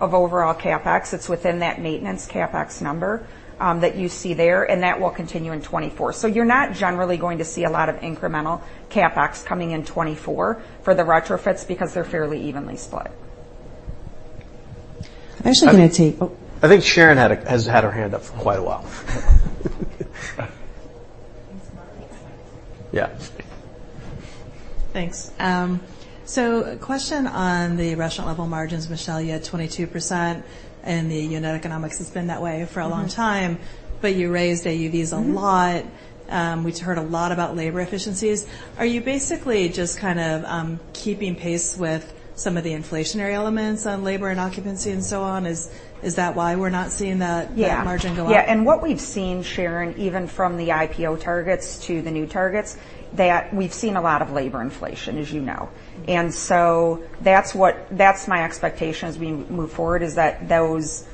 of overall CapEx. It's within that maintenance CapEx number that you see there, and that will continue in 2024. So you're not generally going to see a lot of incremental CapEx coming in 2024 for the retrofits because they're fairly evenly split. I'm actually gonna take - Oh, I think Sharon had a, has had her hand up for quite a while. Thanks, Mike. Yeah. Thanks. So a question on the restaurant level margins, Michelle, you had 22%, and the unit economics has been that way for a long time. Mm-hmm. But you raised AUVs a lot. Mm-hmm. We heard a lot about labor efficiencies. Are you basically just kind of keeping pace with some of the inflationary elements on labor and occupancy and so on? Is that why we're not seeing that- Yeah -that margin go up? Yeah, and what we've seen, Sharon, even from the IPO targets to the new targets, that we've seen a lot of labor inflation, as you know. That's my expectation as we move forward, is that those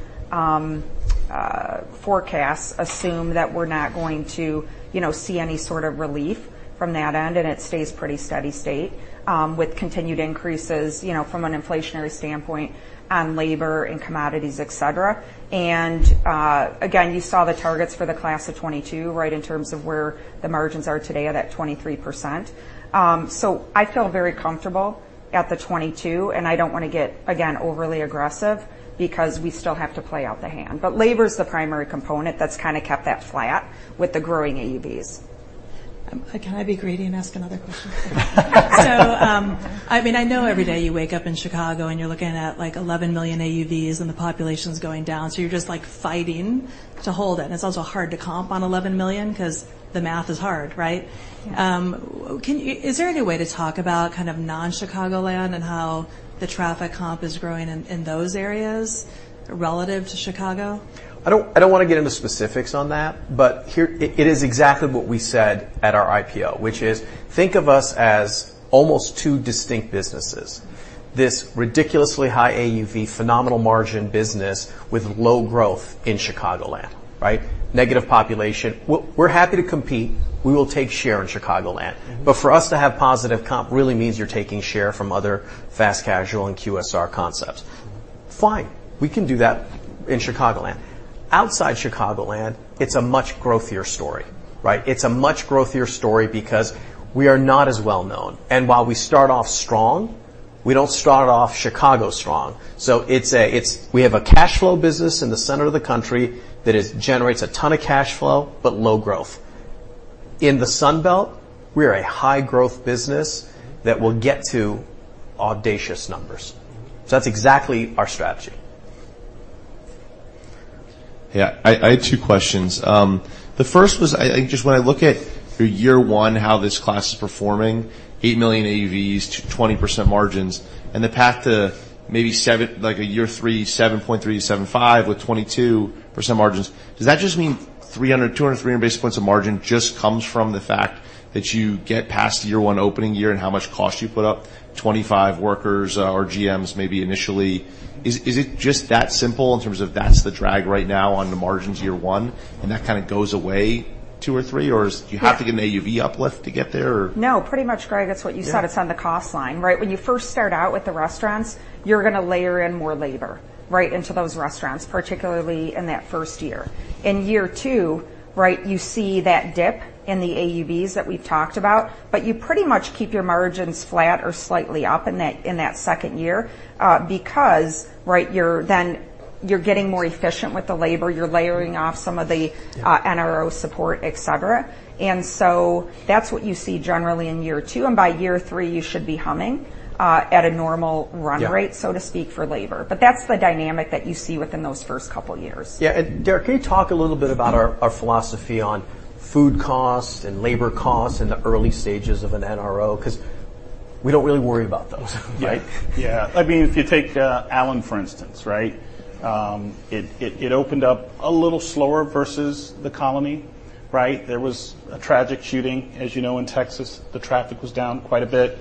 forecasts assume that we're not going to, you know, see any sort of relief from that end, and it stays pretty steady state, you know, with continued increases, you know, from an inflationary standpoint on labor and commodities, et cetera. Again, you saw the targets for the class of 2022, right, in terms of where the margins are today at that 23%. I feel very comfortable at the 22, and I don't want to get, again, overly aggressive because we still have to play out the hand. Labor is the primary component that's kind of kept that flat with the growing AUVs. Can I be greedy and ask another question? So, I mean, I know every day you wake up in Chicago, and you're looking at, like, $11 million AUVs, and the population's going down, so you're just, like, fighting to hold it. And it's also hard to comp on $11 million because the math is hard, right? Yeah. Is there any way to talk about kind of non-Chicagoland and how the traffic comp is growing in those areas relative to Chicago? I don't want to get into specifics on that, but here it is exactly what we said at our IPO, which is: think of us as almost two distinct businesses. This ridiculously high AUV, phenomenal margin business with low growth in Chicagoland, right? Negative population. We're happy to compete. We will take share in Chicagoland. But for us to have positive comp really means you're taking share from other fast casual and QSR concepts. Fine, we can do that in Chicagoland. Outside Chicagoland, it's a much growthier story, right? It's a much growthier story because we are not as well known, and while we start off strong, we don't start off Chicago strong. So it's a cash flow business in the center of the country that generates a ton of cash flow, but low growth. In the Sun Belt, we are a high-growth business that will get to audacious numbers. That's exactly our strategy. Yeah, I had two questions. The first was I just when I look at through year one, how this class is performing, $8 million AUVs, 20% margins, and the path to maybe seven... like, a year three, $7.3-$7.5 with 22% margins, does that just mean 300, 200, 300 basis points of margin just comes from the fact that you get past the year one opening year and how much cost you put up, 25 workers or GMs maybe initially? Is it just that simple in terms of that's the drag right now on the margins year one, and that kind of goes away 2 or 3 do you have to get an AUV uplift to get there or- No, pretty much, Greg, that's what you said. Yeah. It's on the cost line, right? When you first start out with the restaurants, you're going to layer in more labor, right, into those restaurants, particularly in that first year. In year two, right, you see that dip in the AUVs that we've talked about, but you pretty much keep your margins flat or slightly up in that, in that second year, because, right, you're then getting more efficient with the labor, you're layering off some of the NRO support, et cetera. And so that's what you see generally in year two, and by year three, you should be humming at a normal run rate so to speak, for labor. But that's the dynamic that you see within those first couple of years. Yeah, and Derrick, can you talk a little bit about our philosophy on food costs and labor costs in the early stages of an NRO? Because we don't really worry about those, right? Yeah. I mean, if you take Allen, for instance, right? It opened up a little slower versus The Colony, right? There was a tragic shooting, as you know, in Texas. The traffic was down quite a bit,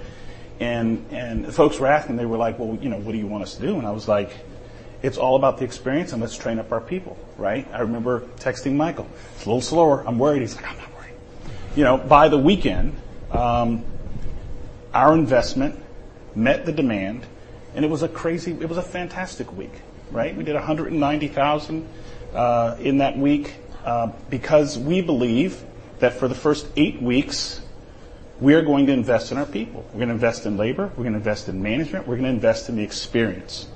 and the folks were asking, they were like: "Well, you know, what do you want us to do?" And I was like: It's all about the experience, and let's train up our people, right? I remember texting Michael, "It's a little slower. I'm worried." He's like: "I'm not worried." You know, by the weekend, our investment met the demand, and it was a crazy... It was a fantastic week, right? We did $190,000 in that week because we believe that for the first eight weeks, we are going to invest in our people. We're going to invest in labor, we're going to invest in management, we're going to invest in the experience,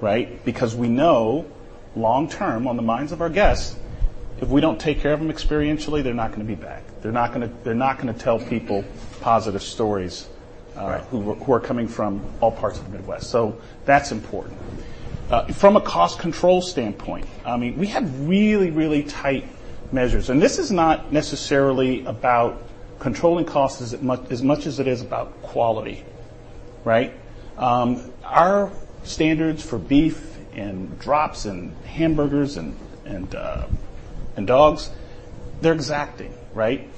right? Because we know long term, on the minds of our guests, if we don't take care of them experientially, they're not going to be back. They're not gonna, they're not gonna tell people positive stories-... who are coming from all parts of the Midwest. So that's important. From a cost control standpoint, I mean, we had really, really tight measures, and this is not necessarily about controlling costs as much, as much as it is about quality, right? Our standards for beef and dips and hamburgers and dogs, they're exacting, right?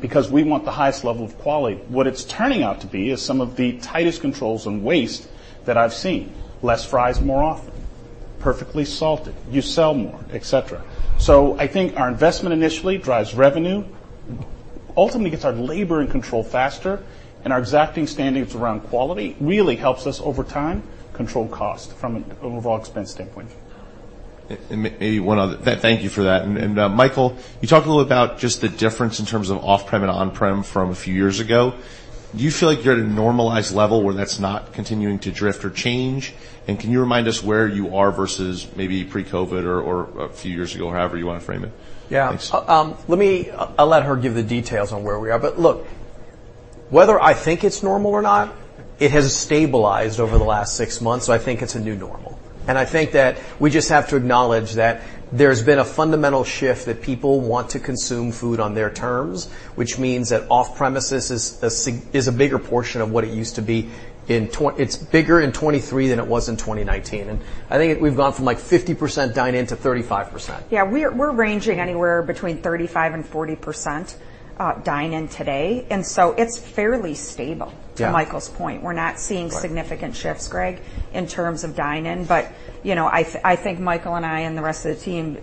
Because we want the highest level of quality. What it's turning out to be is some of the tightest controls on waste that I've seen. Less fries, more often, perfectly salted, you sell more, et cetera. So I think our investment initially drives revenue, ultimately gets our labor in control faster, and our exacting standards around quality really helps us, over time, control cost from an overall expense standpoint. And maybe one other... Thank you for that. And, Michael, you talked a little about just the difference in terms of off-prem and on-prem from a few years ago. Do you feel like you're at a normalized level where that's not continuing to drift or change? And can you remind us where you are versus maybe pre-COVID or a few years ago, or however you want to frame it? Yeah. Thanks. I'll let her give the details on where we are. But look, whether I think it's normal or not, it has stabilized over the last six months, so I think it's a new normal. And I think that we just have to acknowledge that there's been a fundamental shift, that people want to consume food on their terms, which means that off-premises is a bigger portion of what it used to be. It's bigger in 2023 than it was in 2019. And I think we've gone from, like, 50% dine-in to 35%. Yeah, we're raing anywhere between 35% and 40% dine-in today, and so it's fairly stable- Yeah ... to Michael's point. We're not seeing- Right significant shifts, Greg, in terms of dine-in. But, you know, I think Michael and I and the rest of the team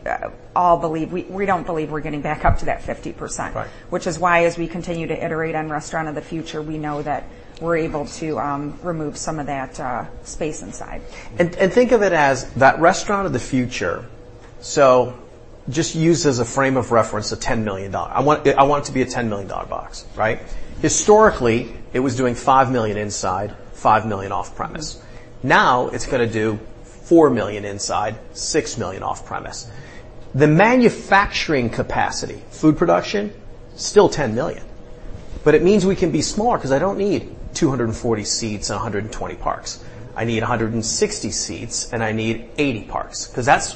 all believe we don't believe we're getting back up to that 50%. Right. Which is why, as we continue to iterate on Restaurant of the Future, we know that we're able to remove some of that space inside. Think of it as that Restaurant of the Future, so just use as a frame of reference, a $10 million box. I want it to be a $10 million box, right? Historically, it was doing $5 million inside, $5 million off-premise.. Now, it's gonna do $4 million inside, $6 million off-premise. The manufacturing capacity, food production, still $10 million. But it means we can be smaller 'cause I don't need 240 seats and 120 parks. I need 160 seats, and I need 80 parks, 'cause that's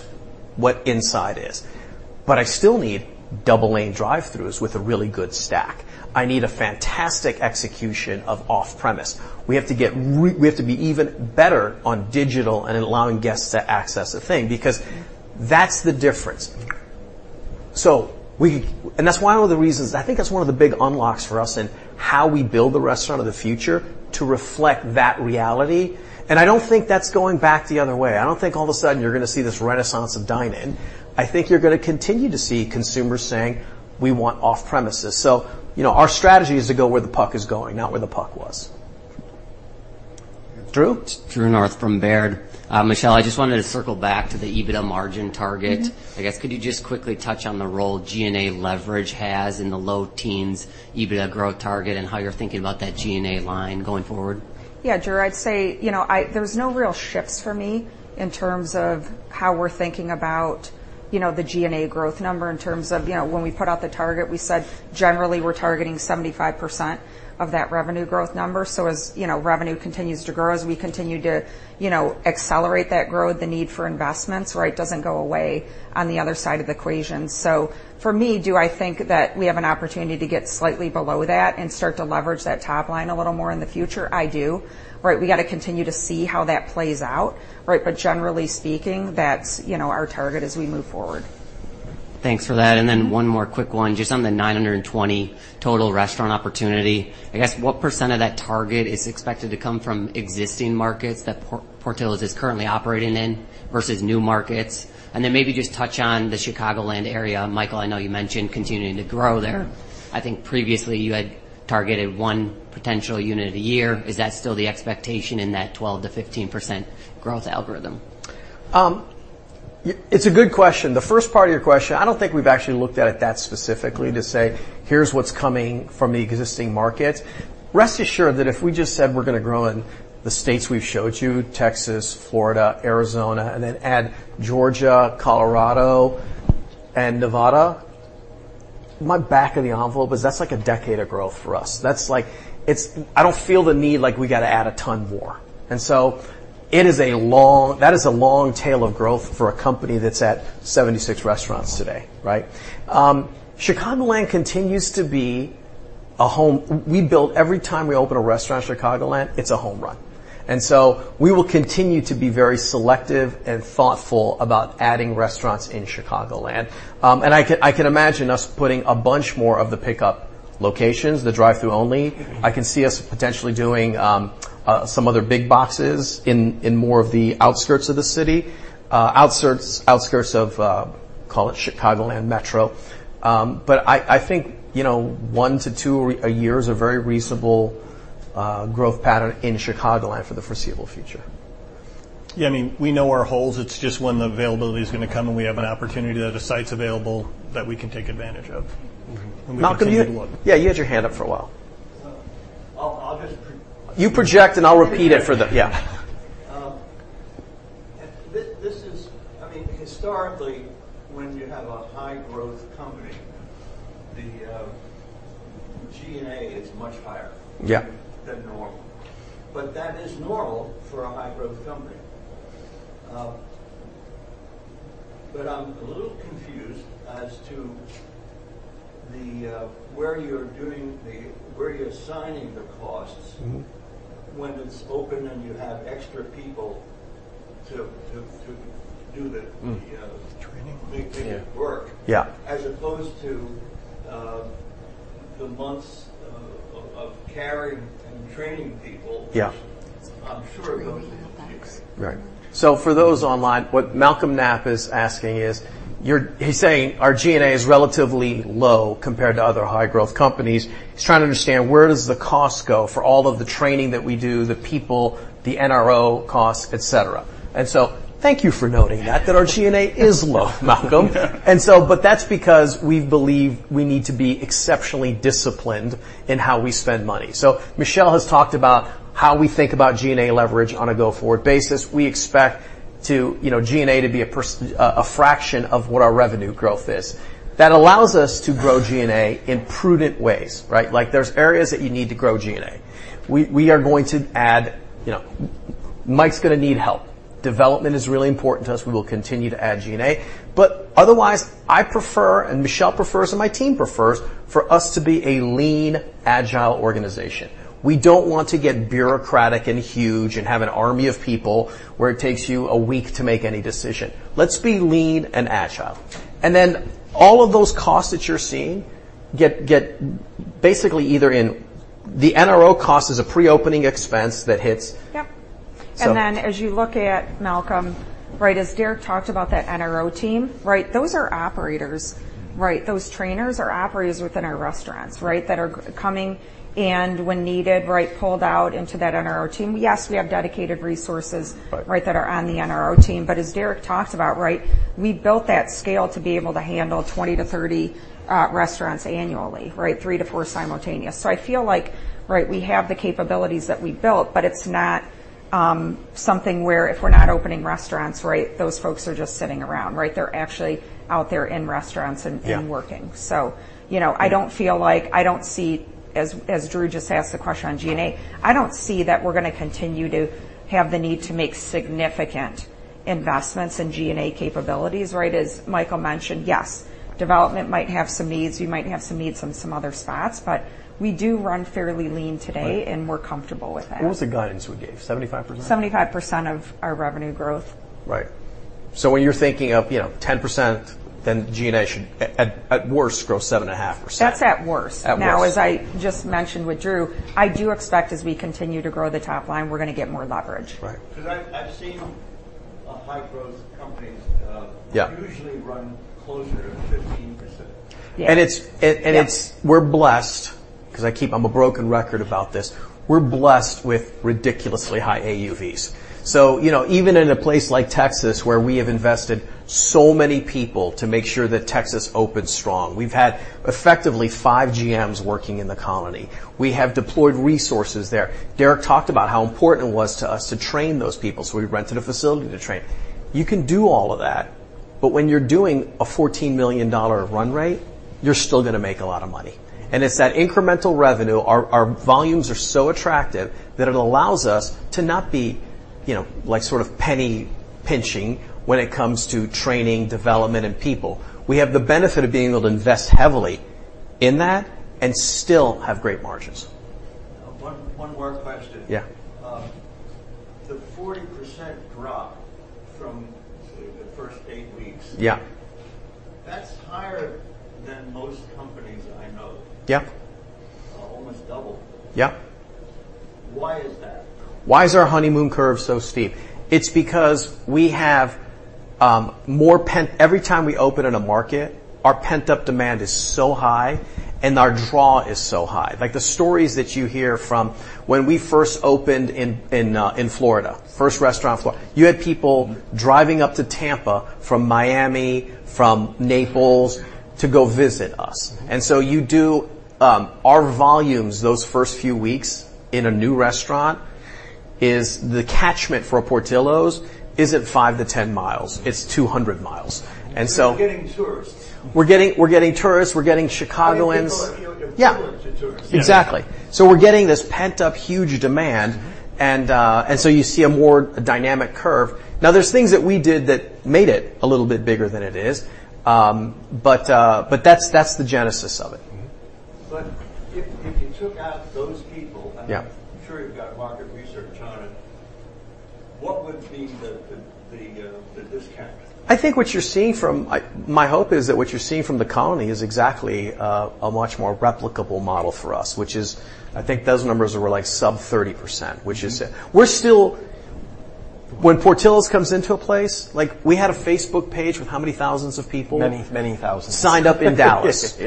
what inside is. But I still need double-lane drive-thrus with a really good stack. I need a fantastic execution of off-premise. We have to be even better on digital and in allowing guests to access the thing because that's the difference. So we... And that's one of the reasons. I think that's one of the big unlocks for us in how we build the Restaurant of the Future to reflect that reality, and I don't think that's going back the other way. I don't think all of a sudden you're gonna see this renaissance of dine-in. I think you're gonna continue to see consumers saying, "We want off-premises." So, you know, our strategy is to go where the puck is going, not where the puck was. Drew? Drew North from Baird. Michelle, I just wanted to circle back to the EBITDA margin target. Mm-hmm. I guess, could you just quickly touch on the role G&A leverage has in the low teens EBITDA growth target and how you're thinking about that G&A line going forward? Yeah, Drew, I'd say, you know, I... There's no real shifts for me in terms of how we're thinking about, you know, the G&A growth number in terms of... You know, when we put out the target, we said, generally, we're targeting 75% of that revenue growth number. So as, you know, revenue continues to grow, as we continue to, you know, accelerate that growth, the need for investments, right, doesn't go away on the other side of the equation. So for me, do I think that we have an opportunity to get slightly below that and start to leverage that top line a little more in the future? I do. Right, we got to continue to see how that plays out, right? But generally speaking, that's, you know, our target as we move forward. Thanks for that. And then one more quick one, just on the 920 total restaurant opportunity. I guess, what % of that target is expected to come from existing markets that Portillo's is currently operating in versus new markets? And then maybe just touch on the Chicagoland area. Michael, I know you mentioned continuing to grow there. I think previously you had targeted one potential unit a year. Is that still the expectation in that 12%-15% growth algorithm? It's a good question. The first part of your question, I don't think we've actually looked at it that specifically to say, "Here's what's coming from the existing markets." Rest assured that if we just said we're gonna grow in the states we've showed you, Texas, Florida, Arizona, and then add Georgia, Colorado, and Nevada, my back of the envelope is that's like a decade of growth for us. That's like, it's. I don't feel the need, like we got to add a ton more. And so it is a long. That is a long tail of growth for a company that's at 76 restaurants today, right? Chicagoland continues to be a home. We build. Every time we open a restaurant in Chicagoland, it's a home run. And so we will continue to be very selective and thoughtful about adding restaurants in Chicagoland. I can imagine us putting a bunch more of the pickup locations, the drive-through only. Mm-hmm. I can see us potentially doing some other big boxes in more of the outskirts of the city, call it Chicagoland Metro. But I think, you know, one to two a year is a very reasonable growth pattern in Chicagoland for the foreseeable future. Yeah, I mean, we know our holes. It's just when the availability is gonna come, and we have an opportunity, that the site's available, that we can take advantage of. Malcolm, you- We take a look. Yeah, you had your hand up for a while. So I'll just pre- You project, and I'll repeat it for the... Yeah. This is... I mean, historically, when you have a high-growth company, the G&A is much higher- Yeah than normal. But that is normal for a high-growth company. But I'm a little confused as to where you're assigning the costs when it's open, and you have extra people to do the, uh- Training -the work. Yeah. As opposed to the months of carrying and training people- Yeah -which I'm sure goes to your place. Right. So for those online, what Malcolm Knapp is asking is, He's saying our G&A is relatively low compared to other high-growth companies. He's trying to understand where does the cost go for all of the training that we do, the people, the NRO costs, et cetera. And so thank you for noting that, that our G&A is low, Malcolm. Yeah. That's because we believe we need to be exceptionally disciplined in how we spend money. Michelle has talked about how we think about G&A leverage on a go-forward basis. We expect to, you know, G&A to be a fraction of what our revenue growth is. That allows us to grow G&A in prudent ways, right? Like, there's areas that you need to grow G&A. We, we are going to add... You know, Mike's gonna need help.... Development is really important to us. We will continue to add G&A. Otherwise, I prefer, and Michelle prefers, and my team prefers, for us to be a lean, agile organization. We don't want to get bureaucratic and huge and have an army of people, where it takes you a week to make any decision. Let's be lean and agile. Then all of those costs that you're seeing get basically either in. The NRO cost is a pre-opening expense that hits. Yep. So- Then as you look at, Malcolm, right, as Derrick talked about that NRO team, right, those are operators, right? Those trainers are operators within our restaurants, right, that are coming, and when needed, right, pulled out into that NRO team. Yes, we have dedicated resources, right, that are on the NRO team. But as Derrick talked about, right, we built that scale to be able to handle 20-30 restaurants annually, right? 3-4 simultaneous. So I feel like, right, we have the capabilities that we built, but it's not something where if we're not opening restaurants, right, those folks are just sitting around, right? They're actually out there in restaurants and. Yeah working. So, you know Yeah I don't see, as Drew just asked the question on G&A, I don't see that we're gonna continue to have the need to make significant investments in G&A capabilities, right? As Michael mentioned, yes, development might have some needs. We might have some needs in some other spots, but we do run fairly lean today- Right And we're comfortable with that. What was the guidance we gave, 75%? 75% of our revenue growth. Right. So when you're thinking of, you know, 10%, then G&A should at worst grow 7.5%. That's at worst. At worst. Now, as I just mentioned with Drew, I do expect, as we continue to grow the top line, we're gonna get more leverage. Right. 'Cause I've seen high-growth companies, Yeah... usually run closer to 15%. Yeah. And it's Yeah... we're blessed, 'cause I keep, I'm a broken record about this. We're blessed with ridiculously high AUVs. So, you know, even in a place like Texas, where we have invested so many people to make sure that Texas opens strong, we've had effectively five GMs working in The Colony. We have deployed resources there. Derrick talked about how important it was to us to train those people, so we rented a facility to train. You can do all of that, but when you're doing a $14 million run rate, you're still gonna make a lot of money. And it's that incremental revenue. Our, our volumes are so attractive, that it allows us to not be, you know, like, sort of penny-pinching when it comes to training, development, and people. We have the benefit of being able to invest heavily in that and still have great margins. One more question. Yeah. The 40% drop from the first 8 weeks- Yeah... that's higher than most companies I know. Yep. Almost double. Yep. Why is that? Why is our honeymoon curve so steep? It's because every time we open in a market, our pent-up demand is so high, and our draw is so high. Like, the stories that you hear from when we first opened in Florida, first restaurant in Florida, you had people driving up to Tampa from Miami, from Naples to go visit us. And so you do. Our volumes, those first few weeks in a new restaurant, is the catchment for a Portillo's isn't five to 10 mi; it's 200 mi. And so- You're getting tourists. We're getting, we're getting tourists. We're getting Chicagoans. Many people are familiar to tourists. Exactly. So we're getting this pent-up huge demand, and, and so you see a more dynamic curve. Now, there's things that we did that made it a little bit bigger than it is, but, but that's, that's the genesis of it. Mm-hmm. But if, if you took out those people. I'm sure you've got market research on it. What would be the discount? I think what you're seeing from it, my hope is that what you're seeing from The Colony is exactly a much more replicable model for us, which is, I think, those numbers were, like, sub 30%, which is- We're still... When Portillo's comes into a place, like, we had a Facebook page with how many thousands of people? Many, many thousands. Signed up in Dallas.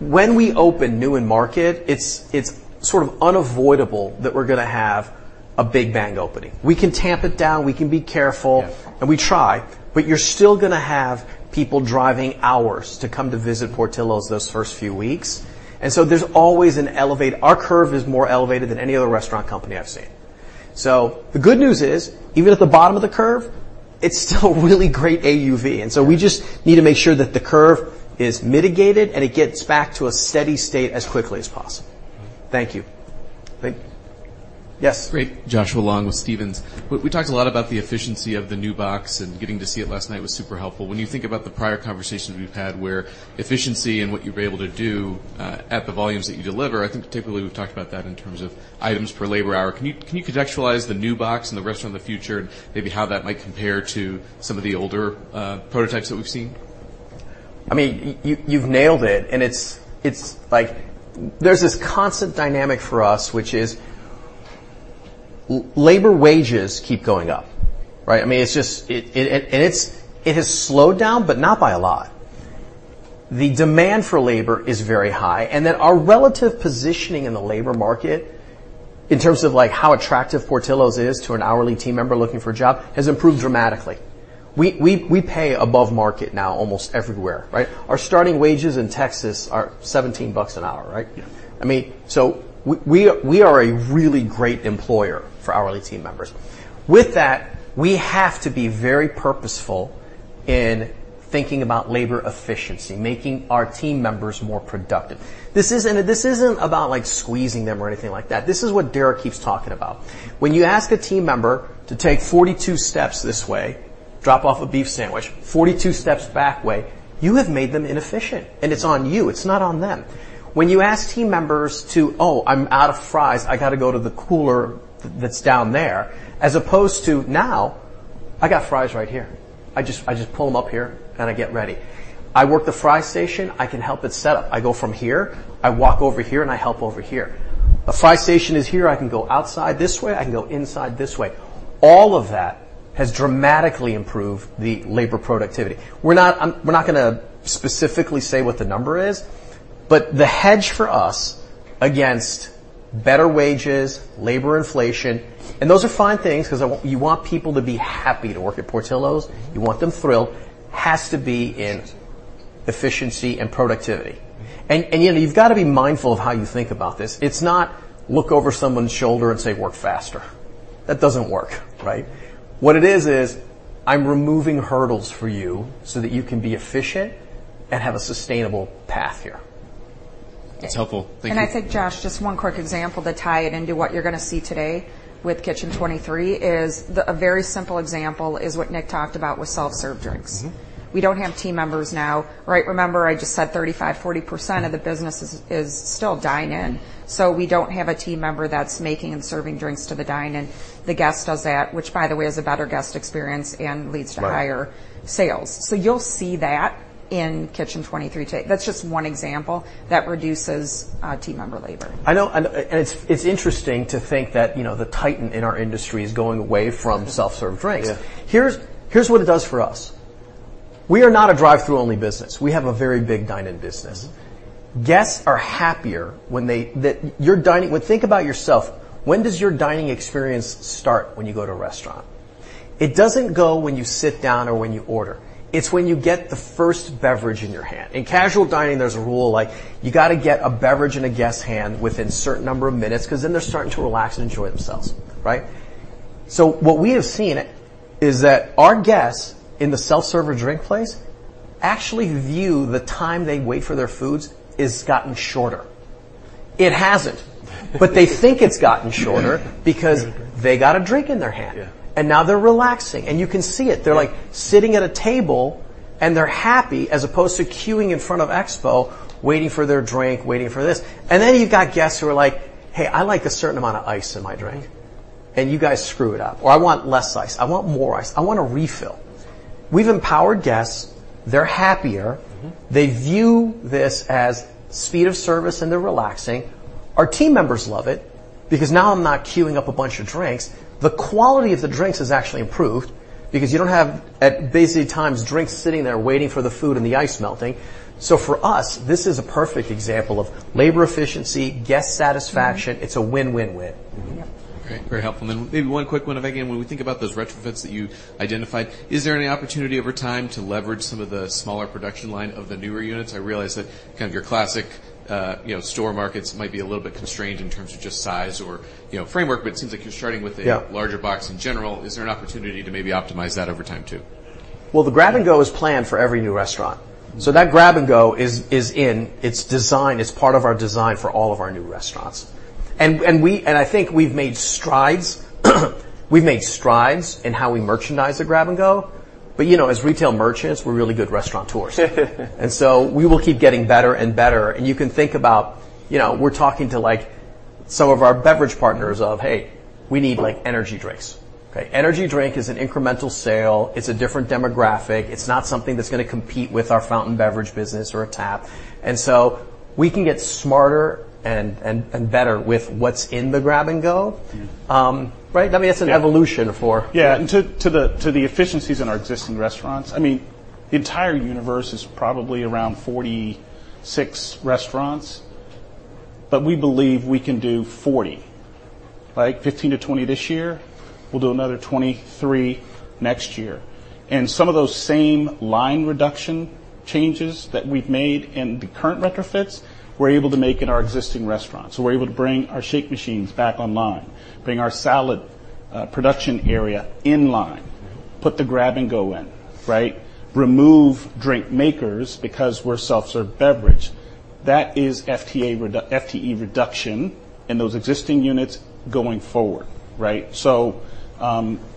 When we open new in market, it's sort of unavoidable that we're gonna have a big bang opening. We can tamp it down, we can be careful and we try, but you're still gonna have people driving hours to come to visit Portillo's those first few weeks, and so there's always an elevated, our curve is more elevated than any other restaurant company I've seen. So the good news is, even at the bottom of the curve, it's still a really great AUV And so we just need to make sure that the curve is mitigated, and it gets back to a steady state as quickly as possible. Thank you. Yes? Great. Joshua Long with Stephens. We talked a lot about the efficiency of the new box, and getting to see it last night was super helpful. When you think about the prior conversations we've had, where efficiency and what you've been able to do at the volumes that you deliver, I think particularly we've talked about that in terms of items per labor hour. Can you contextualize the new box and the Restaurant of the Future, and maybe how that might compare to some of the older prototypes that we've seen? I mean, you've nailed it, and it's like... There's this constant dynamic for us, which is labor wages keep going up, right? I mean, it's just, it has slowed down, but not by a lot. The demand for labor is very high, and then our relative positioning in the labor market, in terms of, like, how attractive Portillo's is to an hourly team member looking for a job, has improved dramatically. We pay above market now almost everywhere, right? Our starting wages in Texas are $17 an hour, right? Yeah. I mean, so we are a really great employer for hourly team members. With that, we have to be very purposeful in thinking about labor efficiency, making our team members more productive. This isn't about, like, squeezing them or anything like that. This is what Derrick keeps talking about. When you ask a team member to take 42 steps this way—drop off a beef sandwich 42 steps back way, you have made them inefficient, and it's on you, it's not on them. When you ask team members to: "Oh, I'm out of fries. I got to go to the cooler that's down there," as opposed to now, "I got fries right here. I just pull them up here, and I get ready." I work the fry station, I can help it set up. I go from here, I walk over here, and I help over here. A fry station is here, I can go outside this way, I can go inside this way. All of that has dramatically improved the labor productivity. We're not, we're not gonna specifically say what the number is, but the hedge for us against better wages, labor inflation, and those are fine things 'cause I want—you want people to be happy to work at Portillo's, you want them thrilled, has to be in efficiency and productivity. And, you know, you've got to be mindful of how you think about this. It's not look over someone's shoulder and say: "Work faster." That doesn't work, right? What it is, is I'm removing hurdles for you so that you can be efficient and have a sustainable path here. That's helpful. Thank you. I think, Josh, just one quick example to tie it into what you're gonna see today with Kitchen 23 is the... A very simple example is what Nick talked about with self-serve drinks. We don't have team members now, right? Remember, I just said 35%-40% of the business is still dine-in, so we don't have a team member that's making and serving drinks to the dine-in. The guest does that, which, by the way, is a better guest experience and leads to higher sales. So you'll see that in Kitchen 23 today. That's just one example that reduces team member labor. I know, and, and it's interesting to think that, you know, the titan in our industry is going away from self-serve drinks Here's what it does for us. We are not a drive-through only business. We have a very big dine-in business. Guests are happier when they... Well, think about yourself. When does your dining experience start when you go to a restaurant? It doesn't go when you sit down or when you order. It's when you get the first beverage in your hand. In casual dining, there's a rule, like, you got to get a beverage in a guest's hand within a certain number of minutes because then they're starting to relax and enjoy themselves, right? So what we have seen is that our guests in the self-server drink place actually view the time they wait for their foods has gotten shorter. It hasn't, but they think it's gotten shorter because. They got a drink in their hand. Yeah. Now they're relaxing, and you can see it. Yeah. They're, like, sitting at a table, and they're happy, as opposed to queuing in front of expo, waiting for their drink, waiting for this. And then, you've got guests who are like: "Hey, I like a certain amount of ice in my drink, and you guys screw it up," or, "I want less ice. I want more ice. I want a refill." We've empowered guests. They're happier. They view this as speed of service, and they're relaxing. Our team members love it because now I'm not queuing up a bunch of drinks. The quality of the drinks has actually improved because you don't have, at busy times, drinks sitting there waiting for the food and the ice melting. So for us, this is a perfect example of labor efficiency, guest satisfaction- It's a win-win-win. Okay, very helpful. And then maybe one quick one, again, when we think about those retrofits that you identified, is there any opportunity over time to leverage some of the smaller production line of the newer units? I realize that kind of your classic, you know, store markets might be a little bit constrained in terms of just size or, you know, framework, but it seems like you're starting with a larger box in general. Is there an opportunity to maybe optimize that over time, too? Well, the Grab and Go is planned for every new restaurant. So that Grab and Go is in its design. It's part of our design for all of our new restaurants. And I think we've made strides, we've made strides in how we merchandise the Grab and Go, but, you know, as retail merchants, we're really good restaurateurs. And so we will keep getting better and better, and you can think about, you know, we're talking to, like, some of our beverage partners of, "Hey, we need, like, energy drinks." Okay? Energy drink is an incremental sale. It's a different demographic. It's not something that's gonna compete with our fountain beverage business or a tap. And so we can get smarter and better with what's in the Grab and Go. Yeah. Right? I mean, it's an evolution for- Yeah, to the efficiencies in our existing restaurants, I mean, the entire universe is probably around 46 restaurants, but we believe we can do 40. Like 15-20 this year. We'll do another 23 next year. Some of those same line reduction changes that we've made in the current retrofits, we're able to make in our existing restaurants. We're able to bring our shake machines back online, bring our salad production area in line, put the grab and go in, right? Remove drink makers because we're self-serve beverage. That is FTE reduction in those existing units going forward, right? To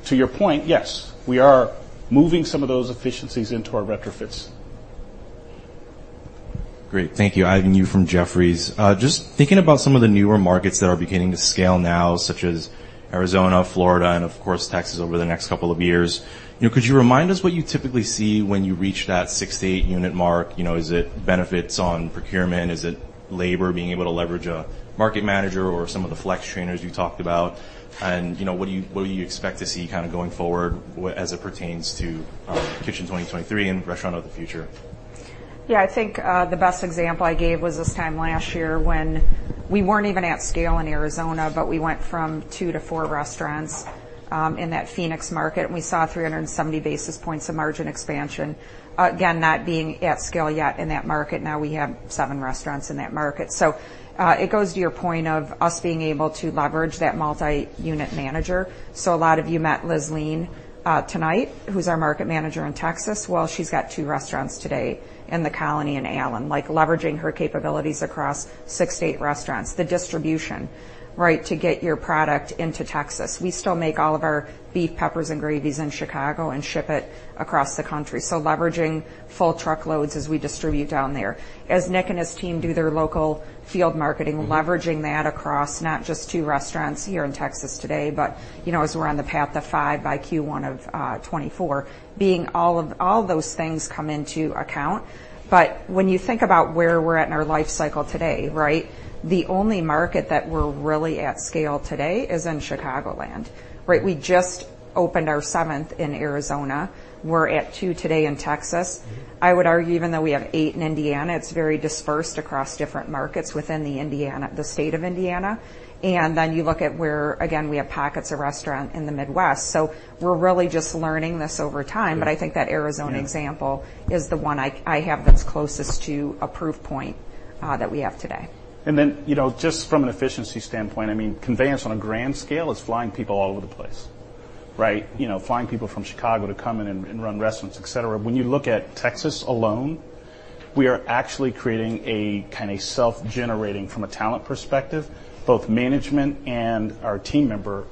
your point, yes, we are moving some of those efficiencies into our retrofits. Great. Thank you. Ivan Yu from Jefferies. Just thinking about some of the newer markets that are beginning to scale now, such as Arizona, Florida, and of course, Texas over the next couple of years, you know, could you remind us what you typically see when you reach that 6-8-unit mark? You know, is it benefits on procurement? Is it labor being able to leverage a market manager or some of the flex trainers you talked about? And, you know, what do you, what do you expect to see kind of going forward as it pertains to Kitchen 23 and Restaurant of the Future? Yeah, I think the best example I gave was this time last year when we weren't even at scale in Arizona, but we went from 2 to 4 restaurants in that Phoenix market, and we saw 370 basis points of margin expansion. Again, not being at scale yet in that market. Now we have 7 restaurants in that market. So it goes to your point of us being able to leverage that multi-unit manager. So a lot of you met Lisline tonight, who's our market manager in Texas. Well, she's got 2 restaurants today in The Colony in Allen, like leveraging her capabilities across six state restaurants. The distribution, right, to get your product into Texas. We still make all of our beef, peppers, and gravies in Chicago and ship it across the country, so leveraging full truckloads as we distribute down there. As Nick and his team do their local field marketing, leveraging that across not just 2 restaurants here in Texas today, but, you know, as we're on the path to 5 by Q1 of 2024, being all those things come into account. But when you think about where we're at in our life cycle today, right? The only market that we're really at scale today is in Chicagoland, right? We just opened our seventh in Arizona. We're at 2 today in Texas. I would argue, even though we have 8 in Indiana, it's very dispersed across different markets within the Indiana--the state of Indiana. And then you look at where, again, we have pockets of restaurant in the Midwest, so we're really just learning this over time. Yeah. But I think that Arizona example is the one I have that's closest to a proof point that we have today. And then, you know, just from an efficiency standpoint, I mean, conveyance on a grand scale is flying people all over the place, right? You know, flying people from Chicago to come in and run restaurants, et cetera. When you look at Texas alone, we are actually creating a kind of self-generating from a talent perspective, both management and our team member.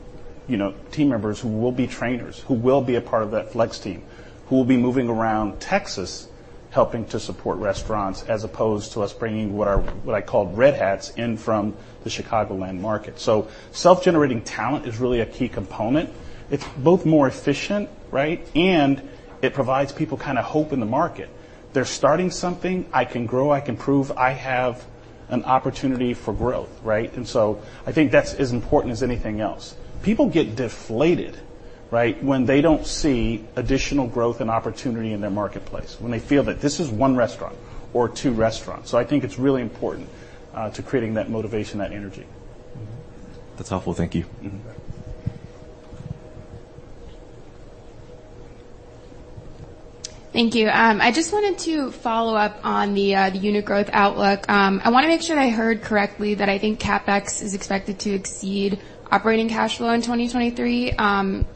You know, team members who will be trainers, who will be a part of that flex team, who will be moving around Texas, helping to support restaurants, as opposed to us bringing what I call Red Hats in from the Chicagoland market. So self-generating talent is really a key component. It's both more efficient, right? And it provides people kind of hope in the market. They're starting something. I can grow. I can prove I have an opportunity for growth, right? And so I think that's as important as anything else. People get deflated, right, when they don't see additional growth and opportunity in their marketplace, when they feel that this is one restaurant or two restaurants. So I think it's really important to creating that motivation, that energy. Mm-hmm. That's helpful. Thank you. Mm-hmm. Thank you. I just wanted to follow up on the unit growth outlook. I wanna make sure I heard correctly that I think CapEx is expected to exceed operating cash flow in 2023.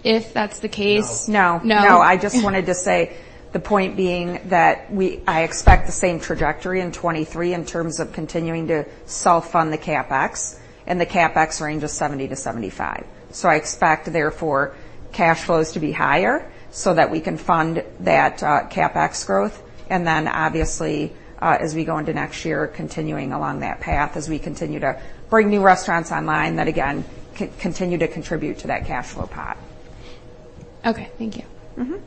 If that's the case- No. No. No? No, I just wanted to say the point being that we expect the same trajectory in 2023 in terms of continuing to self-fund the CapEx, and the CapEx range of 70-75. So I expect, therefore, cash flows to be higher so that we can fund that CapEx growth, and then obviously, as we go into next year, continuing along that path as we continue to bring new restaurants online, that again continue to contribute to that cash flow pot. Okay. Thank you. Mm-hmm.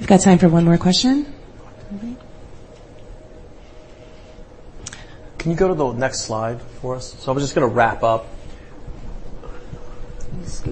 We've got time for one more question. Mm-hmm. Can you go to the next slide for us? I'm just gonna wrap up. Let me see.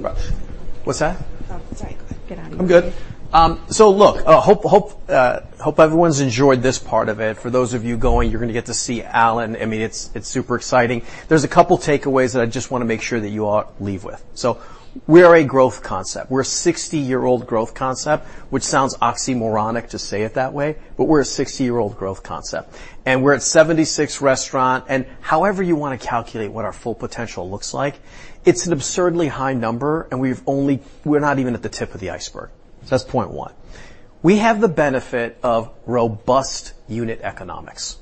What's that? Oh, sorry. Go ahead. Get out of here. I'm good. So look, hope everyone's enjoyed this part of it. For those of you going, you're gonna get to see Allen. I mean, it's super exciting. There's a couple takeaways that I just wanna make sure that you all leave with. So we are a growth concept. We're a 60-year-old growth concept, which sounds oxymoronic to say it that way, but we're a 60-year-old growth concept, and we're at 76 restaurants. However you wanna calculate what our full potential looks like, it's an absurdly high number, and we've only—we're not even at the tip of the iceberg. So that's point one. We have the benefit of robust unit economics.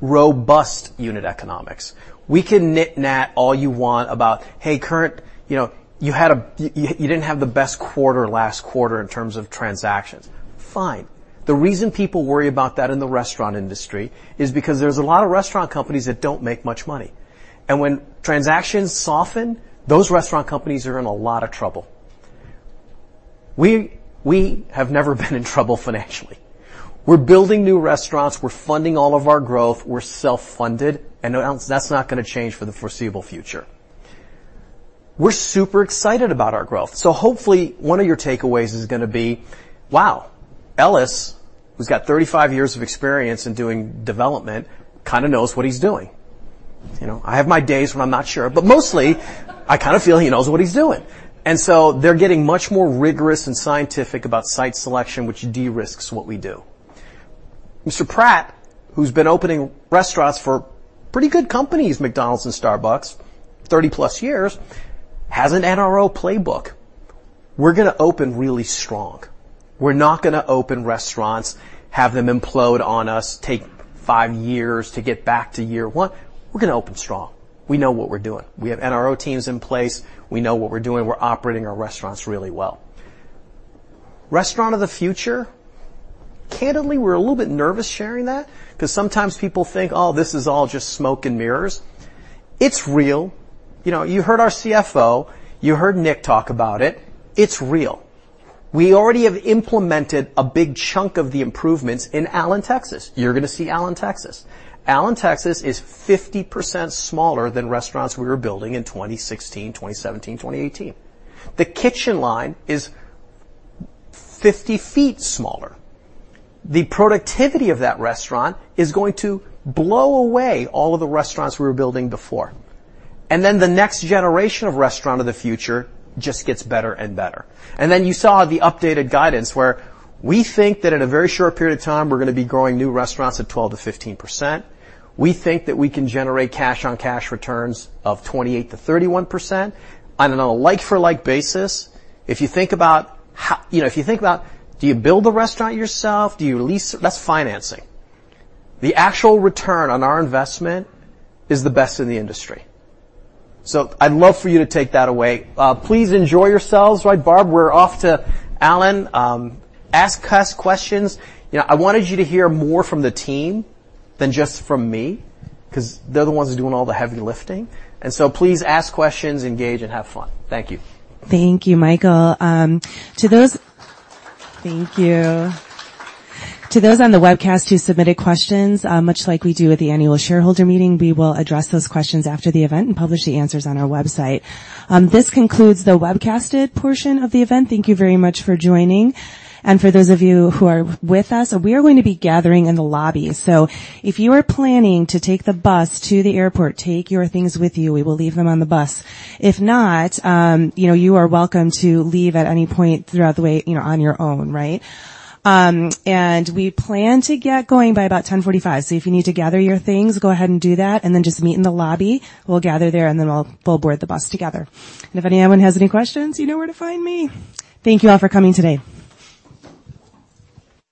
Robust unit economics. We can nitpick all you want about, hey, current. You know, you didn't have the best quarter last quarter in terms of transactions. Fine. The reason people worry about that in the restaurant industry is because there's a lot of restaurant companies that don't make much money, and when transactions soften, those restaurant companies are in a lot of trouble. We, we have never been in trouble financially. We're building new restaurants. We're funding all of our growth. We're self-funded, and that's not gonna change for the foreseeable future. We're super excited about our growth. So hopefully, one of your takeaways is gonna be: Wow! Ellis, who's got 35 years of experience in doing development, kind of knows what he's doing. You know, I have my days when I'm not sure, but mostly, I kind of feel he knows what he's doing. And so they're getting much more rigorous and scientific about site selection, which de-risks what we do. Mr. Pratt, who's been opening restaurants for pretty good companies, McDonald's and Starbucks, 30+ years, has an NRO playbook. We're gonna open really strong. We're not gonna open restaurants, have them implode on us, take five years to get back to year one. We're gonna open strong. We know what we're doing. We have NRO teams in place. We know what we're doing. We're operating our restaurants really well. Restaurant of the Future, candidly, we're a little bit nervous sharing that because sometimes people think, oh, this is all just smoke and mirrors. It's real. You know, you heard our CFO, you heard Nick talk about it. It's real. We already have implemented a big chunk of the improvements in Allen, Texas. You're gonna see Allen, Texas. Allen, Texas, is 50% smaller than restaurants we were building in 2016, 2017, 2018. The kitchen line is 50 ft smaller. The productivity of that restaurant is going to blow away all of the restaurants we were building before. And then the next generation of Restaurant of the Future just gets better and better. And then you saw the updated guidance, where we think that in a very short period of time, we're gonna be growing new restaurants at 12%-15%. We think that we can generate cash-on-cash returns of 28%-31% on a like-for-like basis. If you think about how... You know, if you think about, do you build the restaurant yourself? Do you lease it? That's financing. The actual return on our investment is the best in the industry. So I'd love for you to take that away. Please enjoy yourselves. Right, Barb, we're off to Allen. Ask us questions. You know, I wanted you to hear more from the team than just from me, 'cause they're the ones doing all the heavy lifting. And so please ask questions, engage, and have fun. Thank you. Thank you, Michael. Thank you. To those on the webcast who submitted questions, much like we do at the annual shareholder meeting, we will address those questions after the event and publish the answers on our website. This concludes the webcasted portion of the event. Thank you very much for joining, and for those of you who are with us, we are going to be gathering in the lobby. So if you are planning to take the bus to the airport, take your things with you. We will leave them on the bus. If not, you know, you are welcome to leave at any point throughout the way, you know, on your own, right? We plan to get going by about 10:45, so if you need to gather your things, go ahead and do that, and then just meet in the lobby. We'll gather there, and then we'll all board the bus together. If anyone has any questions, you know where to find me. Thank you all for coming today.